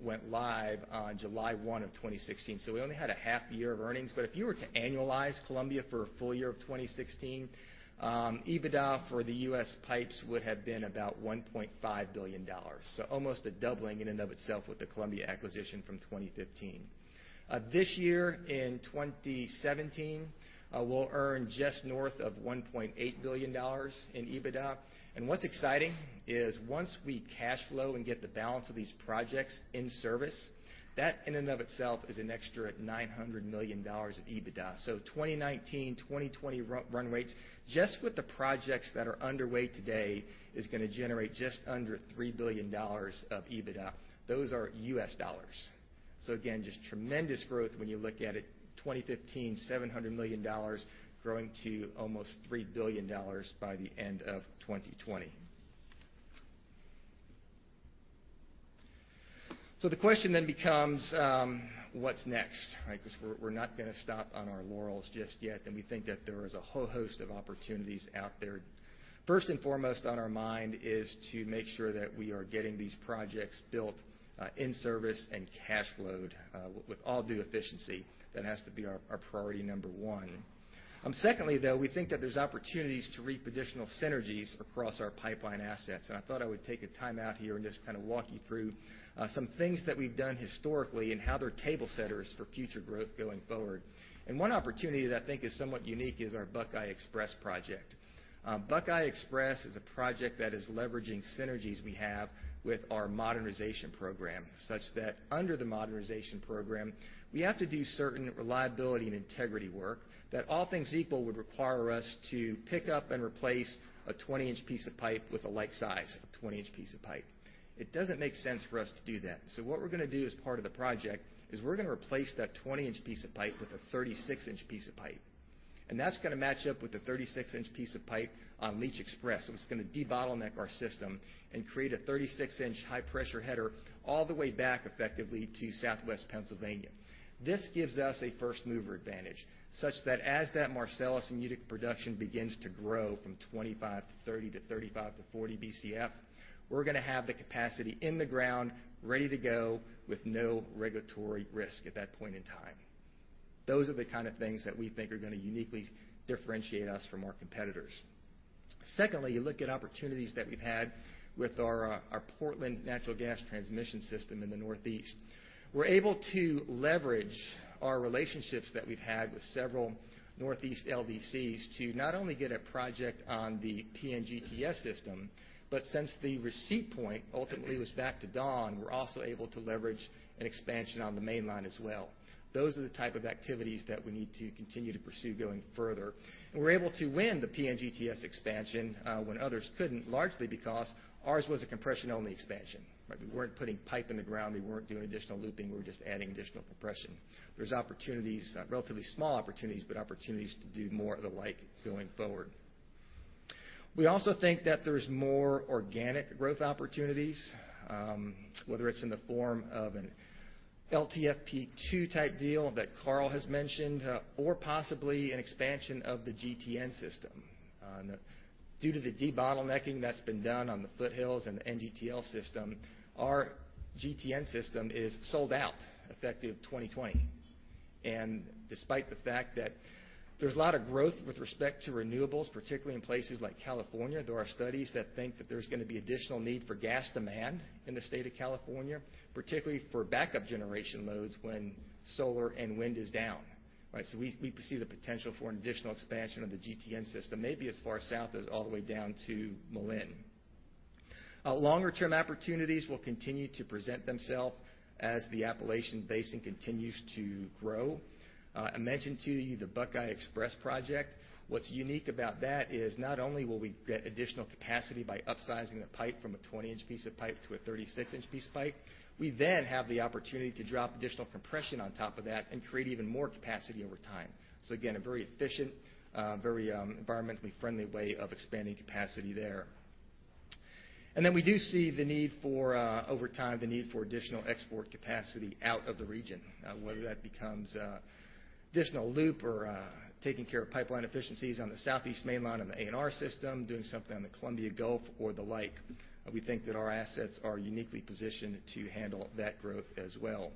went live on July 1 of 2016, we only had a half year of earnings. If you were to annualize Columbia for a full year of 2016, EBITDA for the U.S. pipes would have been about $1.5 billion. Almost a doubling in and of itself with the Columbia acquisition from 2015. This year, in 2017, we'll earn just north of $1.8 billion in EBITDA. What's exciting is once we cash flow and get the balance of these projects in service, that in and of itself is an extra at $900 million of EBITDA. 2019, 2020 run rates, just with the projects that are underway today, is going to generate just under $3 billion of EBITDA. Those are U.S. dollars. Again, just tremendous growth when you look at it. 2015, $700 million growing to almost $3 billion by the end of 2020. The question then becomes, what's next, right? We're not going to stop on our laurels just yet, and we think that there is a whole host of opportunities out there. First and foremost on our mind is to make sure that we are getting these projects built in service and cash flowed with all due efficiency. That has to be our priority number 1. Secondly, though, we think that there's opportunities to reap additional synergies across our pipeline assets. I thought I would take a time out here and just kind of walk you through some things that we've done historically and how they're table setters for future growth going forward. One opportunity that I think is somewhat unique is our Buckeye XPress project. Buckeye XPress is a project that is leveraging synergies we have with our modernization program, such that under the modernization program, we have to do certain reliability and integrity work that all things equal would require us to pick up and replace a 20-inch piece of pipe with a like size of 20-inch piece of pipe. It doesn't make sense for us to do that. What we're going to do as part of the project is we're going to replace that 20-inch piece of pipe with a 36-inch piece of pipe. That's going to match up with the 36-inch piece of pipe on Leach XPress, and it's going to debottleneck our system and create a 36-inch high-pressure header all the way back effectively to Southwest Pennsylvania. This gives us a first-mover advantage such that as that Marcellus and Utica production begins to grow from 25 to 30 to 35 to 40 Bcf, we're going to have the capacity in the ground ready to go with no regulatory risk at that point in time. Those are the kind of things that we think are going to uniquely differentiate us from our competitors. Secondly, you look at opportunities that we've had with our Portland Natural Gas Transmission System in the Northeast. We're able to leverage our relationships that we've had with several Northeast LDCs to not only get a project on the PN GTS system, but since the receipt point ultimately was back to Dawn, we're also able to leverage an expansion on the Mainline as well. Those are the type of activities that we need to continue to pursue going further. We were able to win the PN GTS expansion when others couldn't, largely because ours was a compression-only expansion, right? We weren't putting pipe in the ground. We weren't doing additional looping. We were just adding additional compression. There's opportunities, relatively small opportunities, but opportunities to do more of the like going forward. We also think that there's more organic growth opportunities, whether it's in the form of an LTFP2-type deal that Karl has mentioned or possibly an expansion of the GTN system. Due to the debottlenecking that's been done on the Foothills and the NGTL system, our GTN system is sold out effective 2020. Despite the fact that there's a lot of growth with respect to renewables, particularly in places like California, there are studies that think that there's going to be additional need for gas demand in the state of California, particularly for backup generation loads when solar and wind is down, right? We foresee the potential for an additional expansion of the GTN system, maybe as far south as all the way down to Malin. Longer-term opportunities will continue to present themselves as the Appalachian Basin continues to grow. I mentioned to you the Buckeye XPress project. What's unique about that is not only will we get additional capacity by upsizing the pipe from a 20-inch piece of pipe to a 36-inch piece of pipe, we then have the opportunity to drop additional compression on top of that and create even more capacity over time. Again, a very efficient, very environmentally friendly way of expanding capacity there. We do see the need for over time, the need for additional export capacity out of the region, whether that becomes additional loop or taking care of pipeline efficiencies on the Southeast Mainline of the ANR system, doing something on the Columbia Gulf or the like. We think that our assets are uniquely positioned to handle that growth as well.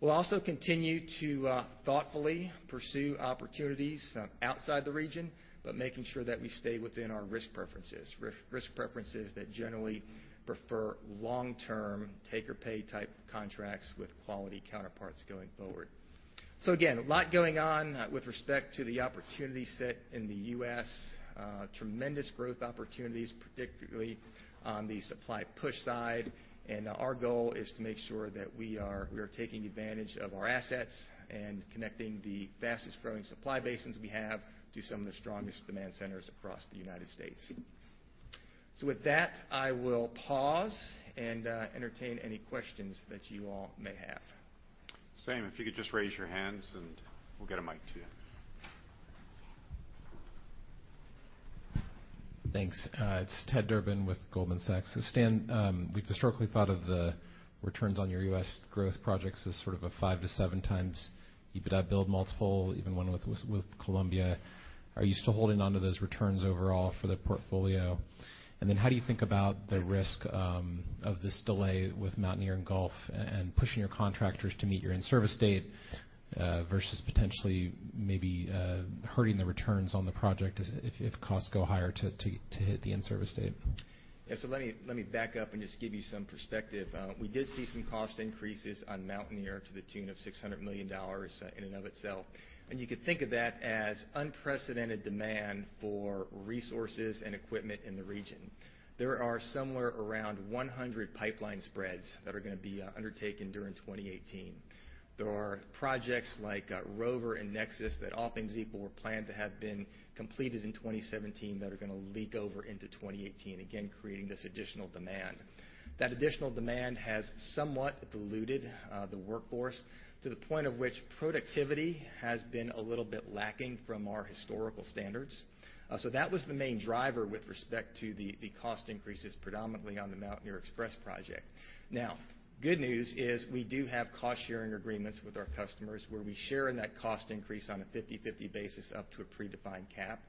We'll also continue to thoughtfully pursue opportunities outside the region, but making sure that we stay within our risk preferences. Risk preferences that generally prefer long-term take or pay type contracts with quality counterparts going forward. Again, a lot going on with respect to the opportunity set in the U.S. Tremendous growth opportunities, particularly on the supply push side. Our goal is to make sure that we are taking advantage of our assets and connecting the fastest-growing supply basins we have to some of the strongest demand centers across the U.S. With that, I will pause and entertain any questions that you all may have. Thanks. Stan, if you could just raise your hands and we'll get a mic to you. Thanks. It's Ted Durbin with Goldman Sachs. Stan, we've historically thought of the returns on your U.S. growth projects as sort of a five to seven times EBITDA build multiple, even one with Columbia. Are you still holding onto those returns overall for the portfolio? How do you think about the risk of this delay with Mountaineer in Gulf, and pushing your contractors to meet your in-service date, versus potentially maybe hurting the returns on the project if costs go higher to hit the in-service date? Yeah. Let me back up and just give you some perspective. We did see some cost increases on Mountaineer to the tune of 600 million dollars in and of itself. You could think of that as unprecedented demand for resources and equipment in the region. There are somewhere around 100 pipeline spreads that are going to be undertaken during 2018. There are projects like Rover and Nexus that all things equal, were planned to have been completed in 2017 that are going to leak over into 2018, again, creating this additional demand. That additional demand has somewhat diluted the workforce to the point of which productivity has been a little bit lacking from our historical standards. That was the main driver with respect to the cost increases predominantly on the Mountaineer XPress project. Good news is we do have cost-sharing agreements with our customers where we share in that cost increase on a 50/50 basis up to a predefined cap.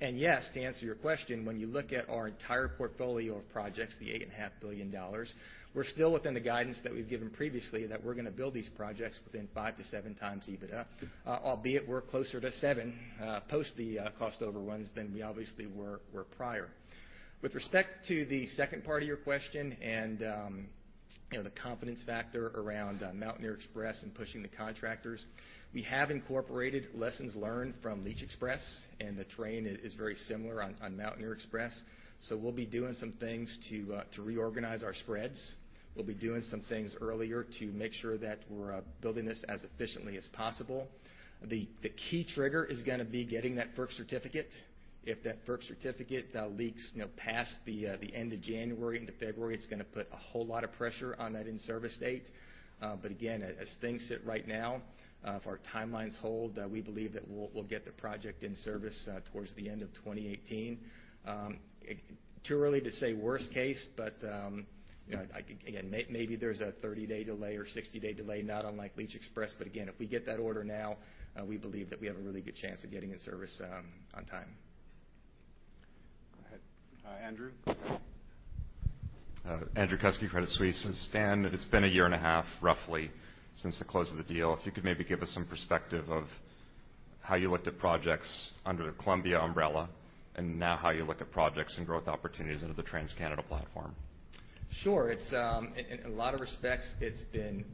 Yes, to answer your question, when you look at our entire portfolio of projects, the 8.5 billion dollars, we're still within the guidance that we've given previously that we're going to build these projects within 5 to 7 times EBITDA. Albeit we're closer to 7 post the cost overruns than we obviously were prior. With respect to the second part of your question and the confidence factor around Mountaineer XPress and pushing the contractors, we have incorporated lessons learned from Leach XPress, and the terrain is very similar on Mountaineer XPress. We'll be doing some things to reorganize our spreads. We'll be doing some things earlier to make sure that we're building this as efficiently as possible. The key trigger is going to be getting that FERC certificate. If that FERC certificate leaks past the end of January into February, it's going to put a whole lot of pressure on that in-service date. Again, as things sit right now, if our timelines hold, we believe that we'll get the project in service towards the end of 2018. Too early to say worst case, but again, maybe there's a 30-day delay or 60-day delay, not unlike Leach XPress, but again, if we get that order now, we believe that we have a really good chance of getting it serviced on time. Go ahead, Andrew. Andrew Kuske, Credit Suisse. Stan, it's been a year and a half, roughly, since the close of the deal. If you could maybe give us some perspective of how you looked at projects under the Columbia umbrella, and now how you look at projects and growth opportunities under the TransCanada platform. Sure. In a lot of respects, it's been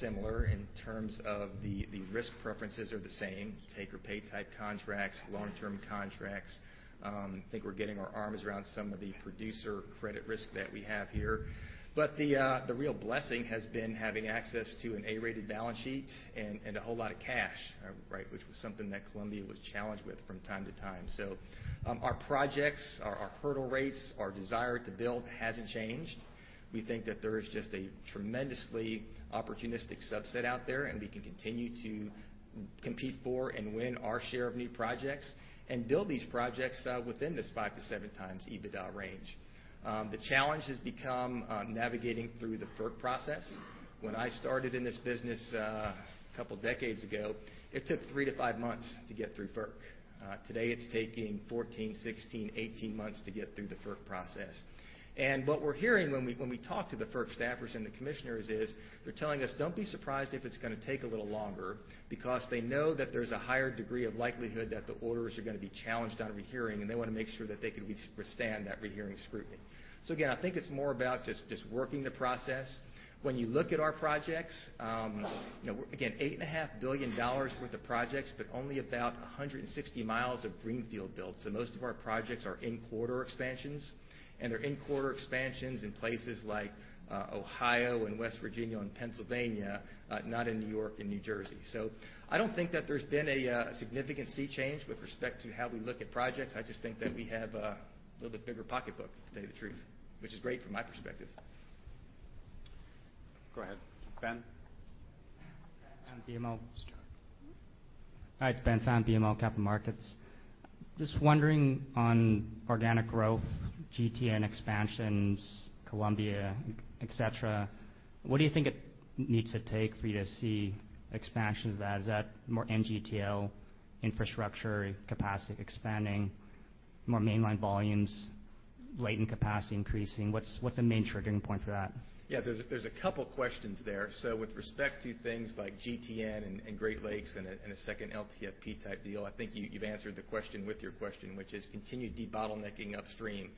similar in terms of the risk preferences are the same. Take or pay type contracts, long-term contracts. I think we're getting our arms around some of the producer credit risk that we have here. The real blessing has been having access to an A-rated balance sheet and a whole lot of cash. Right. Which was something that Columbia was challenged with from time to time. Our projects, our hurdle rates, our desire to build hasn't changed. We think that there is just a tremendously opportunistic subset out there, and we can continue to compete for and win our share of new projects and build these projects within this 5 to 7 times EBITDA range. The challenge has become navigating through the FERC process. When I started in this business a couple of decades ago, it took 3 to 5 months to get through FERC. Today, it's taking 14, 16, 18 months to get through the FERC process. What we're hearing when we talk to the FERC staffers and the commissioners is they're telling us, "Don't be surprised if it's going to take a little longer." Because they know that there's a higher degree of likelihood that the orders are going to be challenged on rehearing, and they want to make sure that they could withstand that rehearing scrutiny. Again, I think it's more about just working the process. When you look at our projects, again, 8.5 billion dollars worth of projects, but only about 160 miles of greenfield builds. Most of our projects are in-quarter expansions. They're in-quarter expansions in places like Ohio and West Virginia and Pennsylvania, not in New York and New Jersey. I don't think that there's been a significant sea change with respect to how we look at projects. I just think that we have a little bit bigger pocketbook to tell you the truth, which is great from my perspective. Go ahead, Ben. Hi, it's Ben Pham, BMO Capital Markets. Just wondering on organic growth, GTN expansions, Columbia, et cetera, what do you think it needs to take for you to see expansions of that? Is that more NGTL infrastructure capacity expanding, more mainline volumes, latent capacity increasing? What's the main triggering point for that? There's a couple questions there. With respect to things like GTN and Great Lakes and a second LTFP type deal, I think you've answered the question with your question, which is continue debottlenecking upstream.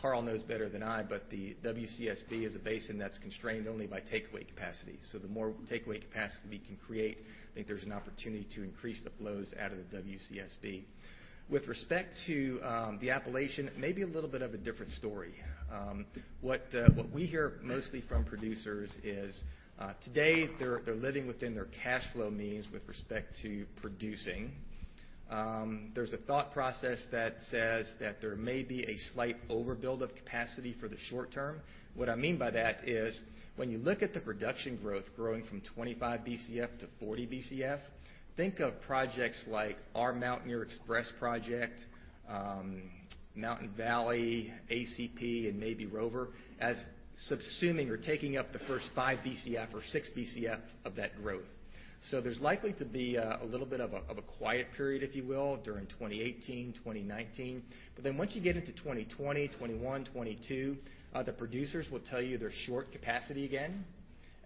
Karl knows better than I, the WCSB is a basin that's constrained only by takeaway capacity. The more takeaway capacity we can create I think there's an opportunity to increase the flows out of the WCSB. With respect to the Appalachian, maybe a little bit of a different story. What we hear mostly from producers is, today they're living within their cash flow means with respect to producing. There's a thought process that says that there may be a slight overbuild of capacity for the short term. When you look at the production growth growing from 25 Bcf to 40 Bcf, think of projects like our Mountaineer XPress project, Mountain Valley, ACP, and maybe Rover as subsuming or taking up the first five Bcf or six Bcf of that growth. There's likely to be a little bit of a quiet period, if you will, during 2018, 2019, once you get into 2020, 2021, 2022, the producers will tell you they're short capacity again.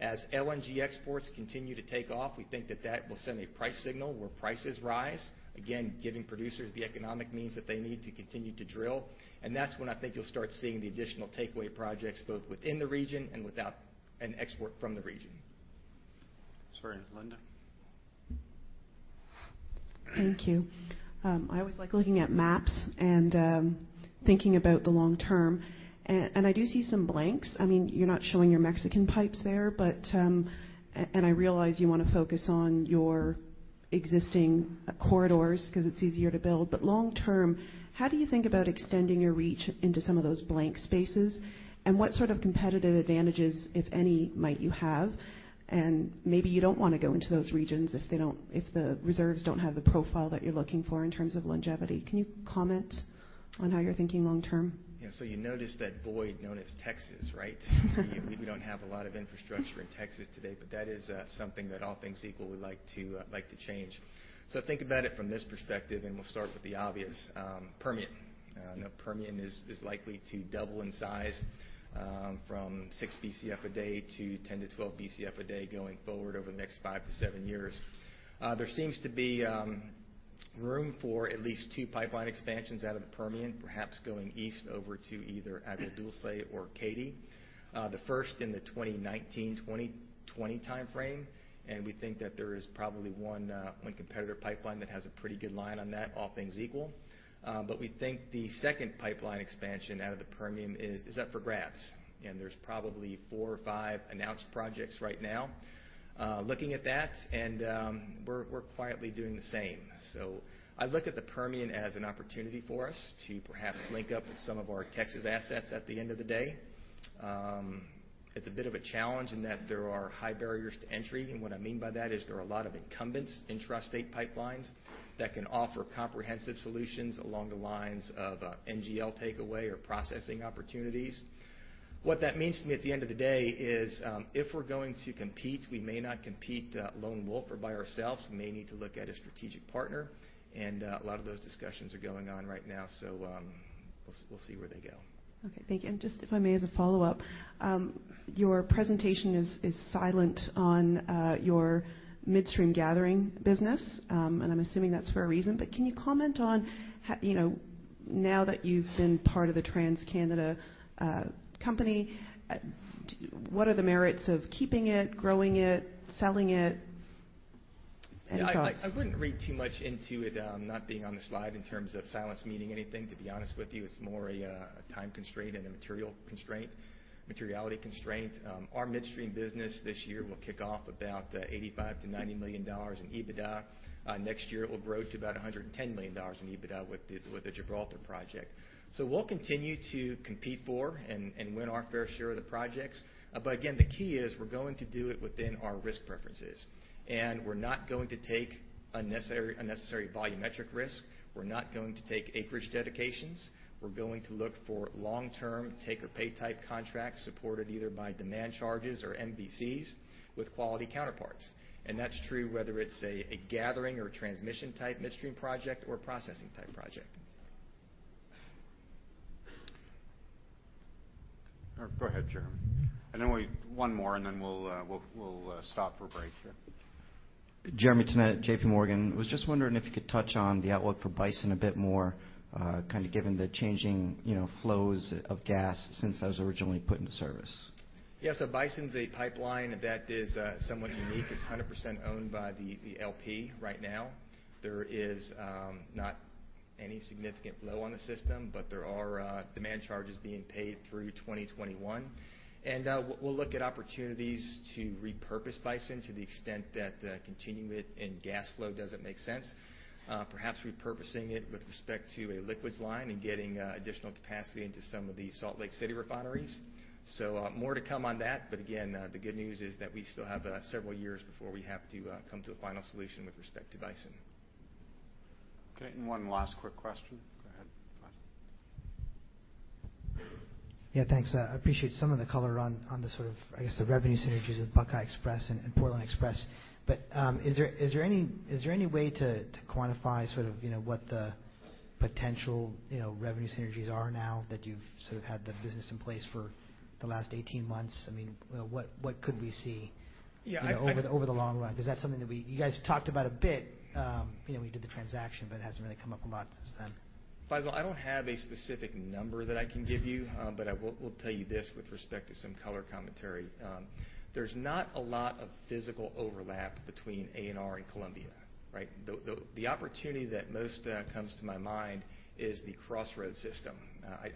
As LNG exports continue to take off, we think that that will send a price signal where prices rise, again, giving producers the economic means that they need to continue to drill. That's when I think you'll start seeing the additional takeaway projects both within the region and without an export from the region. Sorry. Linda? Thank you. I always like looking at maps and thinking about the long term. I do see some blanks. You're not showing your Mexican pipes there, and I realize you want to focus on your existing corridors because it's easier to build. Long term, how do you think about extending your reach into some of those blank spaces? What sort of competitive advantages, if any, might you have? Maybe you don't want to go into those regions if the reserves don't have the profile that you're looking for in terms of longevity. Can you comment on how you're thinking long term? Yeah. You notice that void known as Texas, right? We don't have a lot of infrastructure in Texas today, but that is something that all things equal we'd like to change. Think about it from this perspective, and we'll start with the obvious. Permian. Permian is likely to double in size from six Bcf a day to 10 to 12 Bcf a day going forward over the next five to seven years. There seems to be room for at least two pipeline expansions out of the Permian, perhaps going east over to either Dulce or Katy. The first in the 2019-2020 timeframe, we think that there is probably one competitor pipeline that has a pretty good line on that, all things equal. We think the second pipeline expansion out of the Permian is up for grabs, and there's probably four or five announced projects right now. Looking at that, we're quietly doing the same. I look at the Permian as an opportunity for us to perhaps link up with some of our Texas assets at the end of the day. It's a bit of a challenge in that there are high barriers to entry. What I mean by that is there are a lot of incumbents, intrastate pipelines, that can offer comprehensive solutions along the lines of NGL takeaway or processing opportunities. What that means to me at the end of the day is if we're going to compete, we may not compete lone wolf or by ourselves. We may need to look at a strategic partner, and a lot of those discussions are going on right now. We'll see where they go. Okay. Thank you. Just, if I may, as a follow-up. Your presentation is silent on your midstream gathering business, and I am assuming that's for a reason. Can you comment on now that you've been part of the TransCanada company, what are the merits of keeping it, growing it, selling it? Any thoughts? I wouldn't read too much into it not being on the slide in terms of silence meaning anything, to be honest with you. It's more a time constraint and a materiality constraint. Our midstream business this year will kick off about 85 million to 90 million dollars in EBITDA. Next year, it will grow to about 110 million dollars in EBITDA with the Gibraltar project. We'll continue to compete for and win our fair share of the projects. Again, the key is we're going to do it within our risk preferences. We're not going to take unnecessary volumetric risk. We're not going to take acreage dedications. We're going to look for long-term take-or-pay type contracts supported either by demand charges or MVCs with quality counterparts. That's true whether it's a gathering or a transmission type midstream project or a processing type project. Go ahead, Jeremy. Then one more, and then we'll stop for a break here. Jeremy Tonet at J.P. Morgan. I was just wondering if you could touch on the outlook for Bison a bit more, given the changing flows of gas since that was originally put into service. Bison's a pipeline that is somewhat unique. It's 100% owned by the LP right now. There is not any significant flow on the system, but there are demand charges being paid through 2021. We'll look at opportunities to repurpose Bison to the extent that continuing it in gas flow doesn't make sense. Perhaps repurposing it with respect to a liquids line and getting additional capacity into some of the Salt Lake City refineries. More to come on that, but again, the good news is that we still have several years before we have to come to a final solution with respect to Bison. Okay, one last quick question. Go ahead. Yeah, thanks. I appreciate some of the color on the sort of, I guess, the revenue synergies of Buckeye XPress and Portland Xpress. Is there any way to quantify sort of what the potential revenue synergies are now that you've sort of had the business in place for the last 18 months? What could we see? Yeah. Over the long run? That's something that you guys talked about a bit. We did the transaction, but it hasn't really come up a lot since then. Faisel, I don't have a specific number that I can give you, but I will tell you this with respect to some color commentary. There's not a lot of physical overlap between ANR and Columbia, right? The opportunity that most comes to my mind is the Crossroads Pipeline system.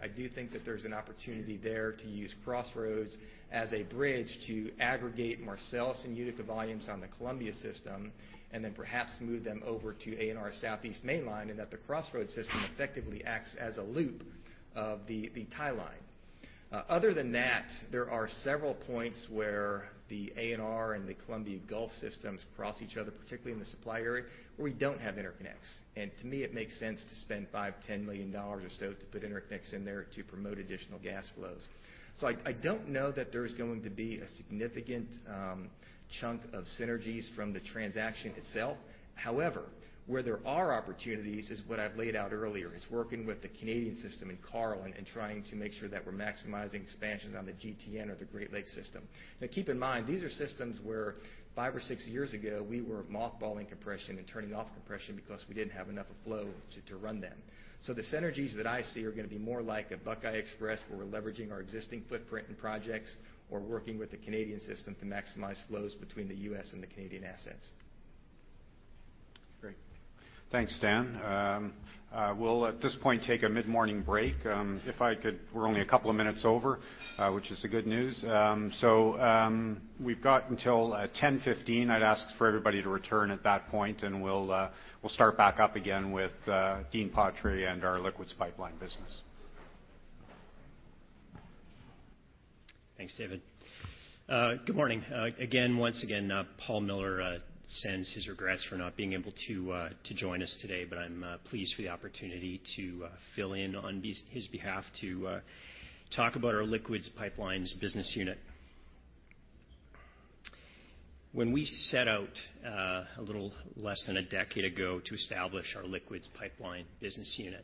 I do think that there's an opportunity there to use Crossroads Pipeline as a bridge to aggregate Marcellus and Utica volumes on the Columbia system, then perhaps move them over to ANR's Southeast Mainline, and that the Crossroads Pipeline system effectively acts as a loop of the tie line. Other than that, there are several points where the ANR and the Columbia Gulf systems cross each other, particularly in the supply area, where we don't have interconnects. To me, it makes sense to spend 5 million dollars, CAD 10 million or so to put interconnects in there to promote additional gas flows. I don't know that there's going to be a significant chunk of synergies from the transaction itself. However, where there are opportunities is what I've laid out earlier, is working with the Canadian system in Karl Johannson and trying to make sure that we're maximizing expansions on the GTN or the Great Lakes system. Keep in mind, these are systems where five or six years ago, we were mothballing compression and turning off compression because we didn't have enough flow to run them. The synergies that I see are going to be more like a Buckeye XPress, where we're leveraging our existing footprint and projects or working with the Canadian system to maximize flows between the U.S. and the Canadian assets. Great. Thanks, Stan Chapman. We'll, at this point, take a mid-morning break. We're only a couple of minutes over, which is the good news. We've got until 10:15 A.M. I'd ask for everybody to return at that point, we'll start back up again with Dean Patry and our Liquids Pipelines business. Thanks, David. Good morning. Once again, Paul Miller sends his regrets for not being able to join us today, but I'm pleased for the opportunity to fill in on his behalf to talk about our Liquids Pipelines business unit. When we set out a little less than a decade ago to establish our Liquids Pipeline business unit,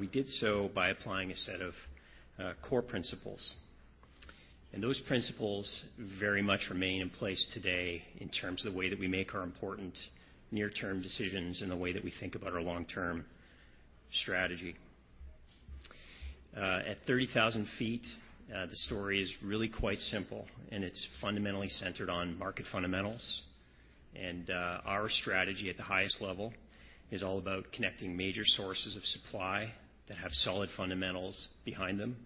we did so by applying a set of core principles. Those principles very much remain in place today in terms of the way that we make our important near-term decisions and the way that we think about our long-term strategy. At 30,000 feet, the story is really quite simple, it's fundamentally centered on market fundamentals. Our strategy at the highest level is all about connecting major sources of supply that have solid fundamentals behind them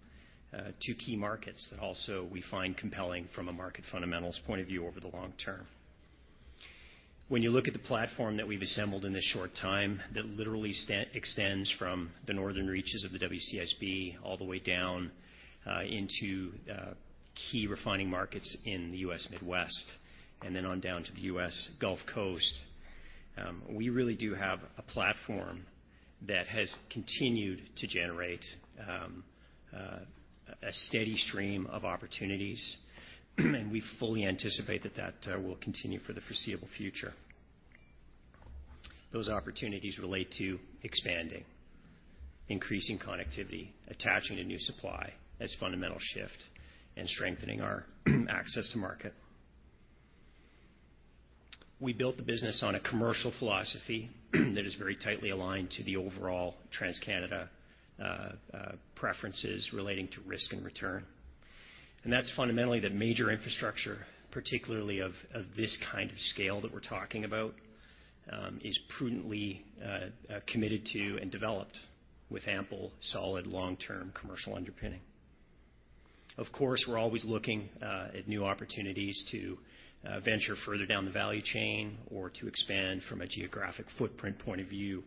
to key markets that also we find compelling from a market fundamentals point of view over the long term. When you look at the platform that we've assembled in this short time, that literally extends from the northern reaches of the WCSB all the way down into key refining markets in the U.S. Midwest, then on down to the U.S. Gulf Coast. We really do have a platform that has continued to generate a steady stream of opportunities, we fully anticipate that that will continue for the foreseeable future. Those opportunities relate to expanding, increasing connectivity, attaching to new supply as a fundamental shift, and strengthening our access to market. We built the business on a commercial philosophy that is very tightly aligned to the overall TransCanada preferences relating to risk and return. That's fundamentally that major infrastructure, particularly of this kind of scale that we're talking about, is prudently committed to and developed with ample, solid, long-term commercial underpinning. Of course, we're always looking at new opportunities to venture further down the value chain or to expand from a geographic footprint point of view.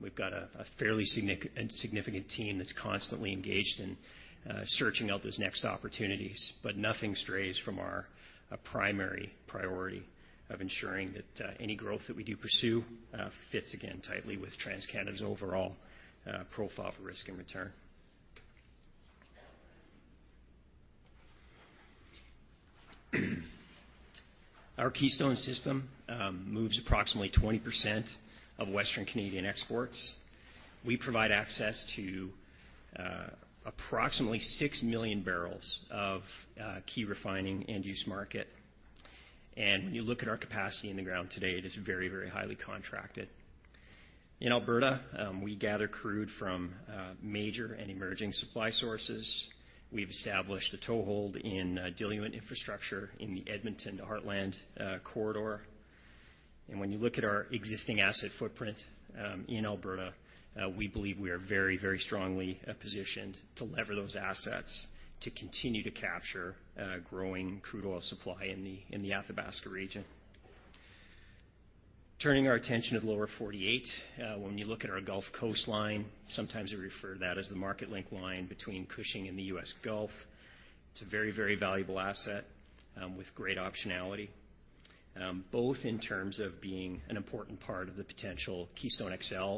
We've got a fairly significant team that's constantly engaged in searching out those next opportunities, nothing strays from our primary priority of ensuring that any growth that we do pursue fits again tightly with TransCanada's overall profile for risk and return. Our Keystone system moves approximately 20% of Western Canadian exports. We provide access to approximately 6 million barrels of key refining end-use market. When you look at our capacity in the ground today, it is very, very highly contracted. In Alberta, we gather crude from major and emerging supply sources. We've established a toehold in diluent infrastructure in the Edmonton Heartland Corridor. When you look at our existing asset footprint in Alberta, we believe we are very, very strongly positioned to lever those assets to continue to capture growing crude oil supply in the Athabasca region. Turning our attention to the Lower 48, when you look at our Gulf Coast line, sometimes we refer to that as the Marketlink line between Cushing and the U.S. Gulf. It's a very, very valuable asset with great optionality, both in terms of being an important part of the potential Keystone XL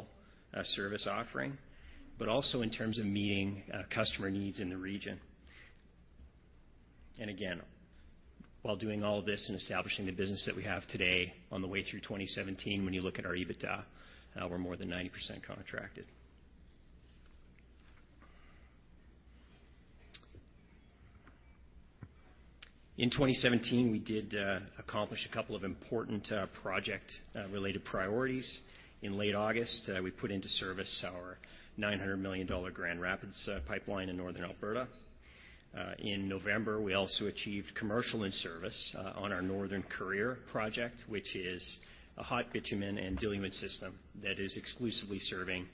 service offering, also in terms of meeting customer needs in the region. Again, while doing all this and establishing the business that we have today on the way through 2017, when you look at our EBITDA, we're more than 90% contracted. In 2017, we did accomplish a couple of important project-related priorities. In late August, we put into service our 900 million dollar Grand Rapids Pipeline in Northern Alberta. In November, we also achieved commercial in service on our Northern Courier project, which is a hot bitumen and diluent system that is exclusively serving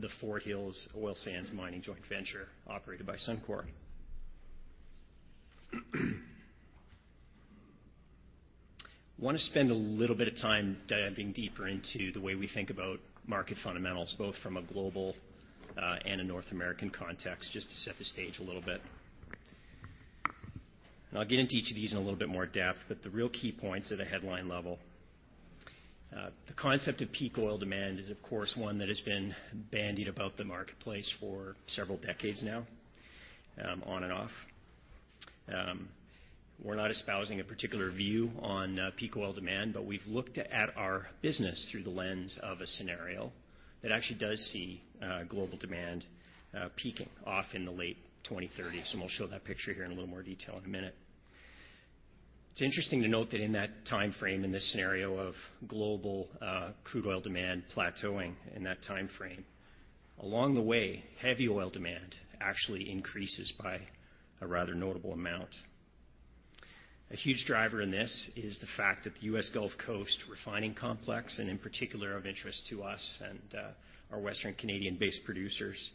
the Fort Hills oil sands mining joint venture operated by Suncor. Want to spend a little bit of time diving deeper into the way we think about market fundamentals, both from a global and a North American context, just to set the stage a little bit. I'll get into each of these in a little bit more depth, but the real key points at a headline level. The concept of peak oil demand is, of course, one that has been bandied about the marketplace for several decades now on and off. We're not espousing a particular view on peak oil demand, but we've looked at our business through the lens of a scenario that actually does see global demand peaking off in the late 2030s, and we'll show that picture here in a little more detail in a minute. It's interesting to note that in that timeframe, in this scenario of global crude oil demand plateauing in that timeframe, along the way, heavy oil demand actually increases by a rather notable amount. A huge driver in this is the fact that the U.S. Gulf Coast refining complex, and in particular of interest to us and our Western Canadian base producers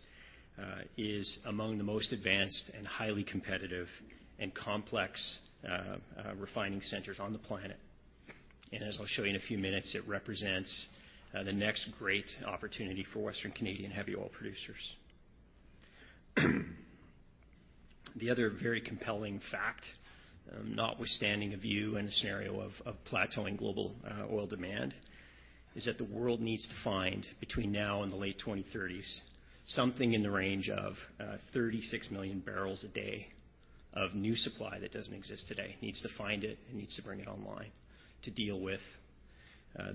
is among the most advanced and highly competitive and complex refining centers on the planet. As I'll show you in a few minutes, it represents the next great opportunity for Western Canadian heavy oil producers. The other very compelling fact, notwithstanding a view and a scenario of plateauing global oil demand, is that the world needs to find between now and the late 2030s, something in the range of 36 million barrels a day of new supply that doesn't exist today. Needs to find it and needs to bring it online to deal with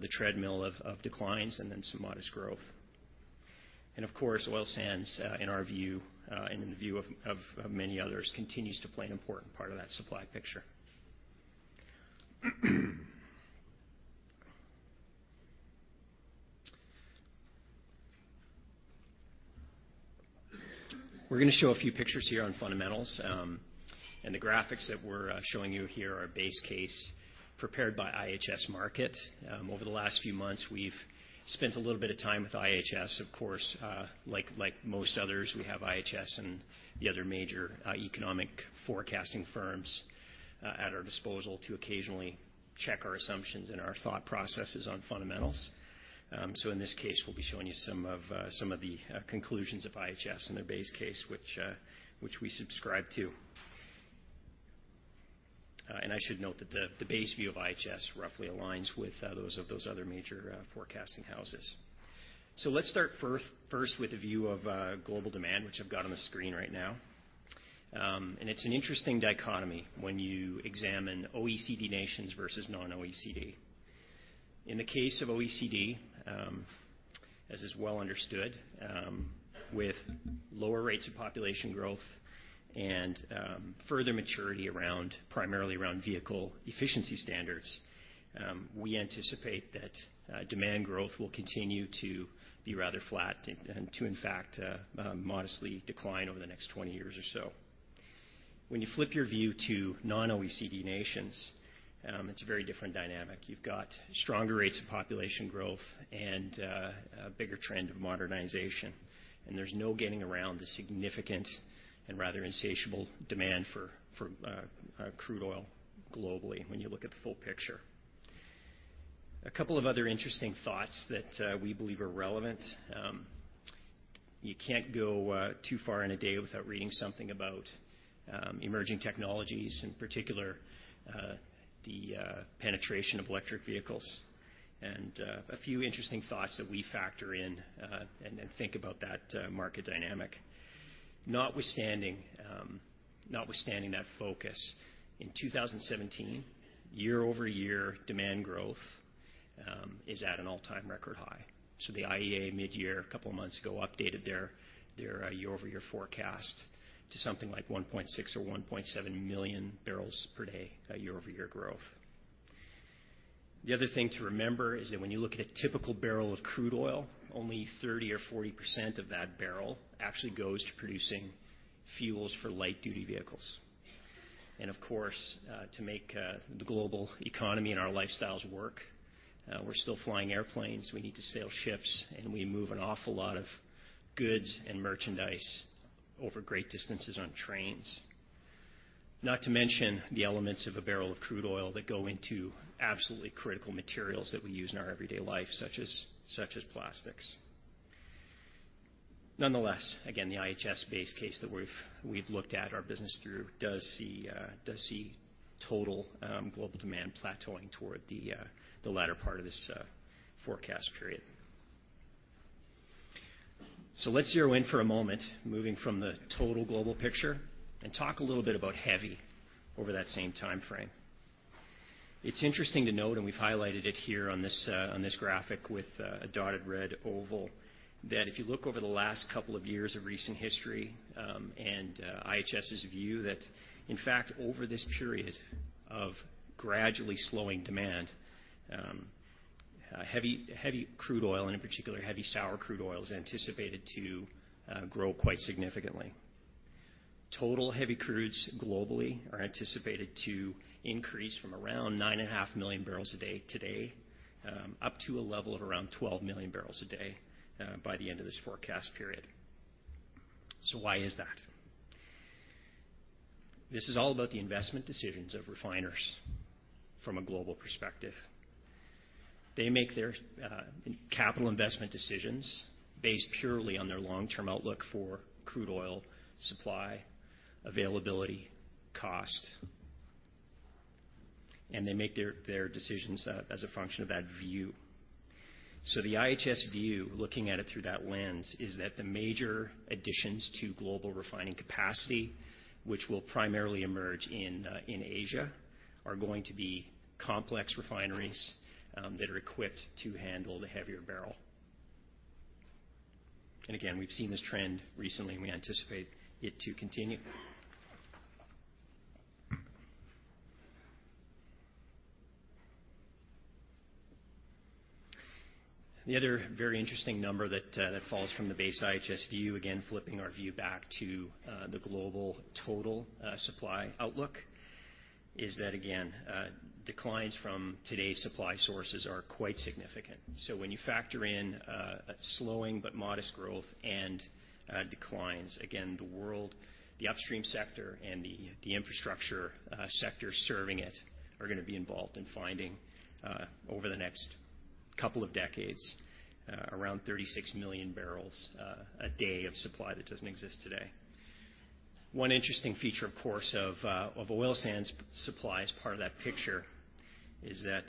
the treadmill of declines and then some modest growth. Of course, oil sands, in our view, and in the view of many others, continues to play an important part of that supply picture. We're going to show a few pictures here on fundamentals. The graphics that we're showing you here are a base case prepared by IHS Markit. Over the last few months, we've spent a little bit of time with IHS. Of course, like most others, we have IHS and the other major economic forecasting firms at our disposal to occasionally check our assumptions and our thought processes on fundamentals. In this case, we'll be showing you some of the conclusions of IHS and their base case, which we subscribe to. I should note that the base view of IHS roughly aligns with those of those other major forecasting houses. Let's start first with a view of global demand, which I've got on the screen right now. It's an interesting dichotomy when you examine OECD nations versus non-OECD. In the case of OECD, as is well understood, with lower rates of population growth and further maturity primarily around vehicle efficiency standards, we anticipate that demand growth will continue to be rather flat and to, in fact, modestly decline over the next 20 years or so. When you flip your view to non-OECD nations, it is a very different dynamic. You've got stronger rates of population growth and a bigger trend of modernization, and there's no getting around the significant and rather insatiable demand for crude oil globally when you look at the full picture. A couple of other interesting thoughts that we believe are relevant. You can't go too far in a day without reading something about emerging technologies, in particular, the penetration of electric vehicles. A few interesting thoughts that we factor in and think about that market dynamic. Notwithstanding that focus, in 2017, year-over-year demand growth is at an all-time record high. The IEA midyear, a couple of months ago, updated their year-over-year forecast to something like 1.6 or 1.7 million barrels per day year-over-year growth. The other thing to remember is that when you look at a typical barrel of crude oil, only 30% or 40% of that barrel actually goes to producing fuels for light-duty vehicles. Of course, to make the global economy and our lifestyles work, we're still flying airplanes, we need to sail ships, and we move an awful lot of goods and merchandise over great distances on trains. Not to mention the elements of a barrel of crude oil that go into absolutely critical materials that we use in our everyday life, such as plastics. Nonetheless, again, the IHS base case that we've looked at our business through does see total global demand plateauing toward the latter part of this forecast period. Let's zero in for a moment, moving from the total global picture, and talk a little bit about heavy[crude oil] over that same timeframe. It is interesting to note, and we've highlighted it here on this graphic with a dotted red oval, that if you look over the last couple of years of recent history and IHS's view that, in fact, over this period of gradually slowing demand, heavy crude oil, and in particular heavy sour crude oil, is anticipated to grow quite significantly. Total heavy crudes globally are anticipated to increase from around 9.5 million barrels a day today up to a level of around 12 million barrels a day by the end of this forecast period. Why is that? This is all about the investment decisions of refiners from a global perspective. They make their capital investment decisions based purely on their long-term outlook for crude oil supply, availability, cost. They make their decisions as a function of that view. The IHS view, looking at it through that lens, is that the major additions to global refining capacity, which will primarily emerge in Asia, are going to be complex refineries that are equipped to handle the heavier barrel. Again, we've seen this trend recently, and we anticipate it to continue. The other very interesting number that falls from the base IHS view, again, flipping our view back to the global total supply outlook is that, again, declines from today's supply sources are quite significant. When you factor in a slowing but modest growth and declines, again, the world, the upstream sector, and the infrastructure sector serving it are going to be involved in finding, over the next couple of decades, around 36 million barrels a day of supply that doesn't exist today. One interesting feature, of course, of oil sands supply as part of that picture is that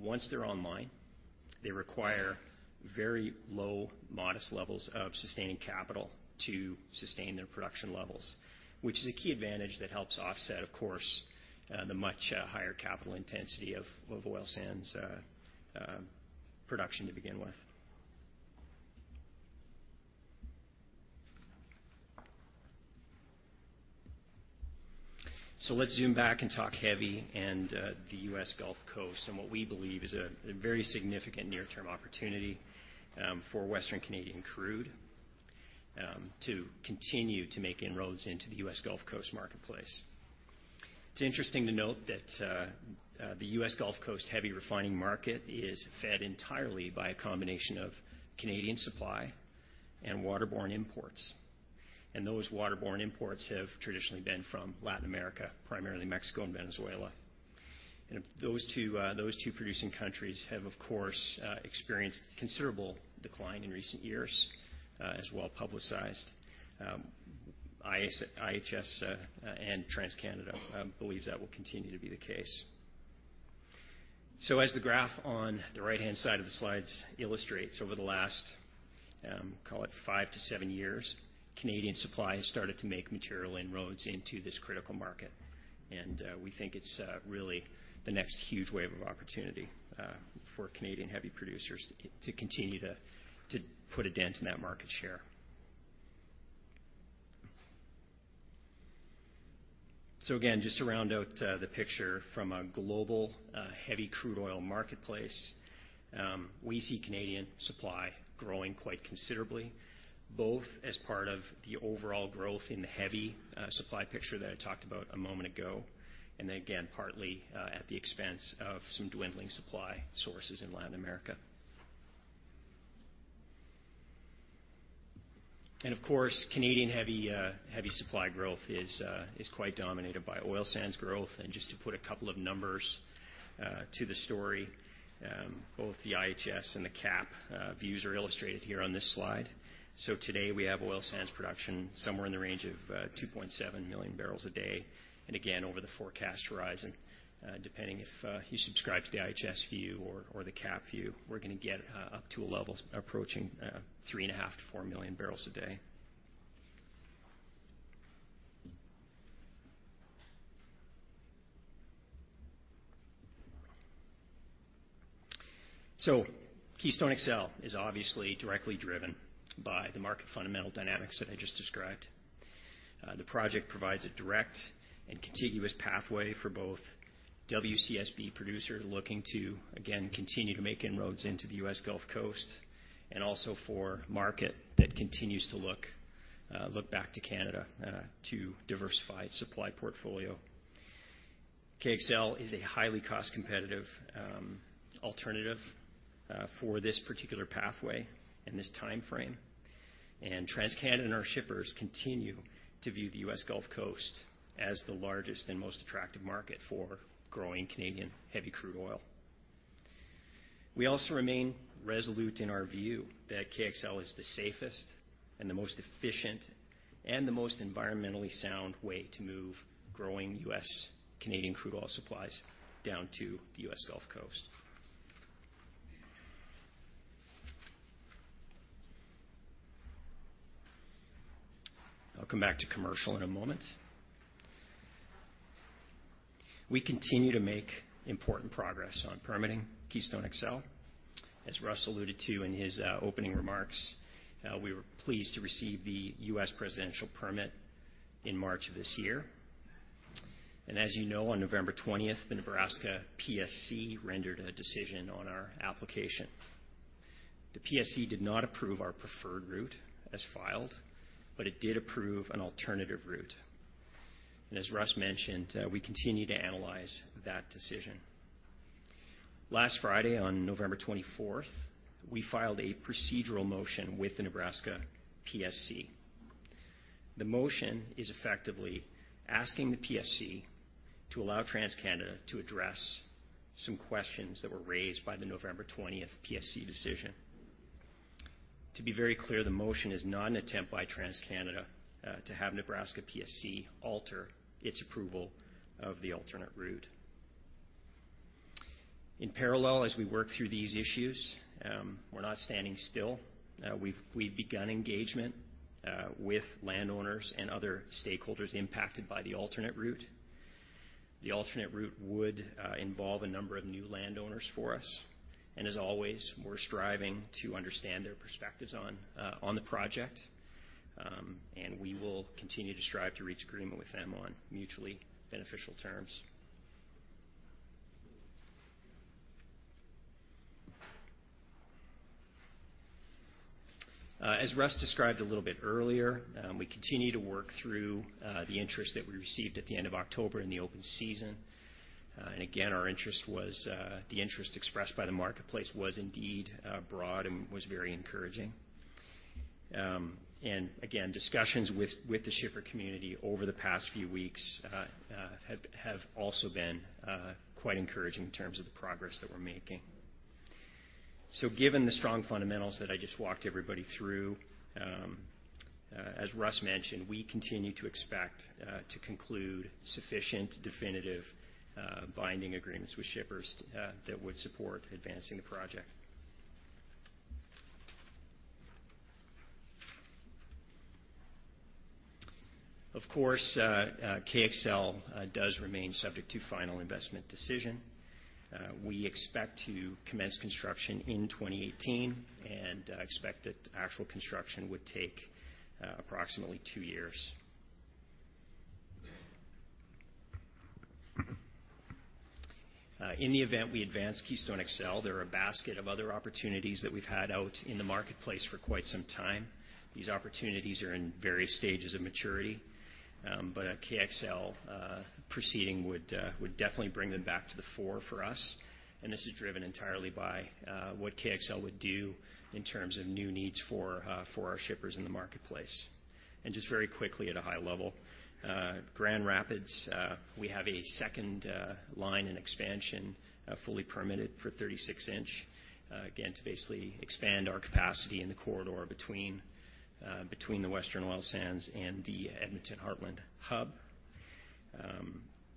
once they're online, they require very low, modest levels of sustaining capital to sustain their production levels, which is a key advantage that helps offset, of course, the much higher capital intensity of oil sands production to begin with. Let's zoom back and talk heavy and the U.S. Gulf Coast and what we believe is a very significant near-term opportunity for Western Canadian crude to continue to make inroads into the U.S. Gulf Coast marketplace. It's interesting to note that the U.S. Gulf Coast heavy refining market is fed entirely by a combination of Canadian supply and waterborne imports. Those waterborne imports have traditionally been from Latin America, primarily Mexico and Venezuela. Those two producing countries have, of course, experienced considerable decline in recent years, as well-publicized. IHS and TransCanada believe that will continue to be the case. As the graph on the right-hand side of the slides illustrates, over the last, call it five to seven years, Canadian supply has started to make material inroads into this critical market. We think it's really the next huge wave of opportunity for Canadian heavy producers to continue to put a dent in that market share. Again, just to round out the picture from a global heavy crude oil marketplace, we see Canadian supply growing quite considerably, both as part of the overall growth in the heavy supply picture that I talked about a moment ago, and then again, partly at the expense of some dwindling supply sources in Latin America. Of course, Canadian heavy supply growth is quite dominated by oil sands growth. Just to put a couple of numbers to the story, both the IHS and the CAPP views are illustrated here on this slide. Today, we have oil sands production somewhere in the range of 2.7 million barrels a day. Again, over the forecast horizon, depending if you subscribe to the IHS view or the CAPP view, we're going to get up to a level approaching 3.5 million-4 million barrels a day. Keystone XL is obviously directly driven by the market fundamental dynamics that I just described. The project provides a direct and contiguous pathway for both WCSB producers looking to, again, continue to make inroads into the U.S. Gulf Coast and also for market that continues to look back to Canada to diversify its supply portfolio. KXL is a highly cost-competitive alternative for this particular pathway in this timeframe. TransCanada and our shippers continue to view the U.S. Gulf Coast as the largest and most attractive market for growing Canadian heavy crude oil. We also remain resolute in our view that KXL is the safest and the most efficient and the most environmentally sound way to move growing U.S. Canadian crude oil supplies down to the U.S. Gulf Coast. I'll come back to commercial in a moment. We continue to make important progress on permitting Keystone XL. As Russ alluded to in his opening remarks, we were pleased to receive the U.S. presidential permit in March of this year. As you know, on November 20th, the Nebraska PSC rendered a decision on our application. The PSC did not approve our preferred route as filed, but it did approve an alternative route. As Russ mentioned, we continue to analyze that decision. Last Friday, on November 24th, we filed a procedural motion with the Nebraska PSC. The motion is effectively asking the PSC to allow TransCanada to address some questions that were raised by the November 20th PSC decision. To be very clear, the motion is not an attempt by TransCanada to have Nebraska PSC alter its approval of the alternate route. In parallel, as we work through these issues, we're not standing still. We've begun engagement with landowners and other stakeholders impacted by the alternate route. The alternate route would involve a number of new landowners for us, as always, we're striving to understand their perspectives on the project. We will continue to strive to reach agreement with them on mutually beneficial terms. As Russ described a little bit earlier, we continue to work through the interest that we received at the end of October in the open season. Again, the interest expressed by the marketplace was indeed broad and was very encouraging. Again, discussions with the shipper community over the past few weeks have also been quite encouraging in terms of the progress that we're making. Given the strong fundamentals that I just walked everybody through, as Russ mentioned, we continue to expect to conclude sufficient definitive binding agreements with shippers that would support advancing the project. Of course, KXL does remain subject to final investment decision. We expect to commence construction in 2018, I expect that actual construction would take approximately two years. In the event we advance Keystone XL, there are a basket of other opportunities that we've had out in the marketplace for quite some time. These opportunities are in various stages of maturity. A KXL proceeding would definitely bring them back to the fore for us, and this is driven entirely by what KXL would do in terms of new needs for our shippers in the marketplace. Just very quickly at a high level, Grand Rapids, we have a second line and expansion fully permitted for 36-inch. Again, to basically expand our capacity in the corridor between the Western Oil Sands and the Edmonton Heartland hub.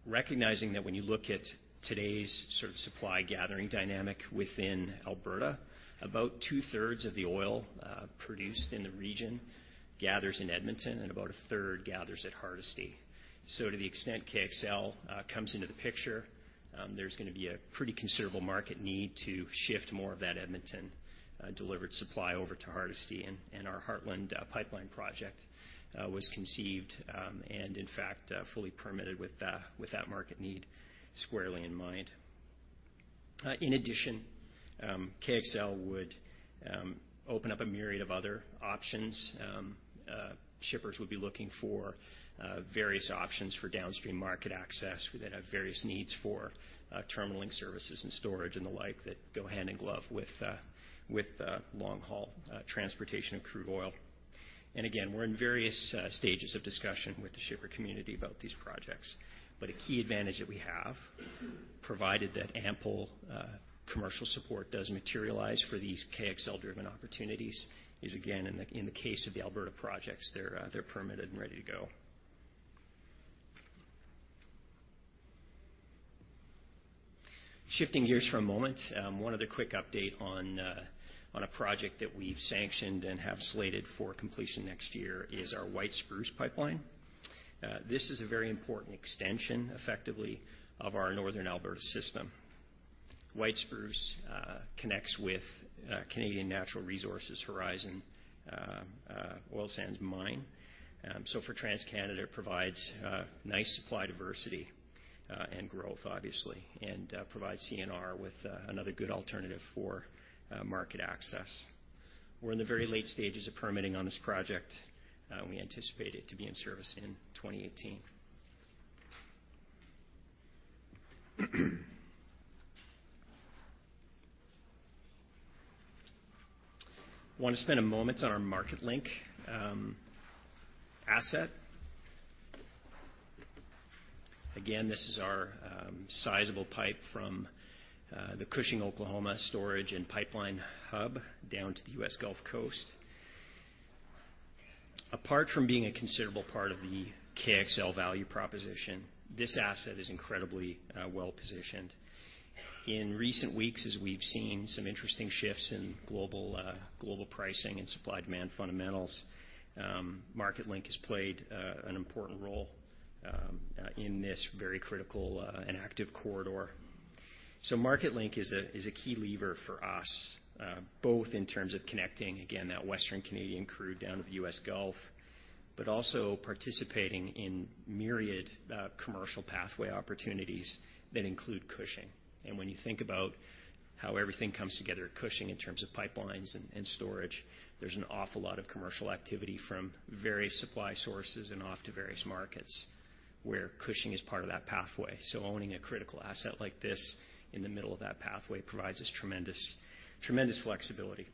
Recognizing that when you look at today's supply gathering dynamic within Alberta, about two-thirds of the oil produced in the region gathers in Edmonton and about a third gathers at Hardisty. To the extent KXL comes into the picture, there's going to be a pretty considerable market need to shift more of that Edmonton-delivered supply over to Hardisty, and our Heartland Pipeline Project was conceived, and in fact, fully permitted with that market need squarely in mind. In addition, KXL would open up a myriad of other options. Shippers would be looking for various options for downstream market access that have various needs for terminalling services and storage and the like that go hand in glove with long-haul transportation of crude oil. Again, we're in various stages of discussion with the shipper community about these projects. A key advantage that we have, provided that ample commercial support does materialize for these KXL-driven opportunities, is again, in the case of the Alberta projects, they're permitted and ready to go. Shifting gears for a moment. One other quick update on a project that we've sanctioned and have slated for completion next year is our White Spruce Pipeline. This is a very important extension, effectively, of our Northern Alberta system. White Spruce connects with Canadian Natural Resources Horizon Oil Sands mine. For TransCanada, it provides nice supply diversity and growth, obviously, and provides CNR with another good alternative for market access. We're in the very late stages of permitting on this project. We anticipate it to be in service in 2018. Want to spend a moment on our Marketlink asset. Again, this is our sizeable pipe from the Cushing, Oklahoma storage and pipeline hub down to the U.S. Gulf Coast. Apart from being a considerable part of the KXL value proposition, this asset is incredibly well-positioned. In recent weeks, as we've seen some interesting shifts in global pricing and supply-demand fundamentals, Marketlink has played an important role in this very critical and active corridor. Marketlink is a key lever for us, both in terms of connecting, again, that Western Canadian crude down to the U.S. Gulf, but also participating in myriad commercial pathway opportunities that include Cushing. When you think about how everything comes together at Cushing in terms of pipelines and storage, there's an awful lot of commercial activity from various supply sources and off to various markets where Cushing is part of that pathway. Owning a critical asset like this in the middle of that pathway provides us tremendous flexibility.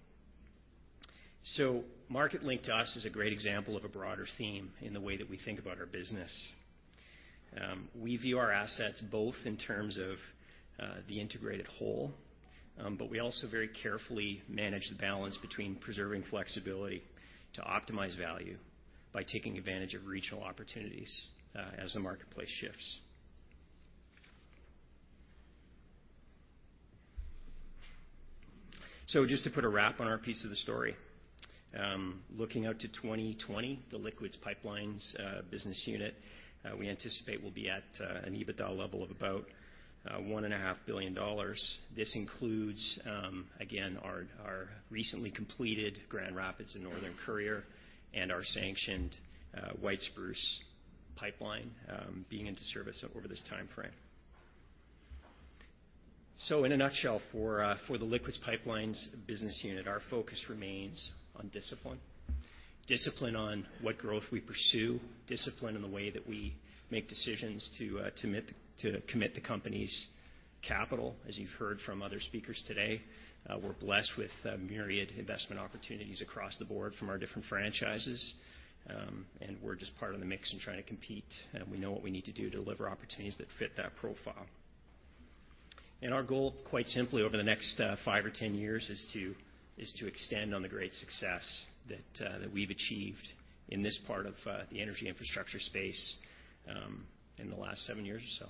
Marketlink to us is a great example of a broader theme in the way that we think about our business. We view our assets both in terms of the integrated whole, but we also very carefully manage the balance between preserving flexibility to optimize value by taking advantage of regional opportunities as the marketplace shifts. Just to put a wrap on our piece of the story. Looking out to 2020, the Liquids Pipelines business unit we anticipate will be at an EBITDA level of about 1.5 billion dollars. This includes, again, our recently completed Grand Rapids and Northern Courier and our sanctioned White Spruce Pipeline being into service over this timeframe. In a nutshell, for the Liquids Pipelines business unit, our focus remains on discipline. Discipline on what growth we pursue, discipline in the way that we make decisions to commit the company's capital. As you've heard from other speakers today, we're blessed with myriad investment opportunities across the board from our different franchises, and we're just part of the mix and trying to compete, and we know what we need to do to deliver opportunities that fit that profile. Our goal, quite simply, over the next five or 10 years, is to extend on the great success that we've achieved in this part of the energy infrastructure space in the last seven years or so.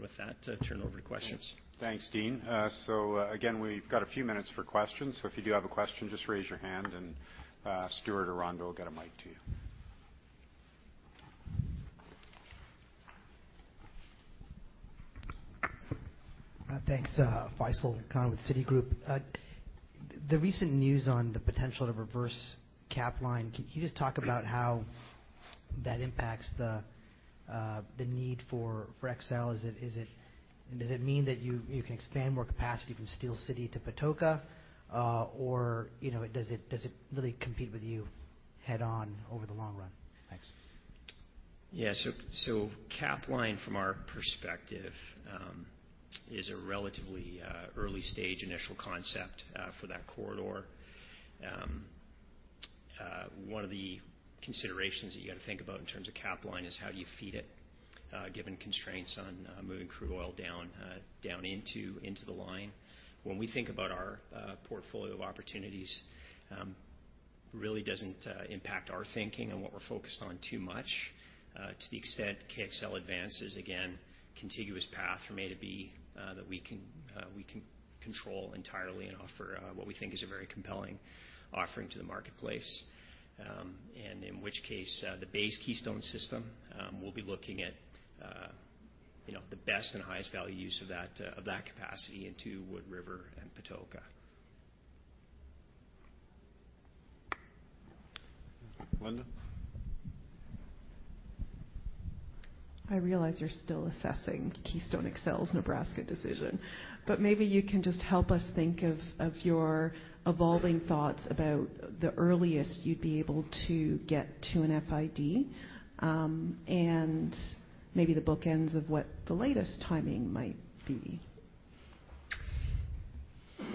With that, I turn over to questions. Thanks, Dean. Again, we've got a few minutes for questions, if you do have a question, just raise your hand, and Stuart or Rondo will get a mic to you. Thanks. Faisel Khan with Citigroup. The recent news on the potential to reverse Capline, can you just talk about how that impacts the need for KXL? Does it mean that you can expand more capacity from Steele City to Patoka? Does it really compete with you head-on over the long run? Thanks. Yeah. Capline, from our perspective, is a relatively early-stage initial concept for that corridor. One of the considerations that you got to think about in terms of Capline is how do you feed it, given constraints on moving crude oil down into the line. When we think about our portfolio of opportunities, really doesn't impact our thinking and what we're focused on too much to the extent KXL advances, again, contiguous path from A to B that we can control entirely and offer what we think is a very compelling offering to the marketplace. In which case, the base Keystone system, we'll be looking at the best and highest value use of that capacity into Wood River and Patoka. Linda? I realize you're still assessing Keystone XL's Nebraska decision, but maybe you can just help us think of your evolving thoughts about the earliest you'd be able to get to an FID, and maybe the bookends of what the latest timing might be.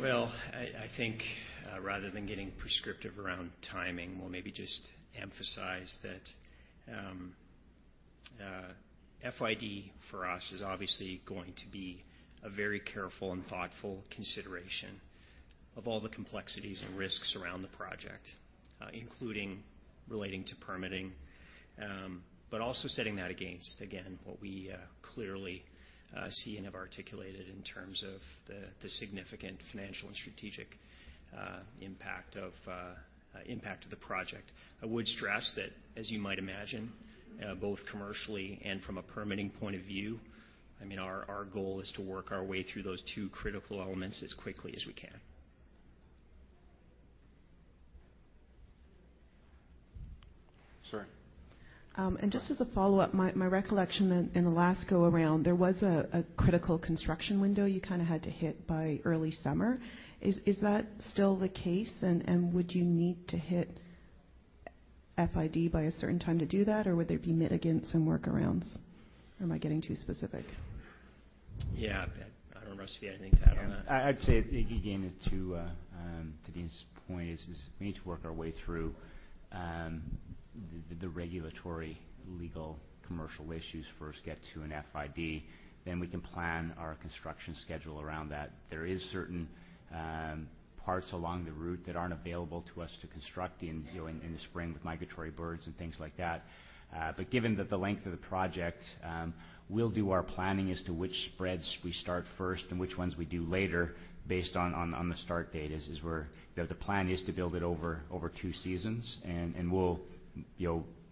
I think rather than getting prescriptive around timing, we'll maybe just emphasize that FID for us is obviously going to be a very careful and thoughtful consideration of all the complexities and risks around the project, including relating to permitting. Also setting that against, again, what we clearly see and have articulated in terms of the significant financial and strategic impact of the project. I would stress that, as you might imagine, both commercially and from a permitting point of view, our goal is to work our way through those two critical elements as quickly as we can. Sorry. Just as a follow-up, my recollection in the last go around, there was a critical construction window you had to hit by early summer. Is that still the case? Would you need to hit FID by a certain time to do that, or would there be mitigants and workarounds? Am I getting too specific? I don't know, Russ, if you have anything to add on that. I'd say, again, to Dean's point is we need to work our way through- The regulatory legal commercial issues first get to an FID. We can plan our construction schedule around that. There is certain parts along the route that aren't available to us to construct in the spring with migratory birds and things like that. Given that the length of the project, we'll do our planning as to which spreads we start first and which ones we do later based on the start date. The plan is to build it over two seasons, and we'll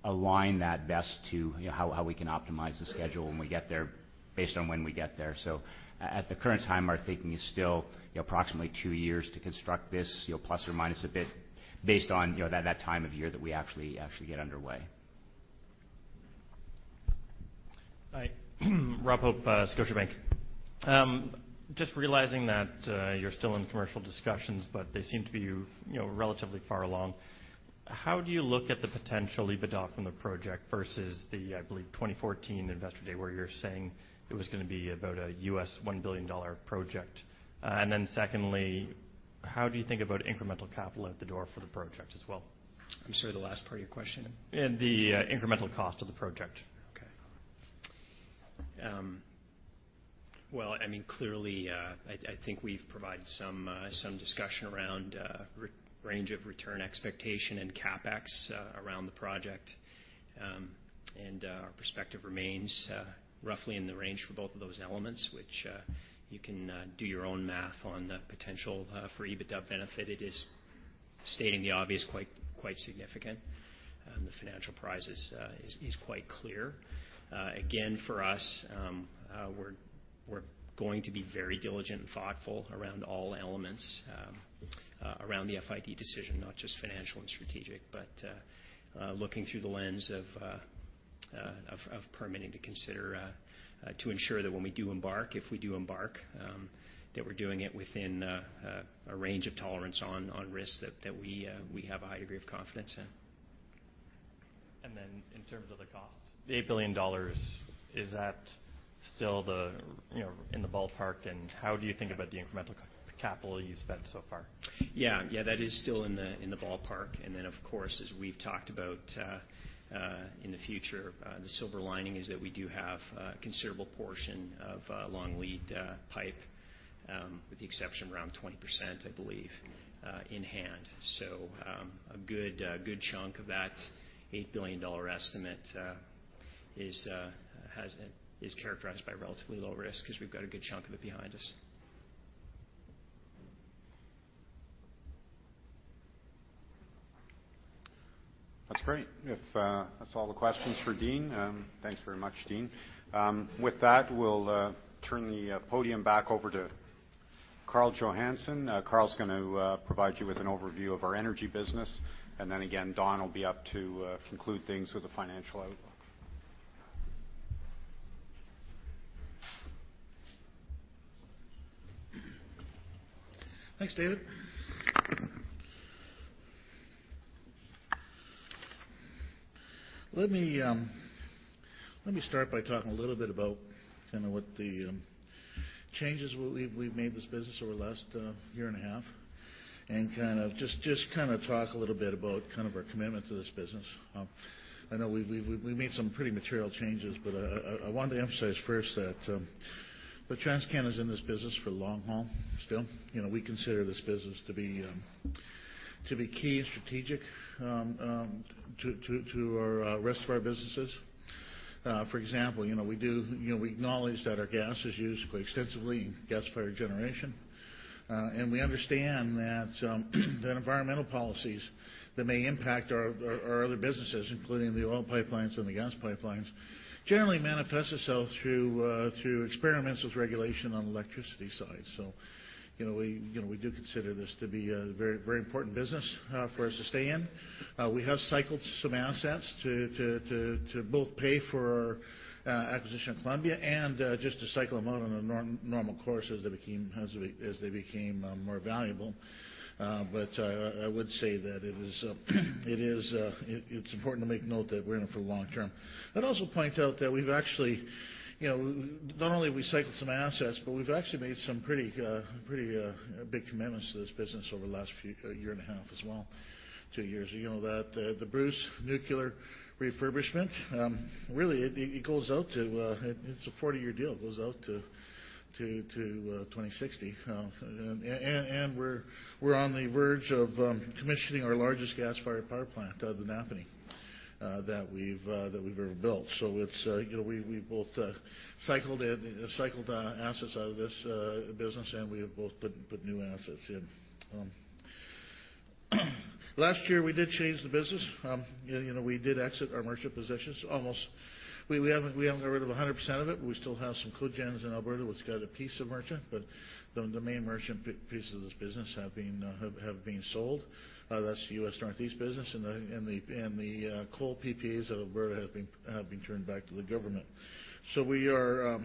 align that best to how we can optimize the schedule when we get there based on when we get there. At the current time, our thinking is still approximately two years to construct this, plus or minus a bit based on that time of year that we actually get underway. Hi. Robert Hope, Scotiabank. Just realizing that you're still in commercial discussions, but they seem to be relatively far along. How do you look at the potential EBITDA from the project versus the, I believe, 2014 Investor Day, where you were saying it was going to be about a US $1 billion project? Secondly, how do you think about incremental capital at the door for the project as well? I'm sorry, the last part of your question? The incremental cost of the project. Okay. Well, clearly, I think we've provided some discussion around range of return expectation and CapEx around the project. Our perspective remains roughly in the range for both of those elements, which you can do your own math on the potential for EBITDA benefit. It is stating the obvious, quite significant. The financial prize is quite clear. For us, we're going to be very diligent and thoughtful around all elements around the FID decision, not just financial and strategic, but looking through the lens of permitting to ensure that when we do embark, if we do embark, that we're doing it within a range of tolerance on risk that we have a high degree of confidence in. In terms of the cost, the 8 billion dollars, is that still in the ballpark? How do you think about the incremental capital you spent so far? Yeah. That is still in the ballpark. Of course, as we've talked about in the future, the silver lining is that we do have a considerable portion of long lead pipe, with the exception of around 20%, I believe, in hand. A good chunk of that 8 billion dollar estimate is characterized by relatively low risk because we've got a good chunk of it behind us. That's great. If that's all the questions for Dean, thanks very much, Dean. With that, we'll turn the podium back over to Karl Johannson. Carl's going to provide you with an overview of our energy business. Again, Don will be up to conclude things with the financial outlook. Thanks, David. Let me start by talking a little bit about what the changes we've made in this business over the last year and a half, and just talk a little bit about our commitment to this business. I know we've made some pretty material changes, but I wanted to emphasize first that TransCanada's in this business for the long haul still. We consider this business to be key and strategic to rest of our businesses. For example, we acknowledge that our gas is used quite extensively in gas-fired generation. We understand that environmental policies that may impact our other businesses, including the oil pipelines and the gas pipelines, generally manifest themselves through experiments with regulation on the electricity side. So we do consider this to be a very important business for us to stay in. We have cycled some assets to both pay for our acquisition of Columbia and just to cycle them out on a normal course as they became more valuable. But I would say that it's important to make note that we're in it for the long term. I'd also point out that not only have we cycled some assets, but we've actually made some pretty big commitments to this business over the last year and a half as well, two years. The Bruce Nuclear refurbishment, really, it's a 40-year deal. It goes out to 2060. And we're on the verge of commissioning our largest gas-fired power plant, the Napanee, that we've ever built. So we both cycled assets out of this business, and we have both put new assets in. Last year, we did change the business. We did exit our merchant positions almost. We haven't got rid of 100% of it. We still have some cogens in Alberta, which got a piece of merchant, but the main merchant pieces of this business have been sold. That's the U.S. Northeast business, and the coal PPAs out of Alberta have been turned back to the government. So we have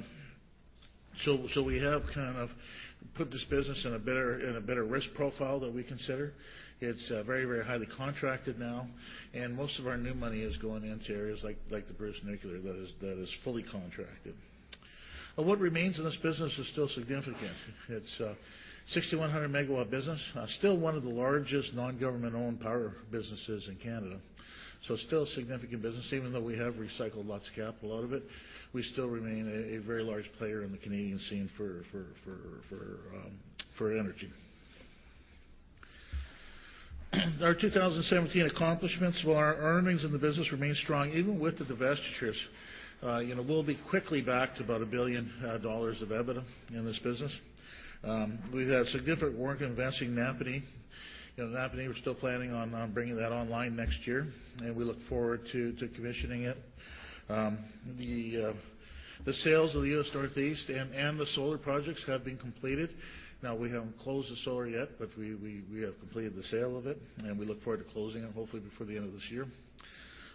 put this business in a better risk profile that we consider. It's very, very highly contracted now, and most of our new money is going into areas like the Bruce Nuclear that is fully contracted. But what remains in this business is still significant. It's a 6,100-megawatt business, still one of the largest non-government-owned power businesses in Canada. So still a significant business. Even though we have recycled lots of capital out of it, we still remain a very large player in the Canadian scene for energy. Our 2017 accomplishments, well, our earnings in the business remain strong even with the divestitures. We'll be quickly back to about 1 billion dollars of EBITDA in this business. We've had significant work investing in Napanee. Napanee, we're still planning on bringing that online next year, and we look forward to commissioning it. The sales of the U.S. Northeast and the solar projects have been completed. Now, we haven't closed the solar yet, but we have completed the sale of it, and we look forward to closing it hopefully before the end of this year.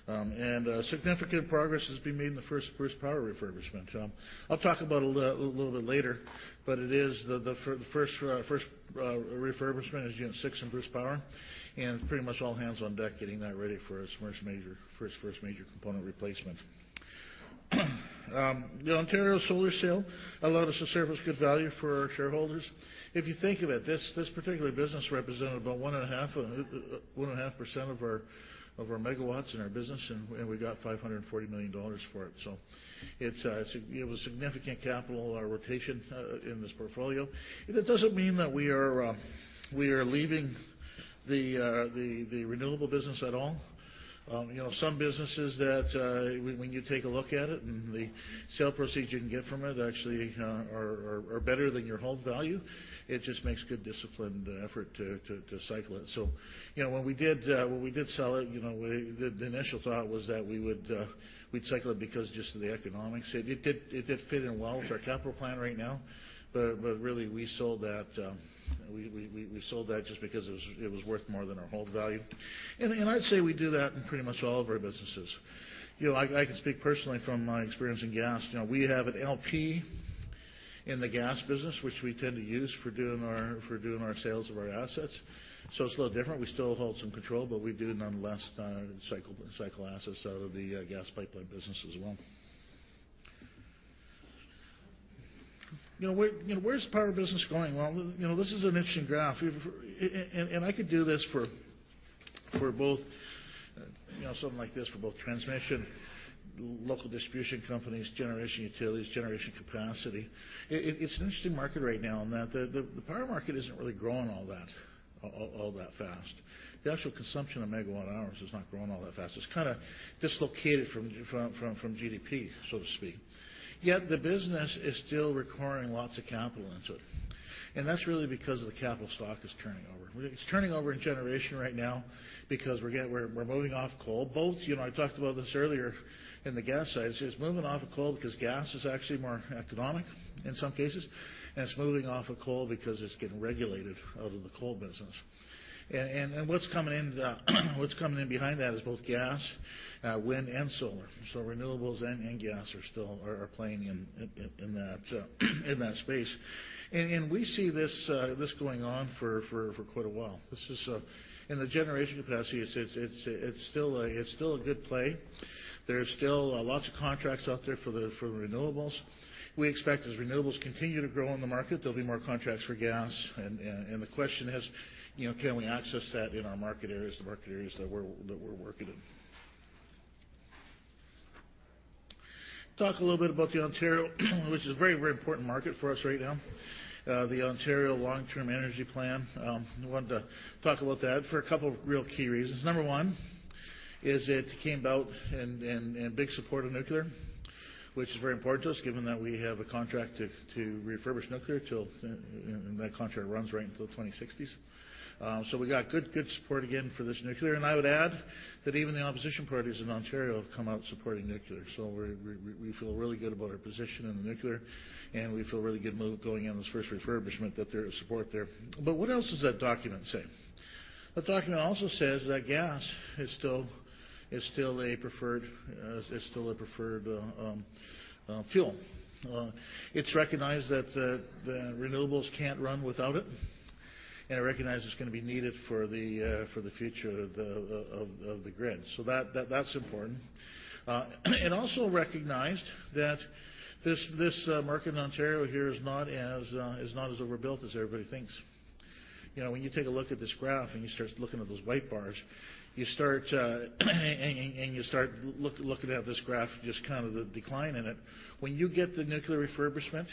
Significant progress has been made in the first Bruce Power refurbishment. I'll talk about it a little bit later, but it is the first refurbishment is unit 6 in Bruce Power, and it's pretty much all hands on deck getting that ready for its first major component replacement. The Ontario solar sale allowed us to surface good value for our shareholders. If you think of it, this particular business represented about 1.5% of our megawatts in our business, and we got 540 million dollars for it. It was significant capital rotation in this portfolio. That doesn't mean that we are leaving the renewable business at all. Some businesses that when you take a look at it and the sale proceed you can get from it actually are better than your hold value. It just makes good disciplined effort to cycle it. When we did sell it, the initial thought was that we'd cycle it because just of the economics. It did fit in well with our capital plan right now. Really, we sold that just because it was worth more than our hold value. I'd say we do that in pretty much all of our businesses. I can speak personally from my experience in gas. We have an LP in the gas business, which we tend to use for doing our sales of our assets. It's a little different. We still hold some control, but we do nonetheless cycle assets out of the gas pipeline business as well. Where's the power business going? This is an interesting graph. I could do this for both-- something like this for both transmission, local distribution companies, generation utilities, generation capacity. It's an interesting market right now in that the power market isn't really growing all that fast. The actual consumption of megawatt hours is not growing all that fast. It's kind of dislocated from GDP, so to speak. Yet the business is still requiring lots of capital into it, that's really because of the capital stock that's turning over. It's turning over in generation right now because we're moving off coal. Both, I talked about this earlier in the gas side, it's moving off of coal because gas is actually more economic in some cases, and it's moving off of coal because it's getting regulated out of the coal business. What's coming in behind that is both gas, wind, and solar. Renewables and gas are still are playing in that space. We see this going on for quite a while. In the generation capacity, it's still a good play. There's still lots of contracts out there for renewables. We expect as renewables continue to grow in the market, there'll be more contracts for gas. The question is, can we access that in our market areas, the market areas that we're working in? Talk a little bit about the Ontario, which is a very important market for us right now. The Ontario Long-Term Energy Plan. I wanted to talk about that for a couple of real key reasons. Number one is it came about in big support of nuclear, which is very important to us given that we have a contract to refurbish nuclear, that contract runs right until the 2060s. We got good support again for this nuclear, I would add that even the opposition parties in Ontario have come out supporting nuclear. We feel really good about our position in the nuclear, we feel really good going in this first refurbishment that there is support there. What else does that document say? That document also says that gas is still a preferred fuel. It's recognized that the renewables can't run without it, and it recognizes it's going to be needed for the future of the grid. That's important. It also recognized that this market in Ontario here is not as overbuilt as everybody thinks. When you take a look at this graph and you start looking at those white bars, and you start looking at this graph, just the decline in it. When you get the nuclear refurbishment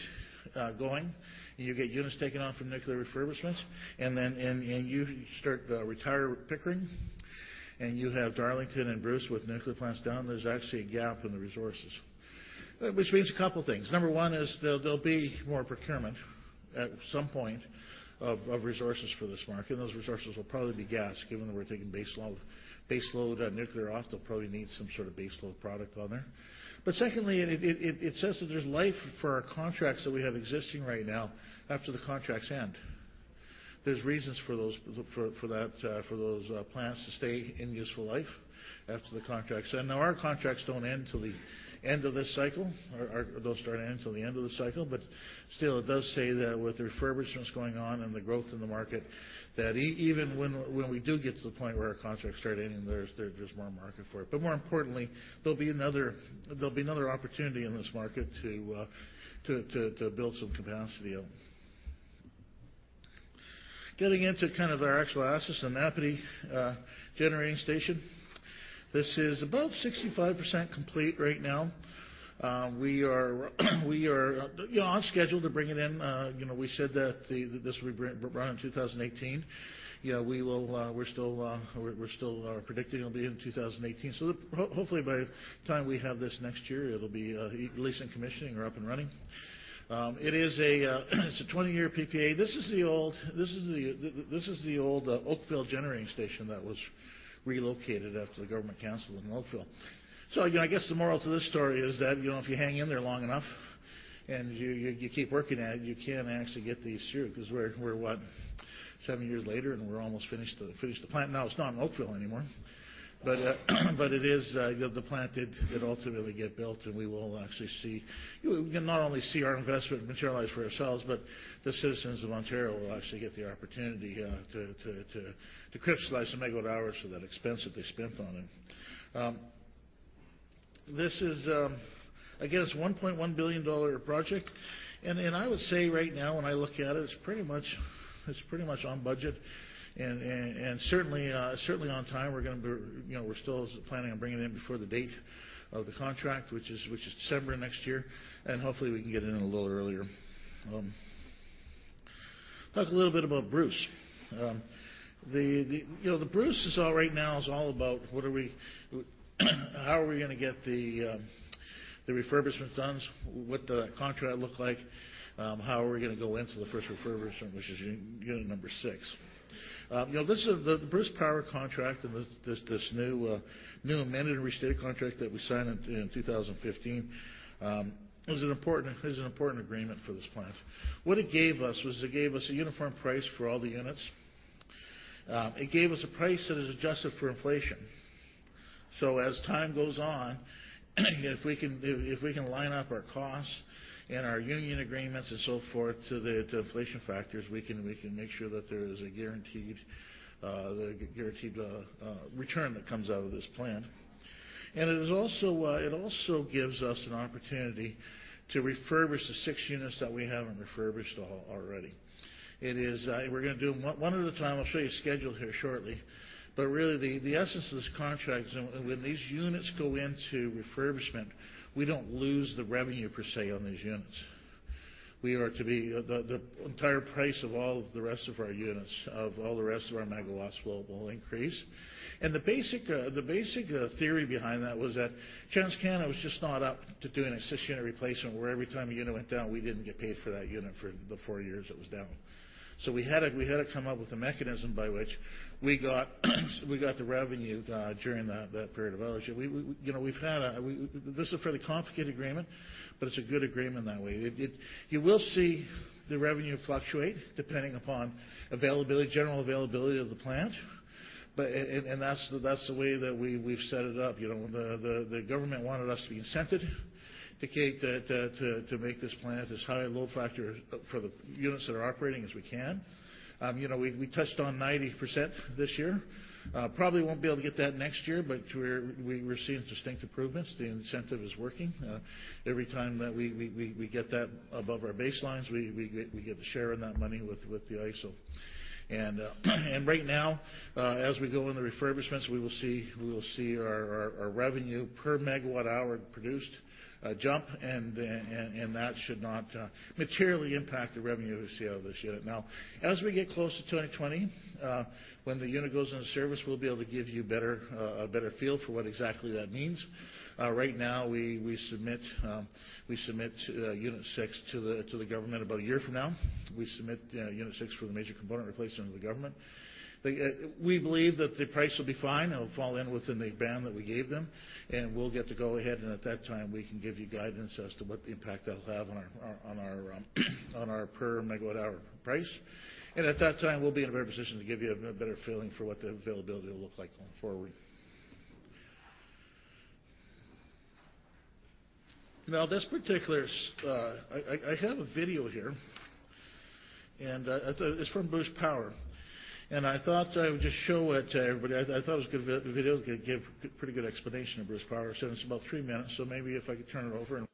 going, and you get units taken off from nuclear refurbishments, and you start retire Pickering, and you have Darlington and Bruce with nuclear plants down, there's actually a gap in the resources. Which means a couple things. Number one is there'll be more procurement at some point of resources for this market, and those resources will probably be gas, given that we're taking base load nuclear off, they'll probably need some sort of base load product on there. Secondly, it says that there's life for our contracts that we have existing right now after the contracts end. There's reasons for those plants to stay in useful life after the contracts end. Now, our contracts don't end till the end of this cycle, or those don't end till the end of the cycle. Still, it does say that with refurbishments going on and the growth in the market, that even when we do get to the point where our contracts start ending, there's more market for it. More importantly, there'll be another opportunity in this market to build some capacity. Getting into our actual assets, the Napanee Generating Station. This is about 65% complete right now. We are on schedule to bring it in. We said that this will be brought in 2018. We're still predicting it'll be in 2018. Hopefully by the time we have this next year, it'll be at least in commissioning or up and running. It is a 20-year PPA. This is the old Oakville Generating Station that was relocated after the government canceled in Oakville. I guess the moral to this story is that, if you hang in there long enough, and you keep working at it, you can actually get these through, because we're what? seven years later, and we're almost finished the plant. Now it's not in Oakville anymore. The plant did ultimately get built, and we will not only see our investment materialize for ourselves, but the citizens of Ontario will actually get the opportunity to crystallize some megawatt hours for that expense that they spent on it. Again, it's a CAD 1.1 billion project. I would say right now when I look at it's pretty much on budget and certainly on time. We're still planning on bringing it in before the date of the contract, which is December next year. Hopefully we can get it in a little earlier. Talk a little bit about Bruce. The Bruce right now is all about how are we going to get the refurbishment done? What the contract look like? How are we going to go into the first refurbishment, which is unit number 6. The Bruce Power contract and this new amended restated contract that we signed in 2015 is an important agreement for this plant. What it gave us was it gave us a uniform price for all the units. It gave us a price that is adjusted for inflation. As time goes on, if we can line up our costs and our union agreements and so forth to the inflation factors, we can make sure that there is a guaranteed return that comes out of this plant. It also gives us an opportunity to refurbish the 6 units that we haven't refurbished already. We're going to do them one at a time. I'll show you a schedule here shortly. Really the essence of this contract is when these units go into refurbishment, we don't lose the revenue per se on these units. The entire price of all the rest of our units, of all the rest of our megawatts flow will increase. The basic theory behind that was that TransCanada was just not up to doing a 6-unit replacement, where every time a unit went down, we didn't get paid for that unit for the 4 years it was down. We had to come up with a mechanism by which we got the revenue during that period of ownership. This is a fairly complicated agreement, but it's a good agreement that way. You will see the revenue fluctuate depending upon general availability of the plant. That's the way that we've set it up. The government wanted us to be incented to make this plant as high a load factor for the units that are operating as we can. We touched on 90% this year. Probably won't be able to get that next year, but we're seeing distinct improvements. The incentive is working. Every time that we get that above our baselines, we get to share in that money with the IESO. Right now, as we go in the refurbishments, we will see our revenue per megawatt hour produced jump, and that should not materially impact the revenue we see out of this unit. As we get close to 2020, when the unit goes into service, we'll be able to give you a better feel for what exactly that means. Right now, we submit unit 6 to the government about a year from now. We submit unit 6 for the major component replacement to the government. We believe that the price will be fine, and it'll fall in within the band that we gave them, and we'll get the go ahead, and at that time, we can give you guidance as to what the impact that'll have on our per megawatt hour price. At that time, we'll be in a better position to give you a better feeling for what the availability will look like going forward. I have a video here, and it's from Bruce Power. I thought I would just show it to everybody. I thought the video gave a pretty good explanation of Bruce Power. It's about 3 minutes, so maybe if I could turn it over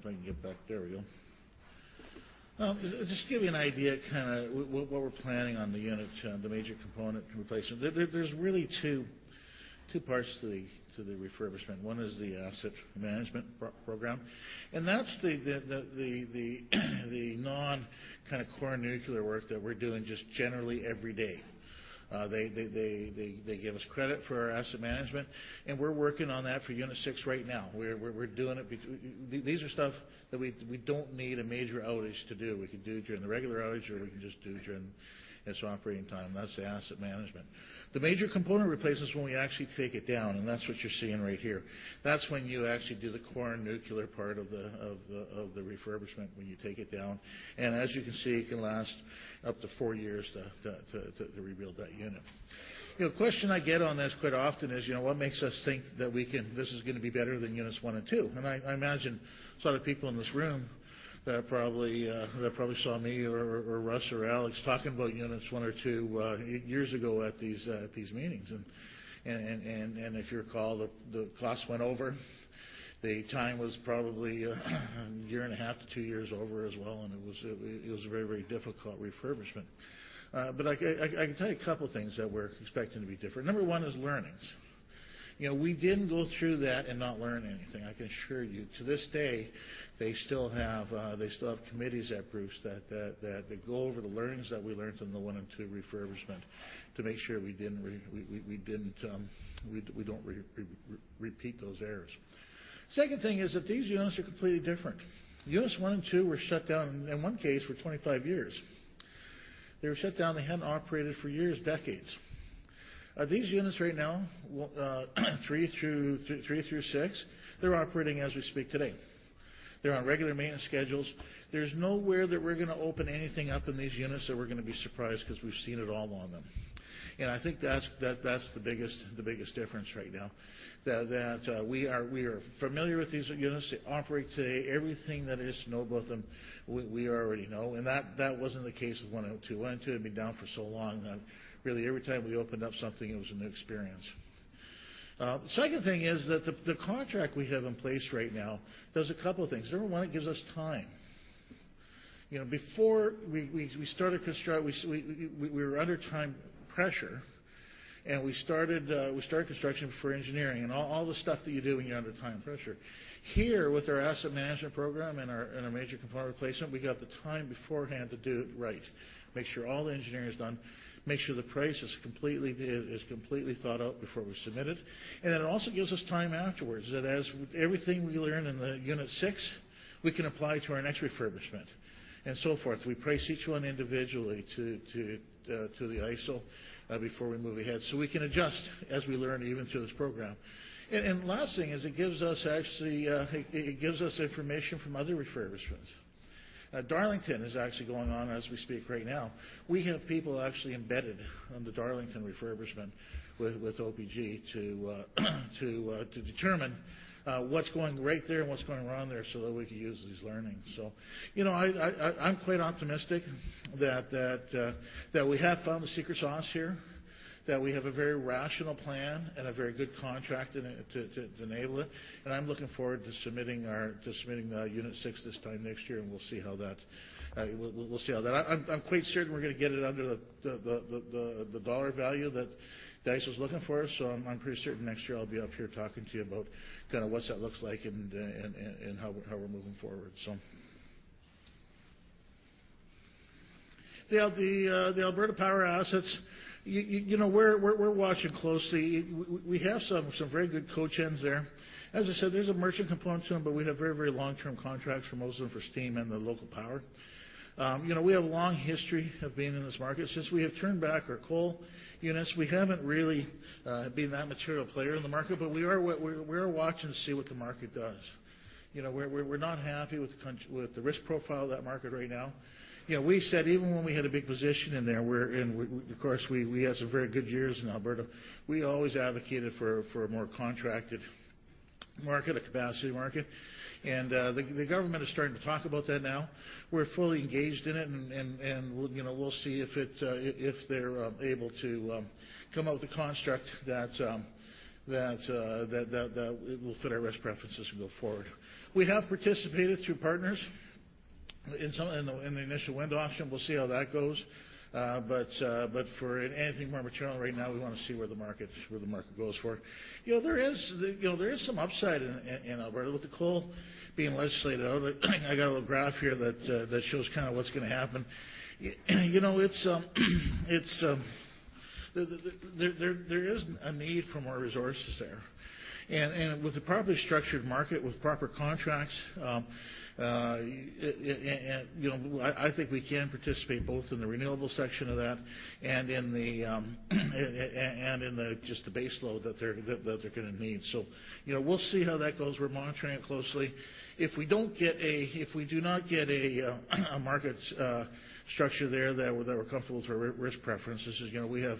and if I can get back, there we go. Just to give you an idea of what we're planning on the unit, the major component replacement. There's really two parts to the refurbishment. One is the asset management program, and that's the non-core nuclear work that we're doing just generally every day. They give us credit for our asset management, and we're working on that for unit 6 right now. We're doing it. These are stuff that we don't need a major outage to do. We could do it during the regular outage, or we can just do it during its operating time. That's the asset management. The major component replaces when we actually take it down, and that's what you're seeing right here. That's when you actually do the core nuclear part of the refurbishment, when you take it down. As you can see, it can last up to four years to rebuild that unit. The question I get on this quite often is, what makes us think that this is going to be better than units 1 and 2? I imagine there's a lot of people in this room that probably saw me or Russ or Alex talking about units 1 or 2 years ago at these meetings. If you recall, the cost went over. The time was probably a year and a half to two years over as well, and it was a very difficult refurbishment. I can tell you a couple of things that we're expecting to be different. Number 1 is learnings. We didn't go through that and not learn anything, I can assure you. To this day, they still have committees at Bruce that go over the learnings that we learned from the 1 and 2 refurbishment to make sure we don't repeat those errors. Second thing is that these units are completely different. Units 1 and 2 were shut down, in 1 case, for 25 years. They were shut down. They hadn't operated for years, decades. These units right now, 3 through 6, they're operating as we speak today. They're on regular maintenance schedules. There's nowhere that we're going to open anything up in these units that we're going to be surprised because we've seen it all on them. I think that's the biggest difference right now, that we are familiar with these units. They operate today. Everything that is to know about them, we already know, and that wasn't the case with 1 and 2. 1 and 2 had been down for so long that really every time we opened up something, it was a new experience. Second thing is that the contract we have in place right now does a couple of things. Number 1, it gives us time. Before we started construction, we were under time pressure, we started construction before engineering and all the stuff that you do when you're under time pressure. Here, with our asset management program and our major component replacement, we got the time beforehand to do it right, make sure all the engineering is done, make sure the price is completely thought out before we submit it. It also gives us time afterwards that as everything we learn in the unit 6, we can apply to our next refurbishment and so forth. We price each one individually to the ISO before we move ahead, so we can adjust as we learn even through this program. Last thing is it gives us information from other refurbishments. Darlington is actually going on as we speak right now. We have people actually embedded on the Darlington refurbishment with OPG to determine what's going right there and what's going wrong there so that we can use these learnings. I'm quite optimistic that we have found the secret sauce here, that we have a very rational plan and a very good contract to enable it, and I'm looking forward to submitting unit 6 this time next year, and we'll see how that I'm quite certain we're going to get it under the CAD value that the IESO is looking for. I'm pretty certain next year I'll be up here talking to you about what that looks like and how we're moving forward. The Alberta power assets, we're watching closely. We have some very good co-gens there. As I said, there's a merchant component to them, but we have very long-term contracts for most of them for steam and the local power. We have a long history of being in this market. Since we have turned back our coal units, we haven't really been that material player in the market. We are watching to see what the market does. We're not happy with the risk profile of that market right now. We said even when we had a big position in there, of course, we had some very good years in Alberta. We always advocated for a more contracted market, a capacity market. The government is starting to talk about that now. We're fully engaged in it, and we'll see if they're able to come out with a construct that will fit our risk preferences and go forward. We have participated through partners in the initial wind auction. We'll see how that goes. For anything more material right now, we want to see where the market goes for it. There is some upside in Alberta with the coal being legislated out. I got a little graph here that shows kind of what's going to happen. There is a need for more resources there. With a properly structured market, with proper contracts, I think we can participate both in the renewable section of that and in just the base load that they're going to need. We'll see how that goes. We're monitoring it closely. If we do not get a market structure there that we're comfortable with our risk preferences, we have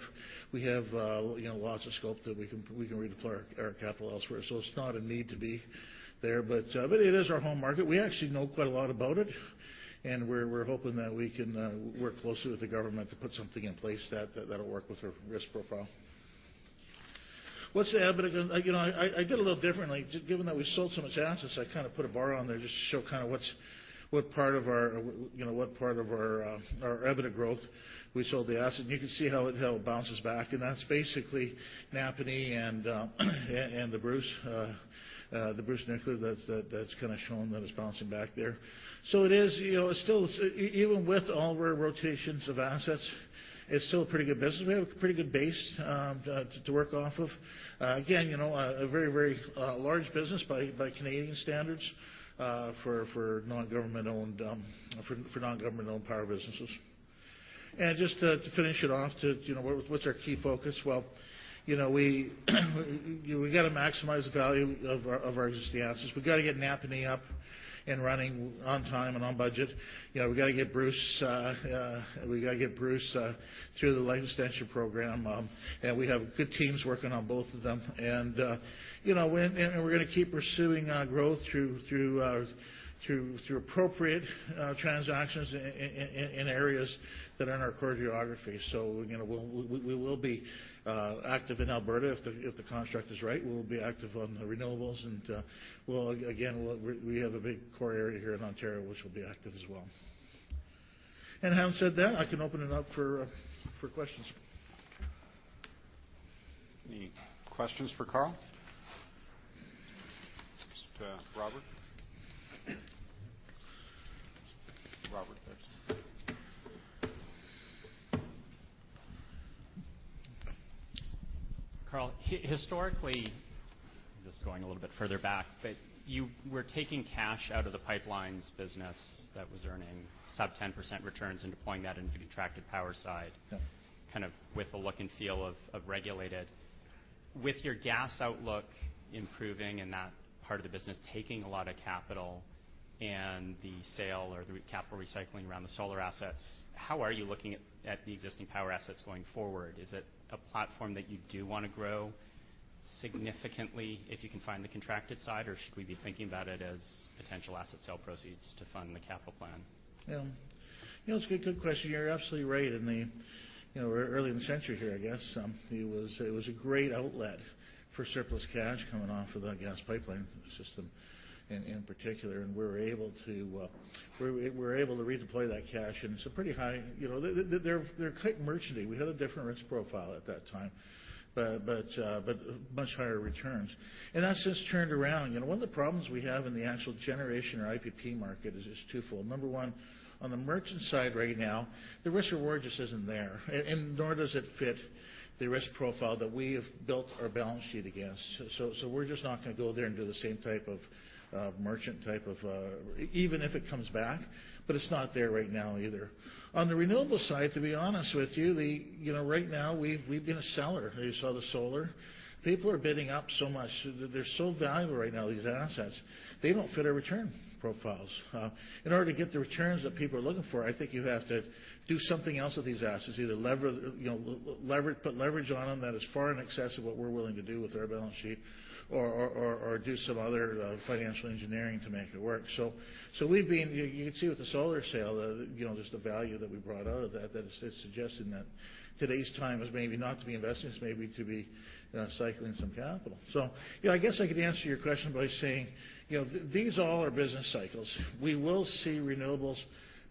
lots of scope that we can redeploy our capital elsewhere. It's not a need to be there. It is our home market. We actually know quite a lot about it, we're hoping that we can work closely with the government to put something in place that'll work with our risk profile. I did it a little differently. Given that we sold so much assets, I kind of put a bar on there just to show kind of what part of our EBITDA growth we sold the asset. You can see how it bounces back, and that's basically Napanee and the Bruce nuclear that's kind of shown that it's bouncing back there. Even with all of our rotations of assets, it's still a pretty good business. We have a pretty good base to work off of. Again, a very large business by Canadian standards for non-government-owned power businesses. Just to finish it off to what's our key focus? Well, we've got to maximize the value of our existing assets. We've got to get Napanee up and running on time and on budget. We've got to get Bruce through the life extension program. We have good teams working on both of them. We're going to keep pursuing growth through appropriate transactions in areas that are in our core geography. We will be active in Alberta if the construct is right. We'll be active on the renewables, again, we have a big core area here in Ontario, which will be active as well. Having said that, I can open it up for questions. Any questions for Carl? Robert. Robert first. Carl, historically, just going a little bit further back, you were taking cash out of the pipelines business that was earning sub 10% returns and deploying that into the contracted power side. Yeah kind of with a look and feel of regulated. With your gas outlook improving and that part of the business taking a lot of capital and the sale or the capital recycling around the solar assets, how are you looking at the existing power assets going forward? Is it a platform that you do want to grow significantly if you can find the contracted side? Should we be thinking about it as potential asset sale proceeds to fund the capital plan? Yeah. It's a good question. You're absolutely right. Early in the century here, I guess, it was a great outlet for surplus cash coming off of that gas pipeline system in particular. We were able to redeploy that cash. They're quite merchanty. We had a different risk profile at that time. Much higher returns. That's just turned around. One of the problems we have in the actual generation or IPP market is just twofold. Number one, on the merchant side right now, the risk/reward just isn't there, and nor does it fit the risk profile that we have built our balance sheet against. We're just not going to go there and do the same type of merchant. Even if it comes back, but it's not there right now either. On the renewable side, to be honest with you, right now we've been a seller. You saw the solar. People are bidding up so much. They're so valuable right now, these assets. They don't fit our return profiles. In order to get the returns that people are looking for, I think you have to do something else with these assets, either put leverage on them that is far in excess of what we're willing to do with our balance sheet or do some other financial engineering to make it work. You can see with the solar sale, just the value that we brought out of that it's suggesting that today's time is maybe not to be investing, it's maybe to be cycling some capital. I guess I could answer your question by saying, these all are business cycles. We will see renewables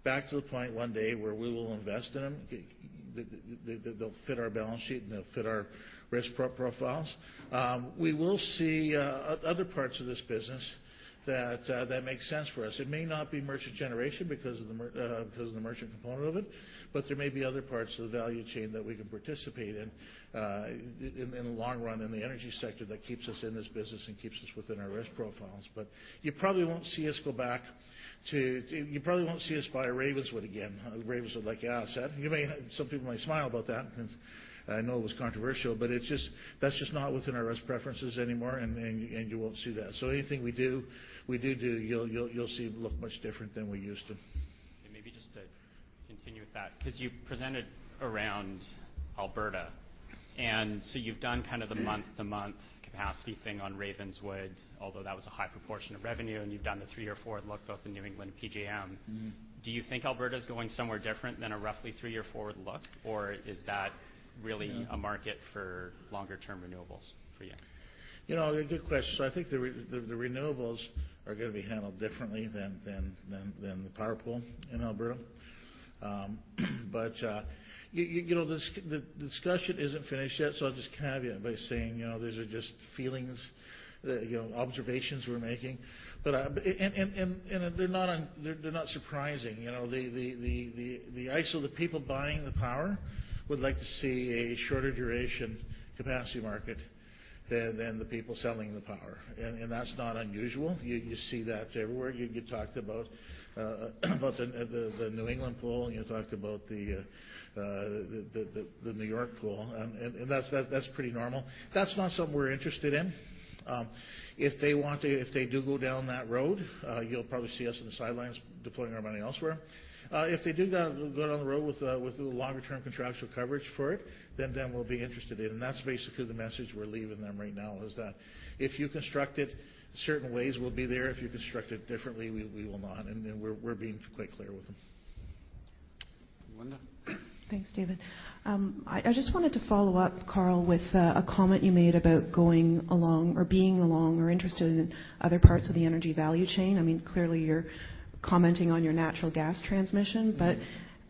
back to the point one day where we will invest in them. They'll fit our balance sheet, and they'll fit our risk profiles. We will see other parts of this business that make sense for us. It may not be merchant generation because of the merchant component of it, but there may be other parts of the value chain that we can participate in the long run in the energy sector that keeps us in this business and keeps us within our risk profiles. You probably won't see us buy Ravenswood again. Ravenswood, like I said. Some people might smile about that since I know it was controversial, but that's just not within our risk preferences anymore, and you won't see that. Anything we do, you'll see look much different than we used to. Maybe just to continue with that, because you presented around Alberta, and so you've done kind of the month-to-month capacity thing on Ravenswood, although that was a high proportion of revenue, and you've done the three-year forward look, both in New England and PJM. Do you think Alberta's going somewhere different than a roughly three-year forward look? Is that really a market for longer-term renewables for you? Good question. I think the renewables are going to be handled differently than the power pool in Alberta. The discussion isn't finished yet, so I'll just caveat by saying, these are just feelings, observations we're making. They're not surprising. The people buying the power would like to see a shorter duration capacity market than the people selling the power. That's not unusual. You see that everywhere. You talked about the New England pool, and you talked about the New York pool, and that's pretty normal. That's not something we're interested in. If they do go down that road, you'll probably see us on the sidelines deploying our money elsewhere. If they do go down the road with longer-term contractual coverage for it, we'll be interested in it. That's basically the message we're leaving them right now is that if you construct it certain ways, we'll be there. If you construct it differently, we will not. We're being quite clear with them. Linda? Thanks, David. I just wanted to follow up, Carl, with a comment you made about going along or being along or interested in other parts of the energy value chain. Clearly, you're commenting on your natural gas transmission.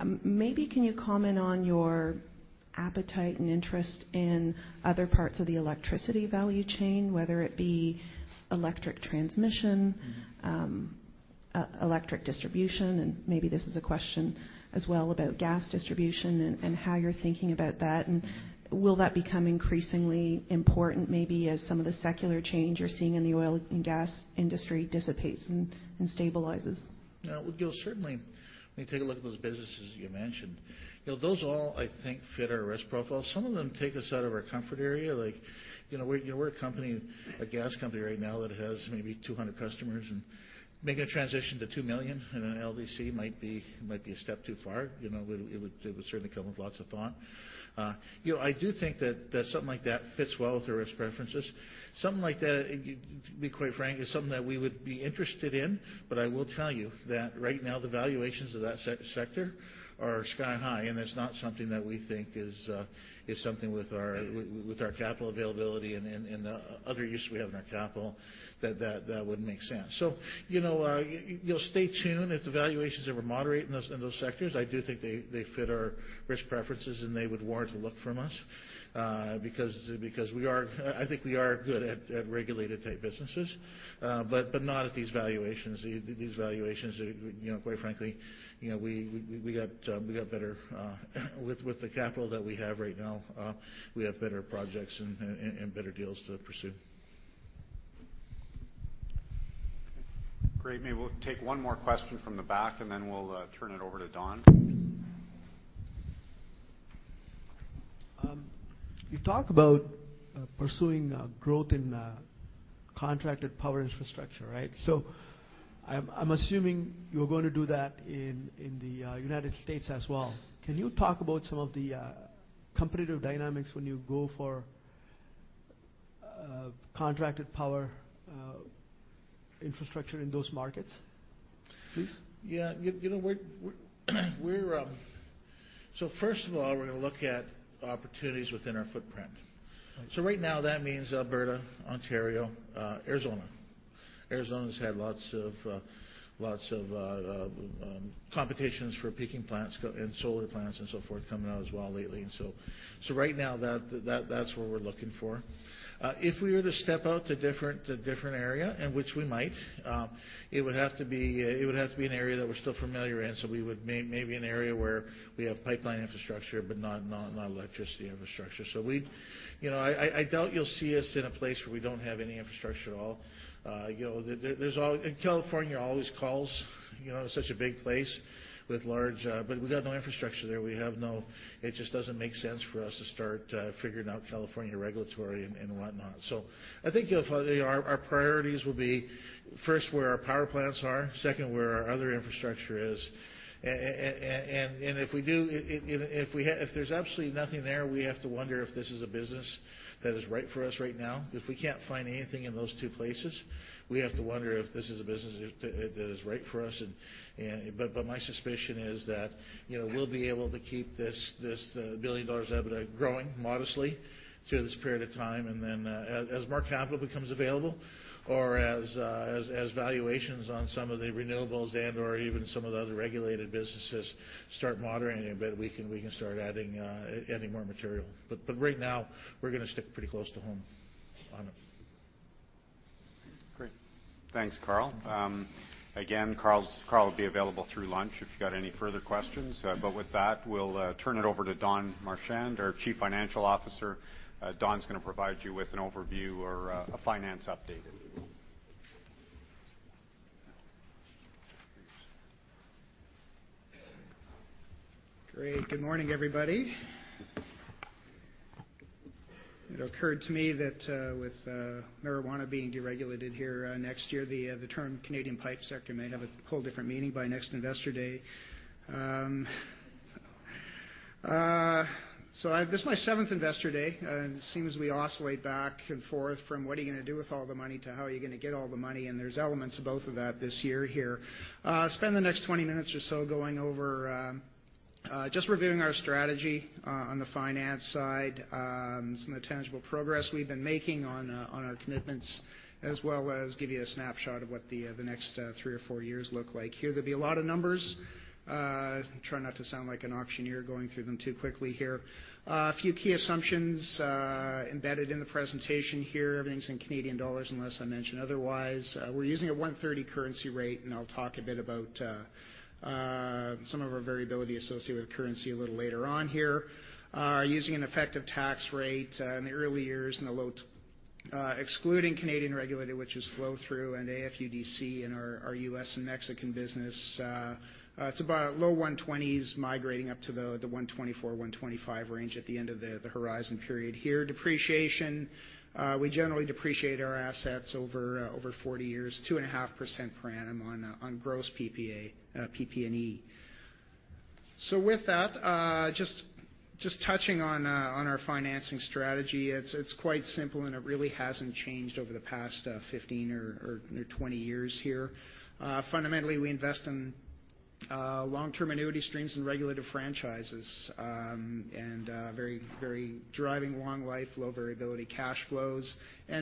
Can you comment on your appetite and interest in other parts of the electricity value chain, whether it be electric transmission, electric distribution, and maybe this is a question as well about gas distribution and how you're thinking about that. Will that become increasingly important, maybe as some of the secular change you're seeing in the oil and gas industry dissipates and stabilizes? No. Certainly, when you take a look at those businesses you mentioned, those all, I think, fit our risk profile. Some of them take us out of our comfort area. We're a gas company right now that has maybe 200 customers, and making a transition to 2 million in an LDC might be a step too far. It would certainly come with lots of thought. I do think that something like that fits well with our risk preferences. Something like that, to be quite frank, is something that we would be interested in, but I will tell you that right now, the valuations of that sector are sky high, and it's not something that we think is something with our capital availability and the other use we have in our capital that would make sense. Stay tuned. If the valuations ever moderate in those sectors, I do think they fit our risk preferences and they would warrant a look from us. I think we are good at regulated type businesses. Not at these valuations. These valuations, quite frankly, with the capital that we have right now, we have better projects and better deals to pursue. Great. Maybe we'll take one more question from the back, then we'll turn it over to Don. You talk about pursuing growth in contracted power infrastructure, right? I'm assuming you're going to do that in the U.S. as well. Can you talk about some of the competitive dynamics when you go for contracted power infrastructure in those markets, please? Yeah. First of all, we're going to look at opportunities within our footprint. Okay. Right now, that means Alberta, Ontario, Arizona. Arizona's had lots of competitions for peaking plants and solar plants and so forth coming out as well lately. Right now, that's what we're looking for. If we were to step out to a different area, and which we might, it would have to be an area that we're still familiar in, so maybe an area where we have pipeline infrastructure but not a lot of electricity infrastructure. I doubt you'll see us in a place where we don't have any infrastructure at all. California always calls. It's such a big place with large. We got no infrastructure there. It just doesn't make sense for us to start figuring out California regulatory and whatnot. I think our priorities will be, first, where our power plants are. Second, where our other infrastructure is. If there's absolutely nothing there, we have to wonder if this is a business that is right for us right now. If we can't find anything in those two places, we have to wonder if this is a business that is right for us. My suspicion is that we'll be able to keep this 1 billion dollars EBITDA growing modestly through this period of time. As more capital becomes available or as valuations on some of the renewables and/or even some of the other regulated businesses start moderating a bit, we can start adding more material. Right now, we're going to stick pretty close to home. Great. Thanks, Karl. Again, Karl will be available through lunch if you've got any further questions. With that, we'll turn it over to Don Marchand, our Chief Financial Officer. Don's going to provide you with an overview or a finance update. Great. Good morning, everybody. It occurred to me that with marijuana being deregulated here next year, the term Canadian pipe sector may have a whole different meaning by next Investor Day. This is my seventh investor day. It seems we oscillate back and forth from what are you going to do with all the money to how are you going to get all the money, and there's elements of both of that this year here. Spend the next 20 minutes or so just reviewing our strategy on the finance side, some of the tangible progress we've been making on our commitments, as well as give you a snapshot of what the next three or four years look like. Here, there'll be a lot of numbers. Try not to sound like an auctioneer going through them too quickly here. A few key assumptions embedded in the presentation here. Everything's in Canadian dollars unless I mention otherwise. We're using a 130 currency rate and I'll talk a bit about some of our variability associated with currency a little later on here. Using an effective tax rate in the early years and excluding Canadian regulated, which is flow-through and AFUDC in our U.S. and Mexican business. It's about low 120s migrating up to the 124-125 range at the end of the horizon period. Here, depreciation. We generally depreciate our assets over 40 years, 2.5% per annum on gross PP&E. With that, just touching on our financing strategy, it's quite simple and it really hasn't changed over the past 15 or 20 years here. Fundamentally, we invest in long-term annuity streams and regulated franchises, and very driving long life, low variability cash flows.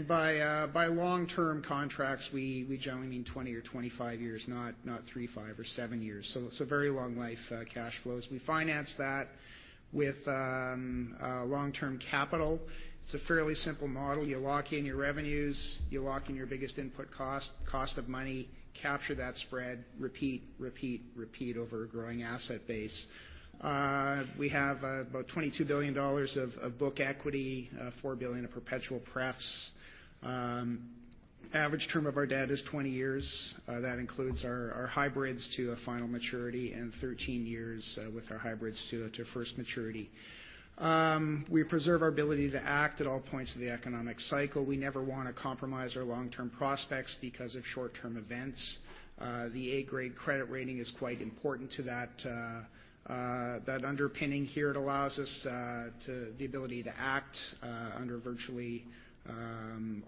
By long-term contracts, we generally mean 20 or 25 years, not three, five or seven years. Very long life cash flows. We finance that with long-term capital. It is a fairly simple model. You lock in your revenues, you lock in your biggest input cost of money, capture that spread, repeat over a growing asset base. We have about 22 billion dollars of book equity, 4 billion of perpetual prefs. Average term of our debt is 20 years. That includes our hybrids to a final maturity and 13 years with our hybrids to first maturity. We preserve our ability to act at all points of the economic cycle. We never want to compromise our long-term prospects because of short-term events. The A grade credit rating is quite important to that underpinning here. It allows us the ability to act under virtually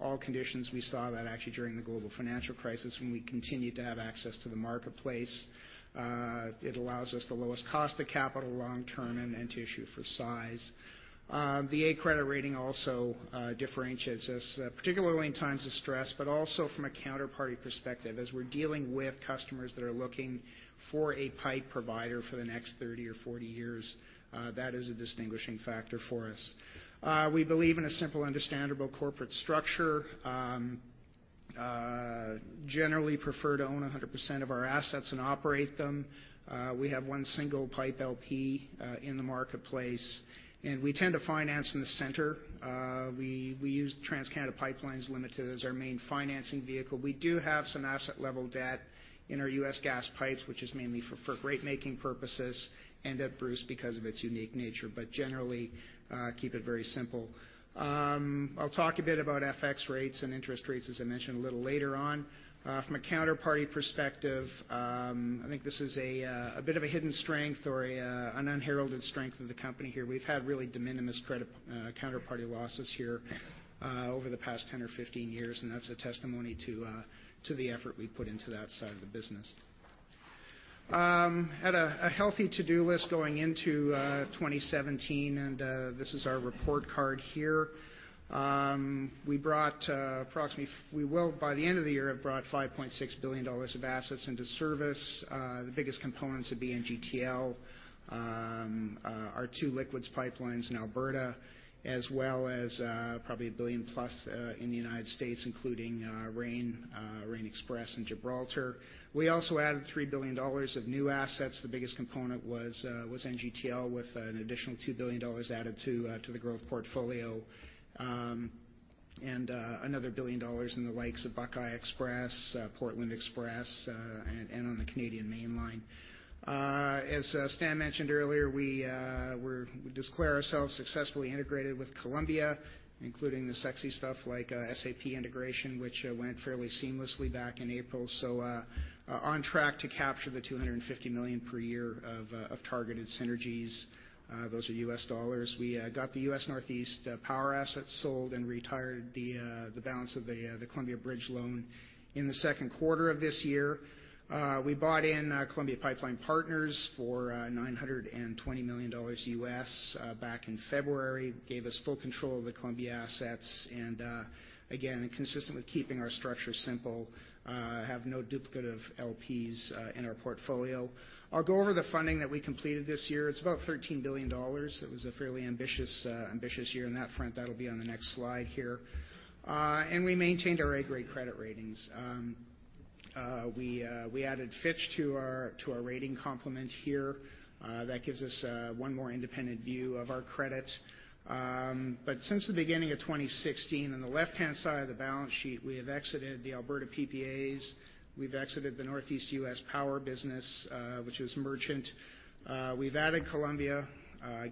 all conditions. We saw that actually during the global financial crisis, when we continued to have access to the marketplace. It allows us the lowest cost of capital long term and to issue for size. The A credit rating also differentiates us, particularly in times of stress, but also from a counterparty perspective. As we are dealing with customers that are looking for a pipe provider for the next 30 or 40 years, that is a distinguishing factor for us. We believe in a simple, understandable corporate structure. Generally prefer to own 100% of our assets and operate them. We have one single pipe LP in the marketplace, and we tend to finance in the center. We use TransCanada PipeLines Limited as our main financing vehicle. We do have some asset level debt in our U.S. gas pipes, which is mainly for rate-making purposes and at Bruce because of its unique nature. Generally, keep it very simple. I will talk a bit about FX rates and interest rates, as I mentioned, a little later on. From a counterparty perspective, I think this is a bit of a hidden strength or an unheralded strength of the company here. We have had really de minimis credit counterparty losses here over the past 10 or 15 years, and that is a testimony to the effort we put into that side of the business. Had a healthy to-do list going into 2017, and this is our report card here. By the end of the year, have brought 5.6 billion dollars of assets into service. The biggest components would be NGTL, our two liquids pipelines in Alberta, as well as probably 1 billion plus in the U.S., including Rayne XPress and Gibraltar. We also added 3 billion dollars of new assets. The biggest component was NGTL, with an additional 2 billion dollars added to the growth portfolio. Another 1 billion dollars in the likes of Buckeye XPress, Portland Xpress, and on the Canadian Mainline. As Stan mentioned earlier, we declare ourselves successfully integrated with Columbia, including the sexy stuff like SAP integration, which went fairly seamlessly back in April. On track to capture the $250 million per year of targeted synergies. Those are U.S. dollars. We got the U.S. Northeast power assets sold and retired the balance of the Columbia bridge loan in the second quarter of this year. We bought in Columbia Pipeline Partners for $920 million U.S. back in February, gave us full control of the Columbia assets. Again, consistent with keeping our structure simple, have no duplicate of LPs in our portfolio. I will go over the funding that we completed this year. It is about 13 billion dollars. It was a fairly ambitious year on that front. That'll be on the next slide here. We maintained our A grade credit ratings. We added Fitch to our rating complement here. That gives us one more independent view of our credit. Since the beginning of 2016, on the left-hand side of the balance sheet, we have exited the Alberta PPAs. We've exited the Northeast U.S. Power business, which was merchant. We've added Columbia,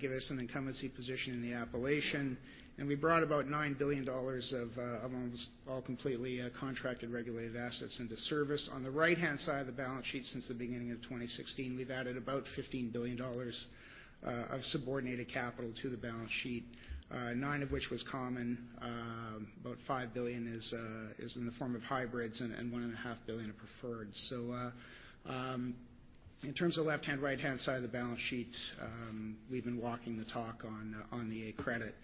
giving us an incumbency position in the Appalachian, and we brought about 9 billion dollars of almost all completely contracted regulated assets into service. On the right-hand side of the balance sheet since the beginning of 2016, we've added about 15 billion dollars of subordinated capital to the balance sheet, nine of which was common. About 5 billion is in the form of hybrids and 1.5 billion of preferred. In terms of left-hand, right-hand side of the balance sheet, we've been walking the talk on the A credit.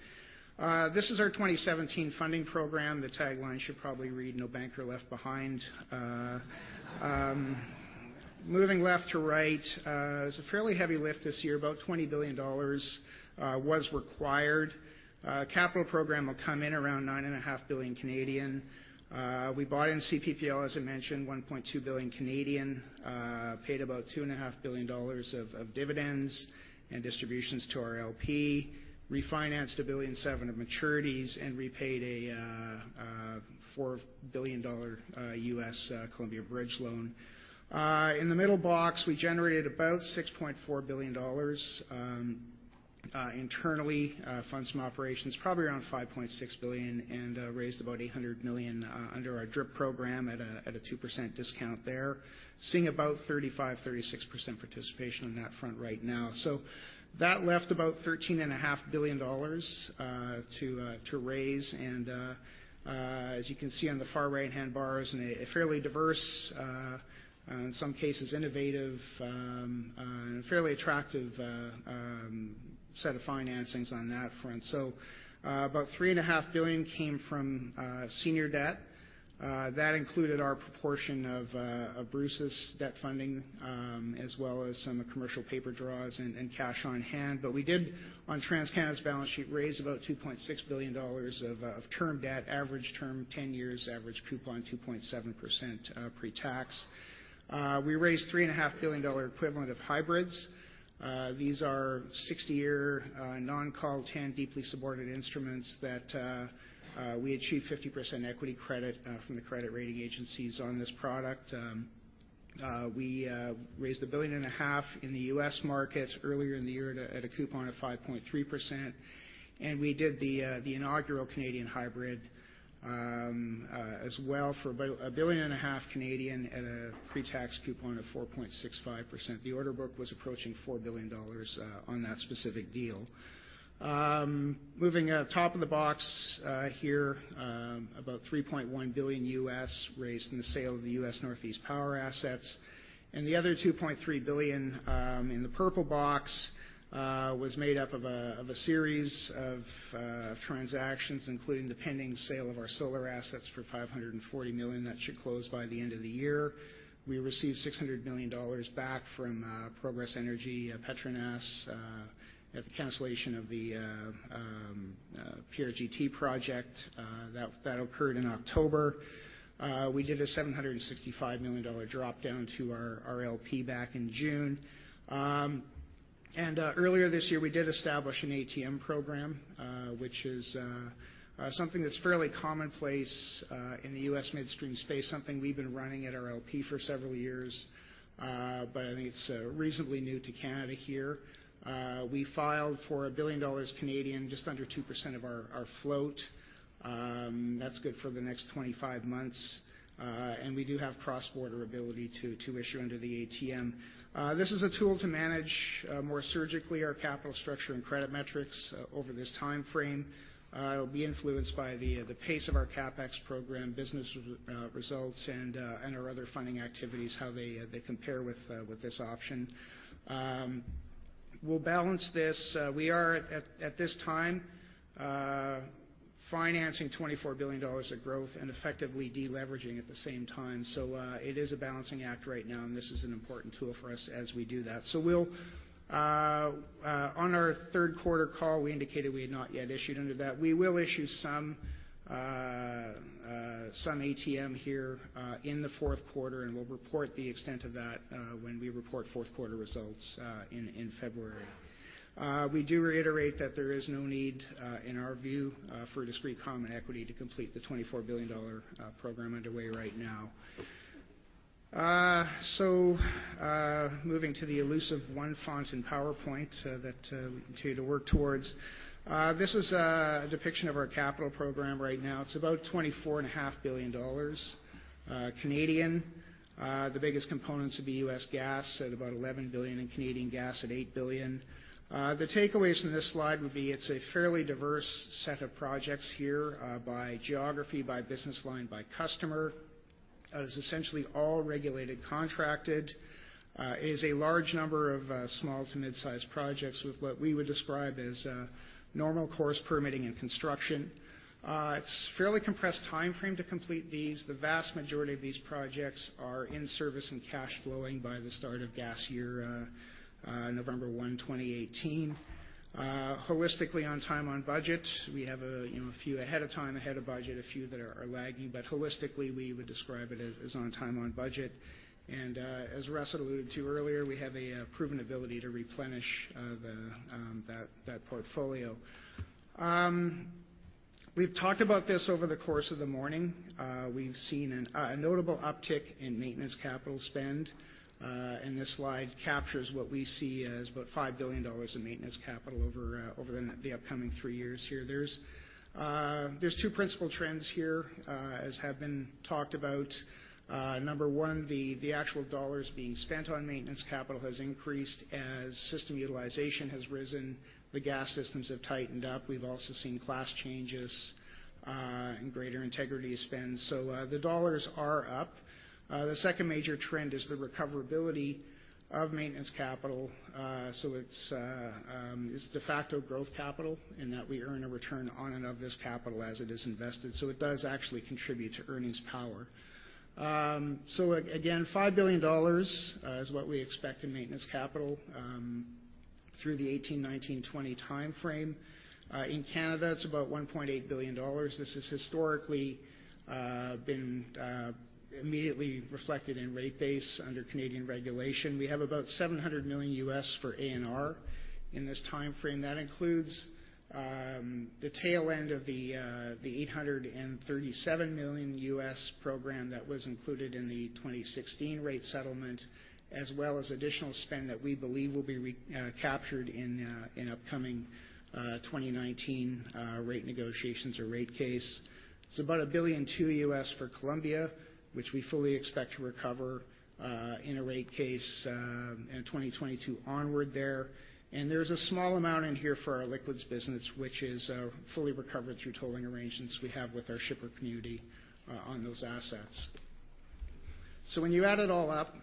This is our 2017 funding program. The tagline should probably read, No Banker Left Behind. Moving left to right, it was a fairly heavy lift this year. About 20 billion dollars was required. Capital program will come in around 9.5 billion Canadian dollars. We bought in CPPL, as I mentioned, 1.2 billion Canadian dollars, paid about 2.5 billion dollars of dividends and distributions to our LP, refinanced 1.7 billion of maturities, and repaid a $4 billion U.S. Columbia bridge loan. In the middle box, we generated about 6.4 billion dollars internally from operations, probably around 5.6 billion, and raised about 800 million under our DRIP program at a 2% discount there. Seeing about 35%, 36% participation on that front right now. That left about 13.5 billion dollars to raise and, as you can see on the far right-hand bars, in a fairly diverse, in some cases, innovative, fairly attractive set of financings on that front. About 3.5 billion came from senior debt. That included our proportion of Bruce's debt funding, as well as some commercial paper draws and cash on hand. We did, on TransCanada's balance sheet, raise about 2.6 billion dollars of term debt, average term 10 years, average coupon 2.7% pre-tax. We raised 3.5 billion dollar equivalent of hybrids. These are 60-year non-call 10 deeply supported instruments that we achieve 50% equity credit from the credit rating agencies on this product. We raised 1.5 billion in the U.S. markets earlier in the year at a coupon of 5.3%. We did the inaugural Canadian hybrid as well for about 1.5 billion at a pre-tax coupon of 4.65%. The order book was approaching 4 billion dollars on that specific deal. Moving on, top of the box here, about $3.1 billion U.S. raised in the sale of the U.S. Northeast power assets. The other 2.3 billion in the purple box was made up of a series of transactions, including the pending sale of our solar assets for 540 million. That should close by the end of the year. We received 600 million dollars back from Progress Energy Petronas at the cancellation of the PRGT project. That occurred in October. We did a 765 million dollar drop-down to our LP back in June. Earlier this year, we did establish an ATM program, which is something that's fairly commonplace in the U.S. midstream space, something we've been running at our LP for several years. I think it's reasonably new to Canada here. We filed for 1 billion dollars, just under 2% of our float. That's good for the next 25 months. We do have cross-border ability to issue under the ATM. This is a tool to manage more surgically our capital structure and credit metrics over this timeframe. It will be influenced by the pace of our CapEx program, business results, and our other funding activities, how they compare with this option. We'll balance this. We are at this time financing 24 billion dollars of growth and effectively de-leveraging at the same time. It is a balancing act right now, and this is an important tool for us as we do that. On our third quarter call, we indicated we had not yet issued under that. We will issue some ATM here in the fourth quarter, and we'll report the extent of that when we report fourth quarter results in February. We do reiterate that there is no need, in our view, for discrete common equity to complete the 24 billion dollar program underway right now. Moving to the elusive one font in PowerPoint that we continue to work towards. This is a depiction of our capital program right now. It's about 24.5 billion Canadian dollars. The biggest components would be U.S. gas at about 11 billion and Canadian gas at 8 billion. The takeaways from this slide would be it's a fairly diverse set of projects here, by geography, by business line, by customer. It is essentially all regulated, contracted. It is a large number of small to mid-size projects with what we would describe as normal course permitting and construction. It's a fairly compressed timeframe to complete these. The vast majority of these projects are in service and cash flowing by the start of gas year, November 1, 2018. Holistically on time, on budget, we have a few ahead of time, ahead of budget, a few that are lagging. Holistically, we would describe it as on time, on budget. As Russ alluded to earlier, we have a proven ability to replenish that portfolio. We've talked about this over the course of the morning. We've seen a notable uptick in maintenance capital spend, this slide captures what we see as about 5 billion dollars in maintenance capital over the upcoming three years here. There's two principal trends here, as have been talked about. Number one, the actual dollars being spent on maintenance capital has increased as system utilization has risen. The gas systems have tightened up. We've also seen class changes, and greater integrity spend. The dollars are up. The second major trend is the recoverability of maintenance capital. It's de facto growth capital in that we earn a return on and of this capital as it is invested. It does actually contribute to earnings power. Again, 5 billion dollars is what we expect in maintenance capital, through the 2018, 2019, 2020 timeframe. In Canada, it's about 1.8 billion dollars. This has historically been immediately reflected in rate base under Canadian regulation. We have about $700 million for ANR in this timeframe. That includes the tail end of the $837 million program that was included in the 2016 rate settlement, as well as additional spend that we believe will be recaptured in upcoming 2019 rate negotiations or rate case. It's about $1.2 billion for Columbia, which we fully expect to recover in a rate case in 2022 onward there. There's a small amount in here for our liquids business, which is fully recovered through tolling arrangements we have with our shipper community on those assets. When you add it all up,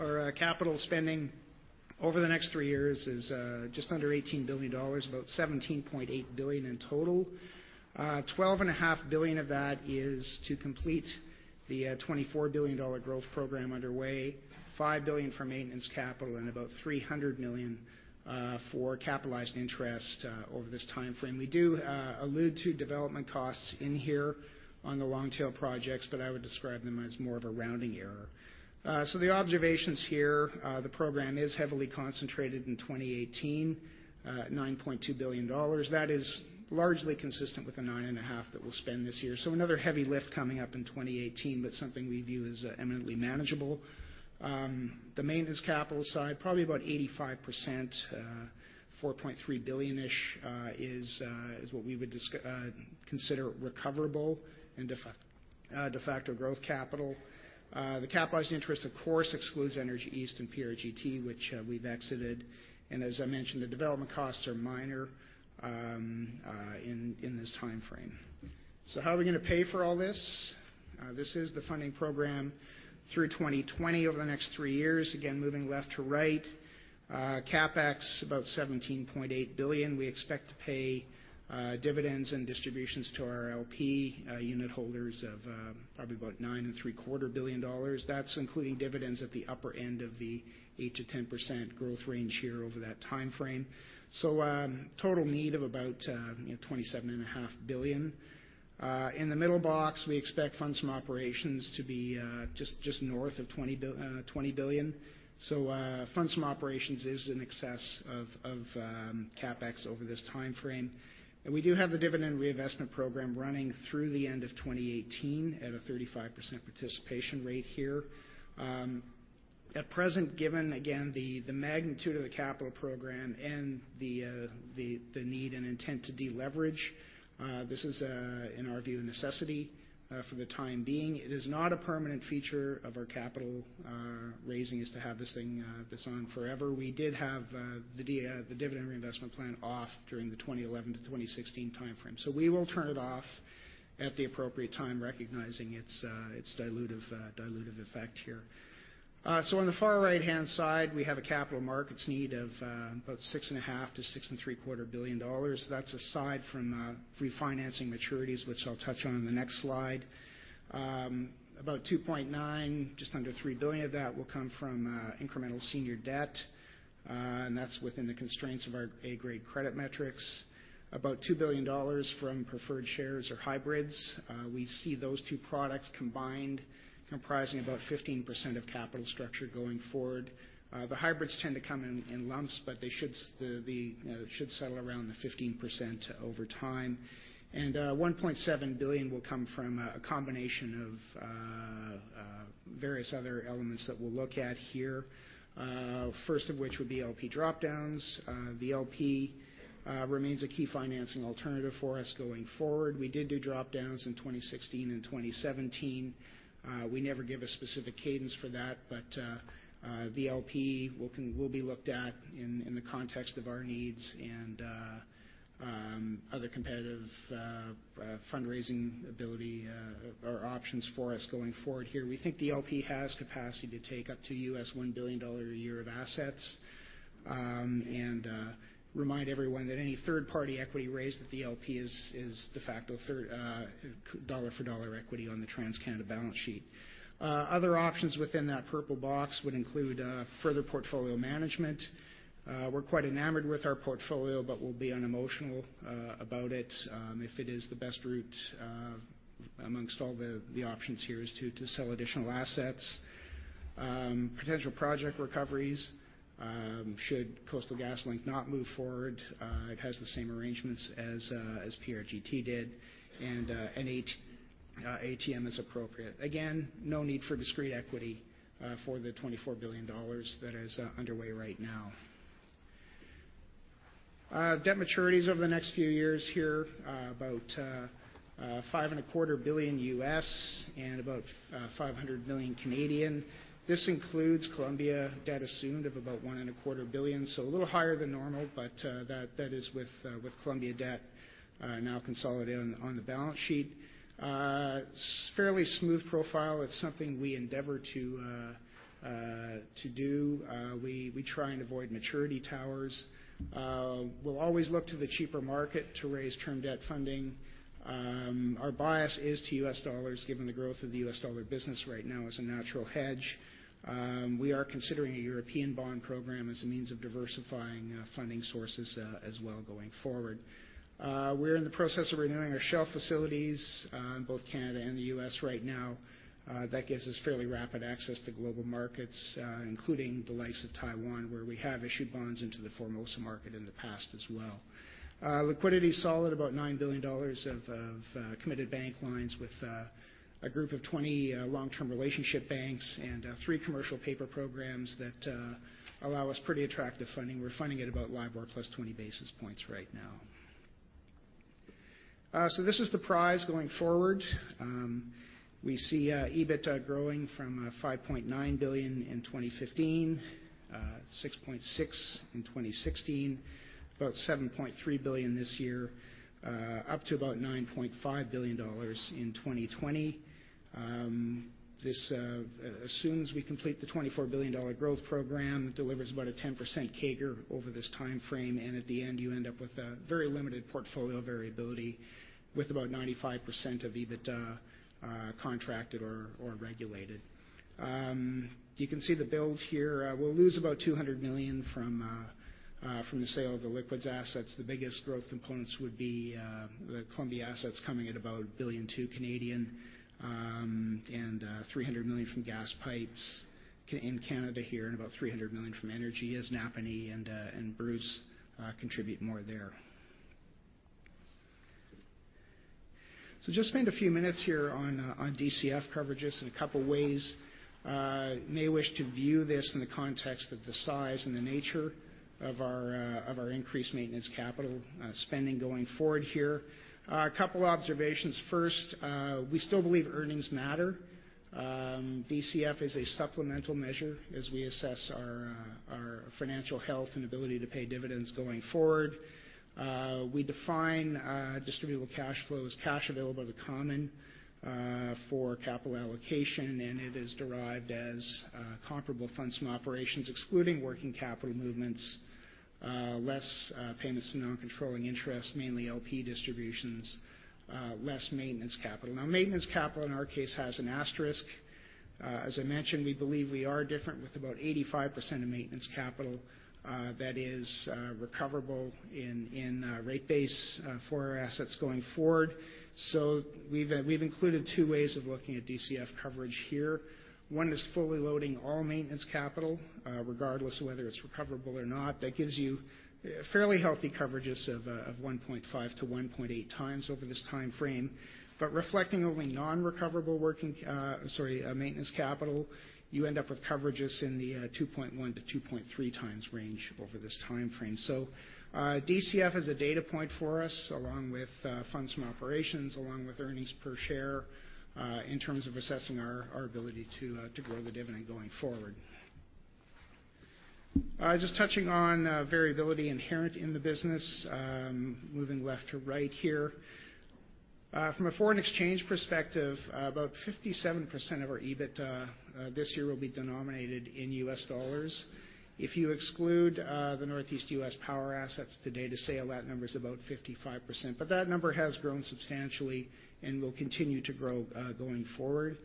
our capital spending over the next three years is just under 18 billion dollars, about 17.8 billion in total. 12.5 billion of that is to complete the 24 billion dollar growth program underway, 5 billion for maintenance capital, and about 300 million for capitalized interest over this timeframe. We do allude to development costs in here on the long-tail projects, but I would describe them as more of a rounding error. The observations here, the program is heavily concentrated in 2018, at CAD 9.2 billion. That is largely consistent with the 9.5 billion that we'll spend this year. Another heavy lift coming up in 2018, but something we view as eminently manageable. The maintenance capital side, probably about 85%, 4.3 billion-ish, is what we would consider recoverable and de facto growth capital. The capitalized interest, of course, excludes Energy East and PRGT, which we've exited. As I mentioned, the development costs are minor in this timeframe. How are we going to pay for all this? This is the funding program through 2020 over the next three years. Again, moving left to right. CapEx, about 17.8 billion. We expect to pay dividends and distributions to our LP unitholders of probably about 9.75 billion dollars. That's including dividends at the upper end of the 8%-10% growth range here over that timeframe. A total need of about 27.5 billion. In the middle box, we expect funds from operations to be just north of 20 billion. Funds from operations is in excess of CapEx over this timeframe. We do have the dividend reinvestment program running through the end of 2018 at a 35% participation rate here. At present, given, again, the magnitude of the capital program and the need and intent to deleverage, this is, in our view, a necessity for the time being. It is not a permanent feature of our capital raising is to have this thing on forever. We did have the dividend reinvestment plan off during the 2011-2016 timeframe. We will turn it off at the appropriate time, recognizing its dilutive effect here. On the far right-hand side, we have a capital markets need of about 6.5 billion-6.75 billion dollars. That's aside from refinancing maturities, which I'll touch on in the next slide. About 2.9 billion, just under 3 billion of that will come from incremental senior debt. That's within the constraints of our A grade credit metrics. About 2 billion dollars from preferred shares or hybrids. We see those two products combined comprising about 15% of capital structure going forward. The hybrids tend to come in lumps, but they should settle around the 15% over time. 1.7 billion will come from a combination of various other elements that we'll look at here. First of which would be LP dropdowns. The LP remains a key financing alternative for us going forward. We did do dropdowns in 2016 and 2017. We never give a specific cadence for that, the LP will be looked at in the context of our needs and other competitive fundraising ability or options for us going forward here. We think the LP has capacity to take up to $1 billion a year of assets. Remind everyone that any third-party equity raised at the LP is de facto dollar-for-dollar equity on the TransCanada balance sheet. Other options within that purple box would include further portfolio management. We're quite enamored with our portfolio, but we'll be unemotional about it, if it is the best route amongst all the options here is to sell additional assets. Potential project recoveries should Coastal GasLink not move forward. It has the same arrangements as PRGT did, and ATM is appropriate. No need for discrete equity for the 24 billion dollars that is underway right now. Debt maturities over the next few years here, about $5.25 billion U.S. and about 500 million. This includes Columbia debt assumed of about $1.25 billion, a little higher than normal, but that is with Columbia debt now consolidated on the balance sheet. It's fairly smooth profile. It's something we endeavor to do. We try and avoid maturity towers. We'll always look to the cheaper market to raise term debt funding. Our bias is to U.S. dollars, given the growth of the U.S. dollar business right now as a natural hedge. We are considering a European bond program as a means of diversifying funding sources as well going forward. We're in the process of renewing our shelf facilities in both Canada and the U.S. right now. That gives us fairly rapid access to global markets, including the likes of Taiwan, where we have issued bonds into the Formosa market in the past as well. Liquidity is solid, about 9 billion dollars of committed bank lines with a group of 20 long-term relationship banks and three commercial paper programs that allow us pretty attractive funding. We're funding at about LIBOR plus 20 basis points right now. This is the prize going forward. We see EBITDA growing from 5.9 billion in 2015, 6.6 billion in 2016, about 7.3 billion this year, up to about 9.5 billion dollars in 2020. This assumes we complete the 24 billion dollar growth program. It delivers about a 10% CAGR over this timeframe, and at the end, you end up with a very limited portfolio variability with about 95% of EBITDA contracted or regulated. You can see the build here. We'll lose about 200 million from the sale of the liquids assets. The biggest growth components would be the Columbia assets coming at about 1.2 billion and 300 million from gas pipes in Canada here and about 300 million from energy as Napanee and Bruce contribute more there. Just spend a few minutes here on DCF coverages in two ways. You may wish to view this in the context of the size and the nature of our increased maintenance capital spending going forward here. Two observations. First, we still believe earnings matter. DCF is a supplemental measure as we assess our financial health and ability to pay dividends going forward. We define distributable cash flow as cash available to common for capital allocation. It is derived as comparable funds from operations, excluding working capital movements, less payments to non-controlling interests, mainly LP distributions, less maintenance capital. Maintenance capital in our case has an asterisk. As I mentioned, we believe we are different with about 85% of maintenance capital that is recoverable in rate base for our assets going forward. We've included two ways of looking at DCF coverage here. One is fully loading all maintenance capital, regardless of whether it's recoverable or not. That gives you fairly healthy coverages of 1.5 to 1.8 times over this timeframe. Reflecting only non-recoverable maintenance capital, you end up with coverages in the 2.1 to 2.3 times range over this timeframe. DCF is a data point for us, along with funds from operations, along with earnings per share, in terms of assessing our ability to grow the dividend going forward. Just touching on variability inherent in the business, moving left to right here. From a foreign exchange perspective, about 57% of our EBITDA this year will be denominated in U.S. dollars. If you exclude the Northeast U.S. power assets today to sale, that number is about 55%. That number has grown substantially and will continue to grow going forward.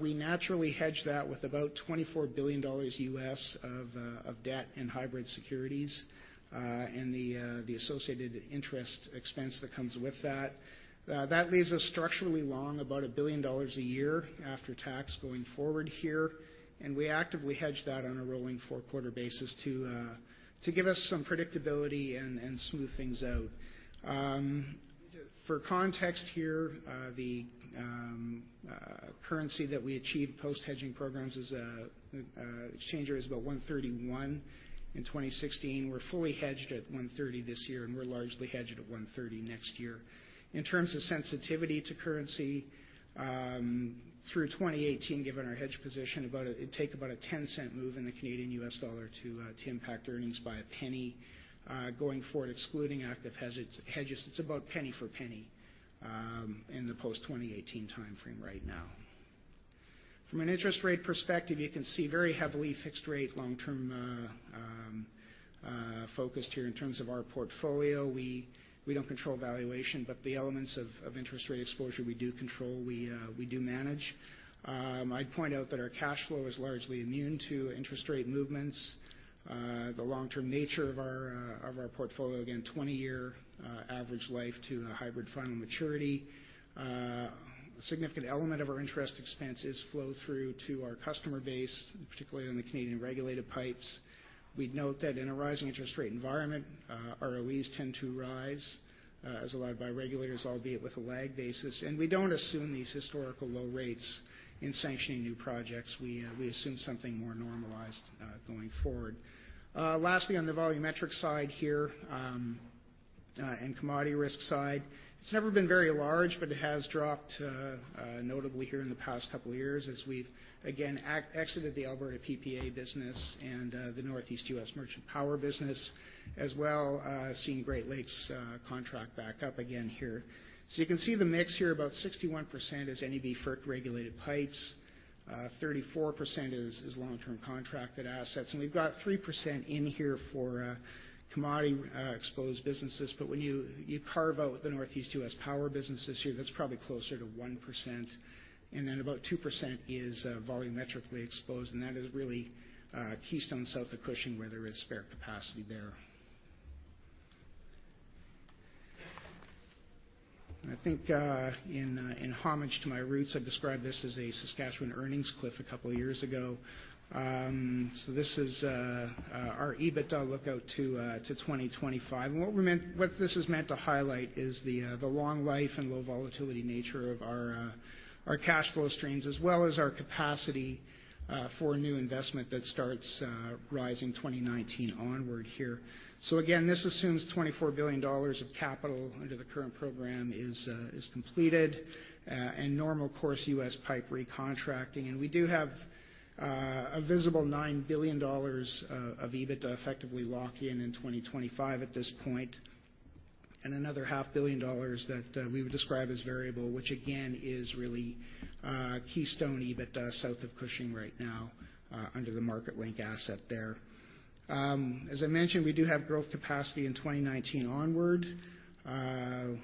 We naturally hedge that with about $24 billion U.S. of debt and hybrid securities and the associated interest expense that comes with that. That leaves us structurally long, about 1 billion dollars a year after tax going forward here. We actively hedge that on a rolling four-quarter basis to give us some predictability and smooth things out. For context here, the currency that we achieved post-hedging programs as an exchanger is about 131 in 2016. We're fully hedged at 130 this year. We're largely hedged at 130 next year. In terms of sensitivity to currency, through 2018, given our hedge position, it'd take about a 0.10 move in the Canadian/U.S. dollar to impact earnings by CAD 0.01. Going forward, excluding active hedges, it's about CAD 0.01 for CAD 0.01 in the post-2018 timeframe right now. From an interest rate perspective, you can see very heavily fixed rate long-term focused here in terms of our portfolio. We don't control valuation, but the elements of interest rate exposure we do control, we do manage. I'd point out that our cash flow is largely immune to interest rate movements. The long-term nature of our portfolio, again, 20-year average life to a hybrid fund maturity. A significant element of our interest expense is flow through to our customer base, particularly in the Canadian regulated pipes. We'd note that in a rising interest rate environment, ROEs tend to rise, as allowed by regulators, albeit with a lag basis. We don't assume these historical low rates in sanctioning new projects. We assume something more normalized going forward. Lastly, on the volumetric side here, commodity risk side, it's never been very large, but it has dropped notably here in the past couple of years as we've, again, exited the Alberta PPA business and the Northeast U.S. Merchant power business as well, seeing Great Lakes contract back up again here. You can see the mix here, about 61% is NEB FERC-regulated pipes, 34% is long-term contracted assets. We've got 3% in here for commodity exposed businesses, but when you carve out the Northeast U.S. power businesses here, that's probably closer to 1%. Then about 2% is volumetrically exposed, that is really Keystone South of Cushing, where there is spare capacity there. I think in homage to my roots, I've described this as a Saskatchewan earnings cliff a couple of years ago. This is our EBITDA look-out to 2025. What this is meant to highlight is the long life and low volatility nature of our cash flow streams as well as our capacity for new investment that starts rising 2019 onward here. Again, this assumes 24 billion dollars of capital under the current program is completed, and normal course U.S. pipe recontracting. We do have a visible 9 billion dollars of EBITDA effectively lock-in in 2025 at this point. Another half billion dollars that we would describe as variable, which again is really Keystone EBITDA South of Cushing right now under the Marketlink asset there. As I mentioned, we do have growth capacity in 2019 onward.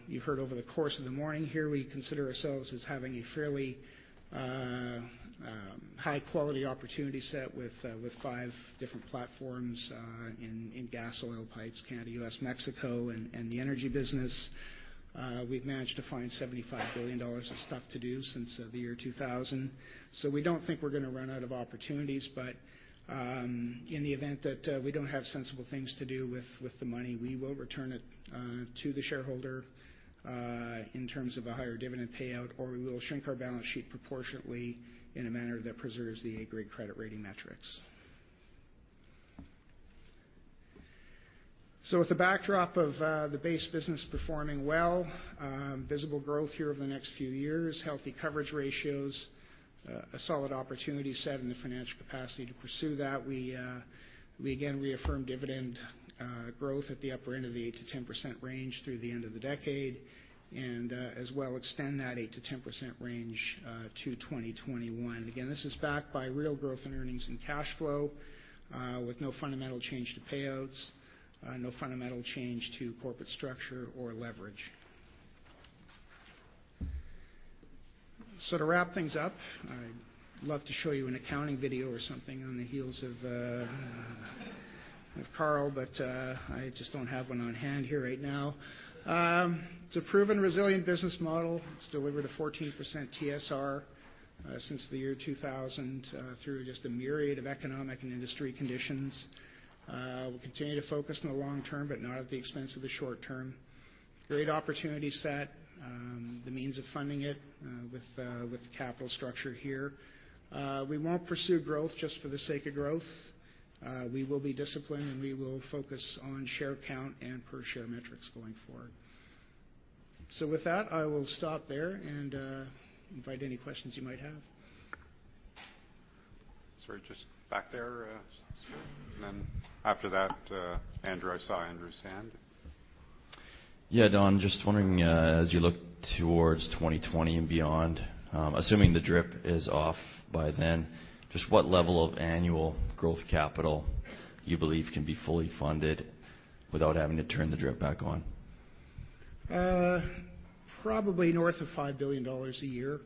You've heard over the course of the morning here, we consider ourselves as having a fairly high-quality opportunity set with five different platforms in gas, oil pipes, Canada, U.S., Mexico, and the energy business. We've managed to find 75 billion dollars of stuff to do since the year 2000. We don't think we're going to run out of opportunities, but in the event that we don't have sensible things to do with the money, we will return it to the shareholder, in terms of a higher dividend payout, or we will shrink our balance sheet proportionately in a manner that preserves the A grade credit rating metrics. With the backdrop of the base business performing well, visible growth here over the next few years, healthy coverage ratios, a solid opportunity set, and the financial capacity to pursue that. We, again, reaffirm dividend growth at the upper end of the 8%-10% range through the end of the decade and, as well, extend that 8%-10% range to 2021. Again, this is backed by real growth in earnings and cash flow, with no fundamental change to payouts, no fundamental change to corporate structure or leverage. To wrap things up, I'd love to show you an accounting video or something on the heels of Carl, but I just don't have one on hand here right now. It's a proven resilient business model. It's delivered a 14% TSR since the year 2000 through just a myriad of economic and industry conditions. We'll continue to focus on the long term, but not at the expense of the short term. Great opportunity set, the means of funding it with the capital structure here. We won't pursue growth just for the sake of growth. We will be disciplined, and we will focus on share count and per share metrics going forward. With that, I will stop there and invite any questions you might have. Sorry, just back there. Then after that, Andrew. I saw Andrew's hand. Don, just wondering, as you look towards 2020 and beyond, assuming the DRIP is off by then, just what level of annual growth capital you believe can be fully funded without having to turn the DRIP back on? Probably north of 5 billion dollars a year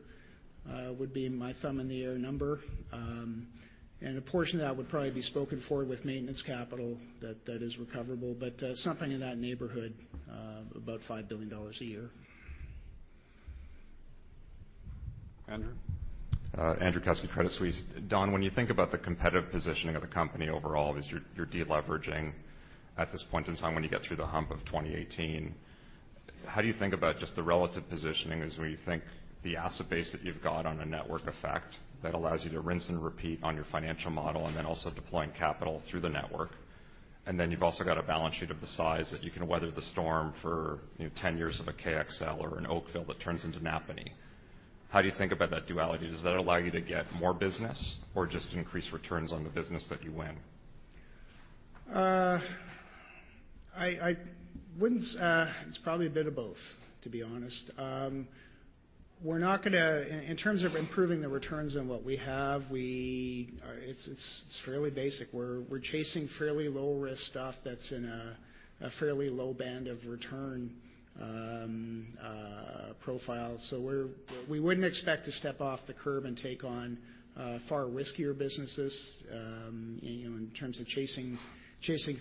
would be my thumb in the air number. A portion of that would probably be spoken for with maintenance capital that is recoverable. Something in that neighborhood, about 5 billion dollars a year. Andrew? Andrew Kuske, Credit Suisse. Don, when you think about the competitive positioning of the company overall as you're de-leveraging at this point in time, when you get through the hump of 2018, how do you think about just the relative positioning as we think the asset base that you've got on a network effect that allows you to rinse and repeat on your financial model then also deploying capital through the network? Then you've also got a balance sheet of the size that you can weather the storm for 10 years of a KXL or an Oakville that turns into Napanee. How do you think about that duality? Does that allow you to get more business or just increase returns on the business that you win? It's probably a bit of both, to be honest. In terms of improving the returns on what we have, it's fairly basic. We're chasing fairly low-risk stuff that's in a fairly low band of return profile. We wouldn't expect to step off the curb and take on far riskier businesses, in terms of chasing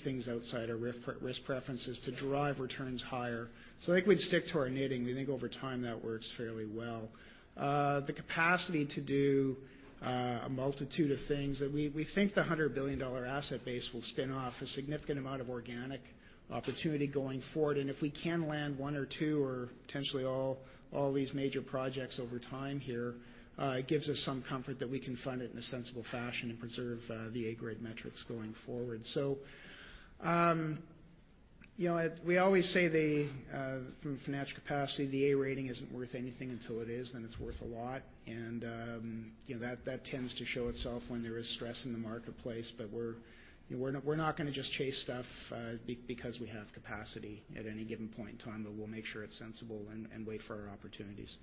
things outside our risk preferences to drive returns higher. I think we'd stick to our knitting. We think over time, that works fairly well. The capacity to do a multitude of things that we think the 100 billion dollar asset base will spin off a significant amount of organic opportunity going forward. If we can land one or two or potentially all these major projects over time here, it gives us some comfort that we can fund it in a sensible fashion and preserve the A-grade metrics going forward. We always say from a financial capacity, the A rating isn't worth anything until it is, then it's worth a lot. That tends to show itself when there is stress in the marketplace, we're not going to just chase stuff because we have capacity at any given point in time, but we'll make sure it's sensible and wait for our opportunities.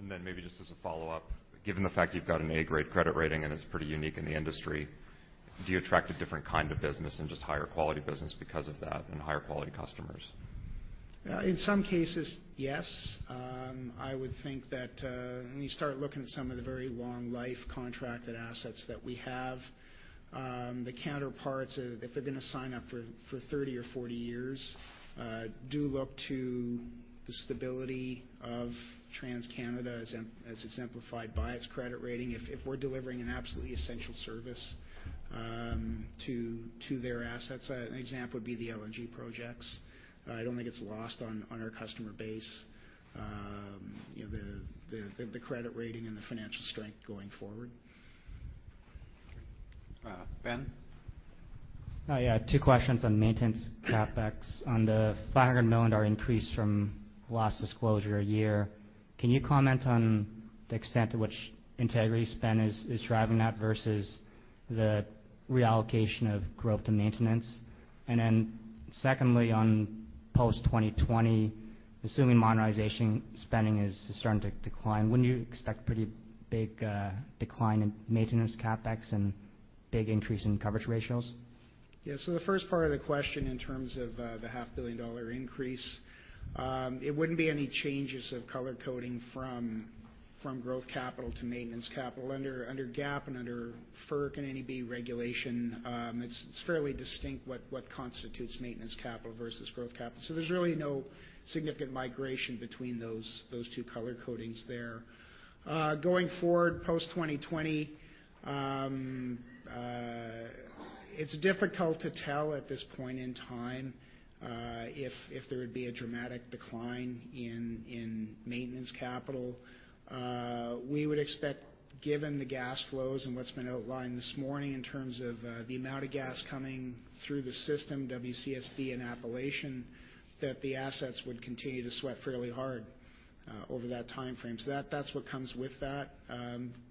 Maybe just as a follow-up, given the fact you've got an A-grade credit rating and it's pretty unique in the industry, do you attract a different kind of business and just higher quality business because of that and higher quality customers? In some cases, yes. I would think that when you start looking at some of the very long life contracted assets that we have, the counterparts, if they're going to sign up for 30 or 40 years, do look to the stability of TransCanada as exemplified by its credit rating. If we're delivering an absolutely essential service to their assets, an example would be the LNG projects. I don't think it's lost on our customer base, the credit rating and the financial strength going forward. Ben. Yeah. Two questions on maintenance CapEx. On the 500 million dollar increase from last disclosure a year, can you comment on the extent to which integrity spend is driving that versus the reallocation of growth to maintenance? Secondly, on post 2020, assuming modernization spending is starting to decline, wouldn't you expect pretty big decline in maintenance CapEx and big increase in coverage ratios? Yeah. The first part of the question in terms of the half billion CAD increase, it wouldn't be any changes of color coding from growth capital to maintenance capital. Under GAAP and under FERC and NEB regulation, it's fairly distinct what constitutes maintenance capital versus growth capital. There's really no significant migration between those two color codings there. Going forward post 2020, it's difficult to tell at this point in time, if there would be a dramatic decline in maintenance capital. We would expect, given the gas flows and what's been outlined this morning in terms of the amount of gas coming through the system, WCSB and Appalachian, that the assets would continue to sweat fairly hard over that timeframe.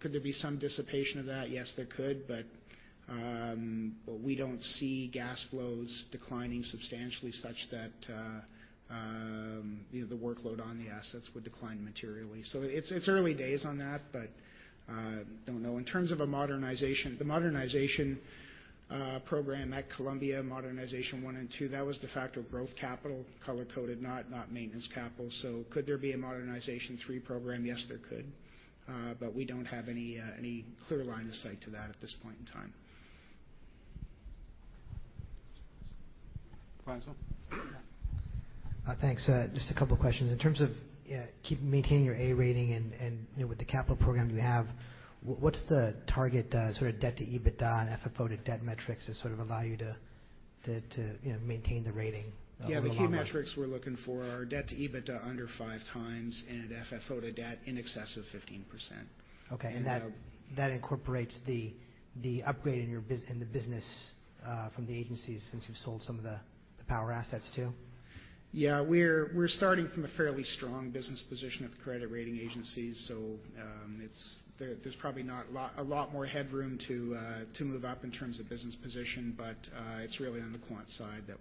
Could there be some dissipation of that? Yes, there could. We don't see gas flows declining substantially such that the workload on the assets would decline materially. It's early days on that, but don't know. In terms of a modernization, the Modernization program at Columbia, Modernization 1 and 2, that was the fact of growth capital color-coded, not maintenance capital. Could there be a Modernization 3 program? Yes, there could. We don't have any clear line of sight to that at this point in time. Faisel. Thanks. Just a couple of questions. In terms of maintaining your A rating and with the capital program you have, what's the target sort of debt to EBITDA and FFO to debt metrics that sort of allow you to maintain the rating over the long run? Yeah. The key metrics we're looking for are debt to EBITDA under five times and FFO to debt in excess of 15%. Okay. That incorporates the upgrade in the business from the agencies since you've sold some of the power assets too? Yeah. We're starting from a fairly strong business position of the credit rating agencies. There's probably not a lot more headroom to move up in terms of business position. It's really on the quant side that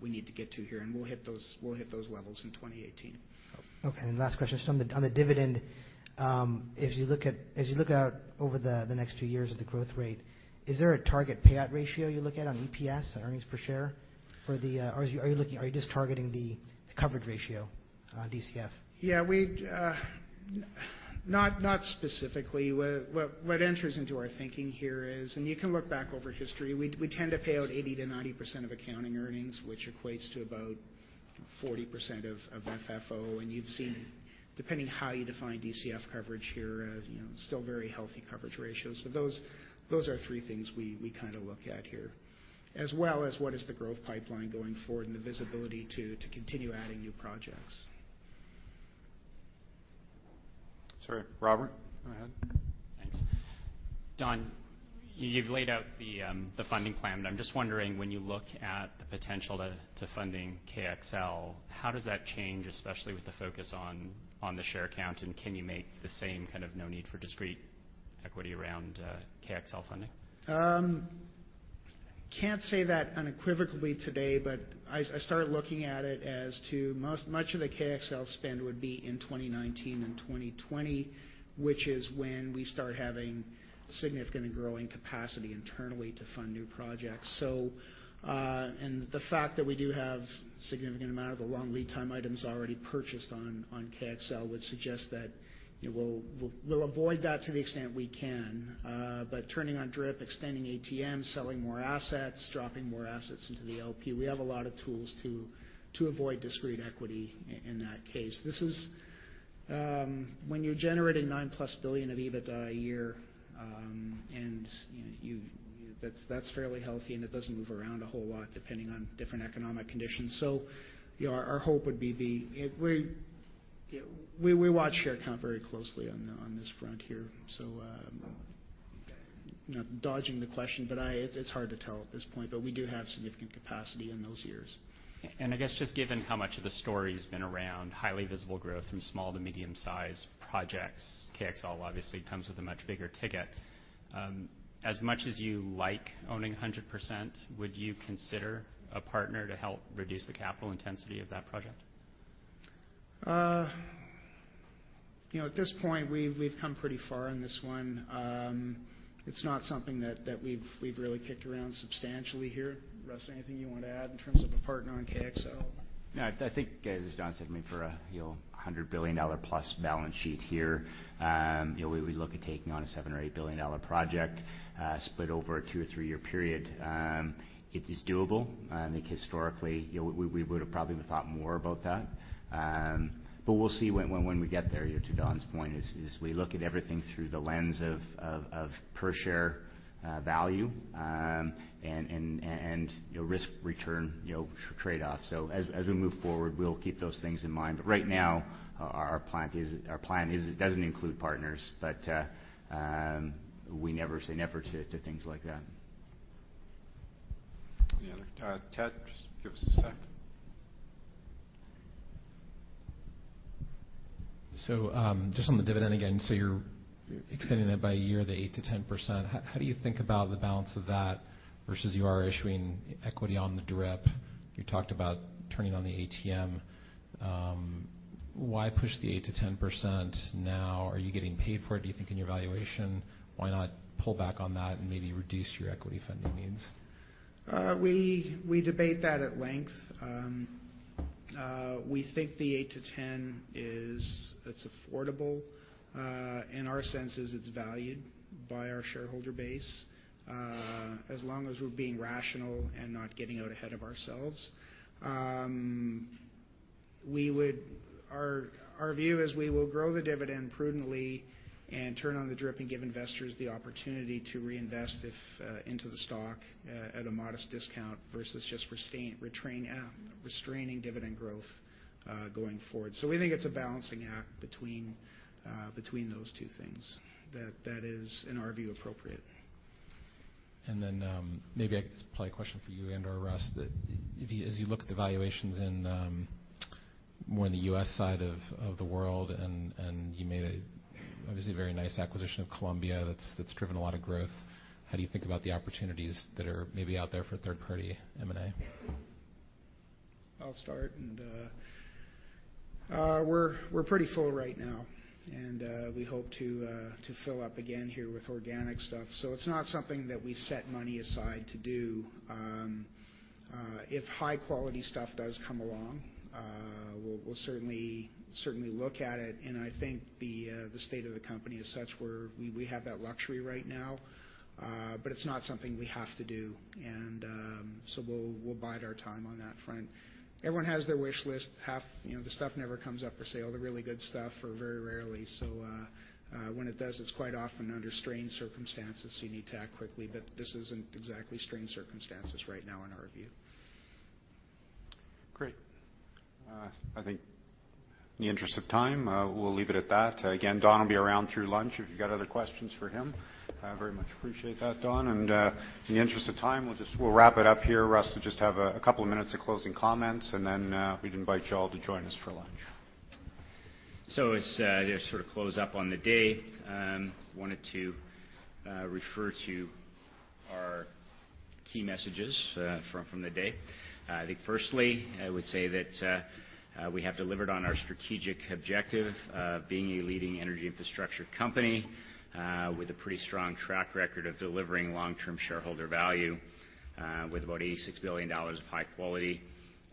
we need to get to here, and we'll hit those levels in 2018. Okay. Last question. On the dividend, as you look out over the next few years at the growth rate, is there a target payout ratio you look at on EPS, earnings per share? Are you just targeting the coverage ratio on DCF? Yeah. Not specifically. What enters into our thinking here is, and you can look back over history, we tend to pay out 80%-90% of accounting earnings, which equates to about 40% of FFO. You've seen, depending how you define DCF coverage here, still very healthy coverage ratios. Those are three things we look at here, as well as what is the growth pipeline going forward and the visibility to continue adding new projects. Sorry. Robert, go ahead. Thanks. Don, you've laid out the funding plan, but I'm just wondering, when you look at the potential to funding KXL, how does that change, especially with the focus on the share count, and can you make the same kind of no need for discrete equity around KXL funding? Can't say that unequivocally today, but I start looking at it as to much of the KXL spend would be in 2019 and 2020, which is when we start having significant and growing capacity internally to fund new projects. The fact that we do have significant amount of the long lead time items already purchased on KXL would suggest that we'll avoid that to the extent we can. Turning on DRIP, extending ATM, selling more assets, dropping more assets into the LP, we have a lot of tools to avoid discrete equity in that case. When you're generating CAD nine-plus billion of EBITDA a year, that's fairly healthy, and it doesn't move around a whole lot depending on different economic conditions. Our hope would be we watch share count very closely on this front here. I'm not dodging the question, but it's hard to tell at this point. We do have significant capacity in those years. I guess, just given how much of the story's been around highly visible growth from small to medium-size projects, KXL obviously comes with a much bigger ticket. As much as you like owning 100%, would you consider a partner to help reduce the capital intensity of that project? At this point, we've come pretty far on this one. It's not something that we've really kicked around substantially here. Russ, anything you want to add in terms of a partner on KXL? No, I think, as Don said, for 100 billion dollar-plus balance sheet here, we look at taking on a 7 billion or 8 billion dollar project split over a two- or three-year period. It is doable. I think historically, we would have probably thought more about that. We'll see when we get there. To Don's point is, we look at everything through the lens of per share value, and risk-return tradeoff. As we move forward, we'll keep those things in mind. Right now, our plan doesn't include partners. We never say never to things like that. Any other? Ted, just give us a sec. Just on the dividend again, you're extending that by a year, the 8%-10%. How do you think about the balance of that versus you are issuing equity on the DRIP? You talked about turning on the ATM. Why push the 8%-10% now? Are you getting paid for it, do you think, in your valuation? Why not pull back on that and maybe reduce your equity funding needs? We debate that at length. We think the 8%-10% is affordable. In our sense is it's valued by our shareholder base. As long as we're being rational and not getting out ahead of ourselves. Our view is we will grow the dividend prudently and turn on the DRIP and give investors the opportunity to reinvest into the stock at a modest discount versus just restraining dividend growth going forward. We think it's a balancing act between those two things that is, in our view, appropriate. Maybe this is probably a question for you and or Russ. As you look at the valuations in more in the U.S. side of the world, and you made obviously a very nice acquisition of Columbia that's driven a lot of growth. How do you think about the opportunities that are maybe out there for third-party M&A? I'll start. We're pretty full right now, and we hope to fill up again here with organic stuff. It's not something that we set money aside to do. If high-quality stuff does come along, we'll certainly look at it, and I think the state of the company is such where we have that luxury right now. It's not something we have to do. We'll bide our time on that front. Everyone has their wish list. The stuff never comes up for sale, the really good stuff, or very rarely. When it does, it's quite often under strange circumstances, so you need to act quickly. This isn't exactly strange circumstances right now in our view. Great. I think in the interest of time, we'll leave it at that. Again, Don will be around through lunch if you've got other questions for him. I very much appreciate that, Don. In the interest of time, we'll wrap it up here. Russ will just have a couple of minutes of closing comments, and then we'd invite you all to join us for lunch. As we sort of close up on the day, wanted to refer to our key messages from the day. I think firstly, I would say that we have delivered on our strategic objective of being a leading energy infrastructure company with a pretty strong track record of delivering long-term shareholder value with about 86 billion dollars of high-quality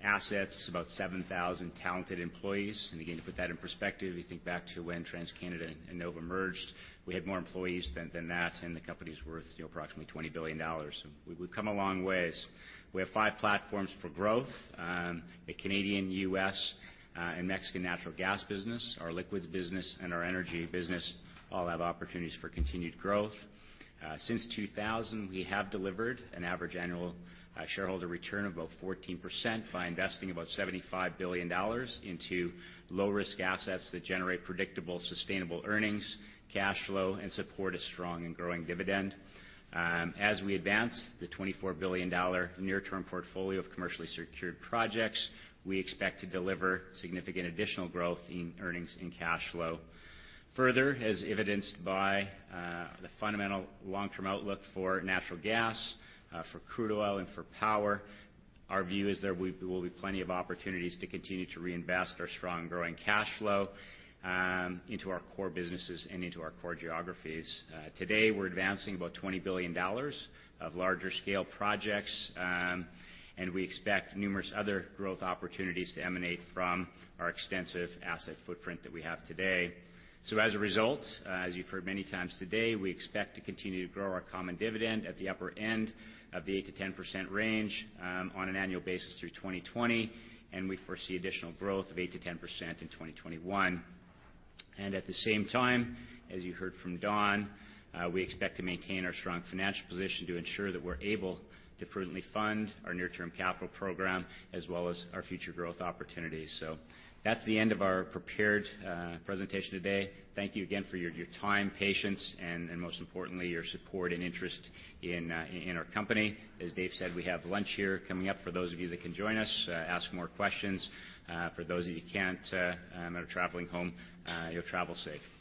assets, about 7,000 talented employees. Again, to put that in perspective, you think back to when TransCanada and NOVA merged, we had more employees than that, and the company's worth approximately 20 billion dollars. We've come a long ways. We have five platforms for growth. The Canadian, U.S., and Mexican natural gas business, our liquids business, and our energy business all have opportunities for continued growth. Since 2000, we have delivered an average annual shareholder return of about 14% by investing about 75 billion dollars into low-risk assets that generate predictable, sustainable earnings, cash flow, and support a strong and growing dividend. As we advance the 24 billion dollar near-term portfolio of commercially secured projects, we expect to deliver significant additional growth in earnings and cash flow. Further, as evidenced by the fundamental long-term outlook for natural gas, for crude oil, and for power, our view is there will be plenty of opportunities to continue to reinvest our strong growing cash flow into our core businesses and into our core geographies. Today, we're advancing about 20 billion dollars of larger-scale projects, and we expect numerous other growth opportunities to emanate from our extensive asset footprint that we have today. As a result, as you've heard many times today, we expect to continue to grow our common dividend at the upper end of the 8%-10% range on an annual basis through 2020, we foresee additional growth of 8%-10% in 2021. At the same time, as you heard from Don, we expect to maintain our strong financial position to ensure that we're able to prudently fund our near-term capital program as well as our future growth opportunities. That's the end of our prepared presentation today. Thank you again for your time, patience, and most importantly, your support and interest in our company. As Dave said, we have lunch here coming up for those of you that can join us, ask more questions. For those of you who can't or are traveling home, you'll travel safe.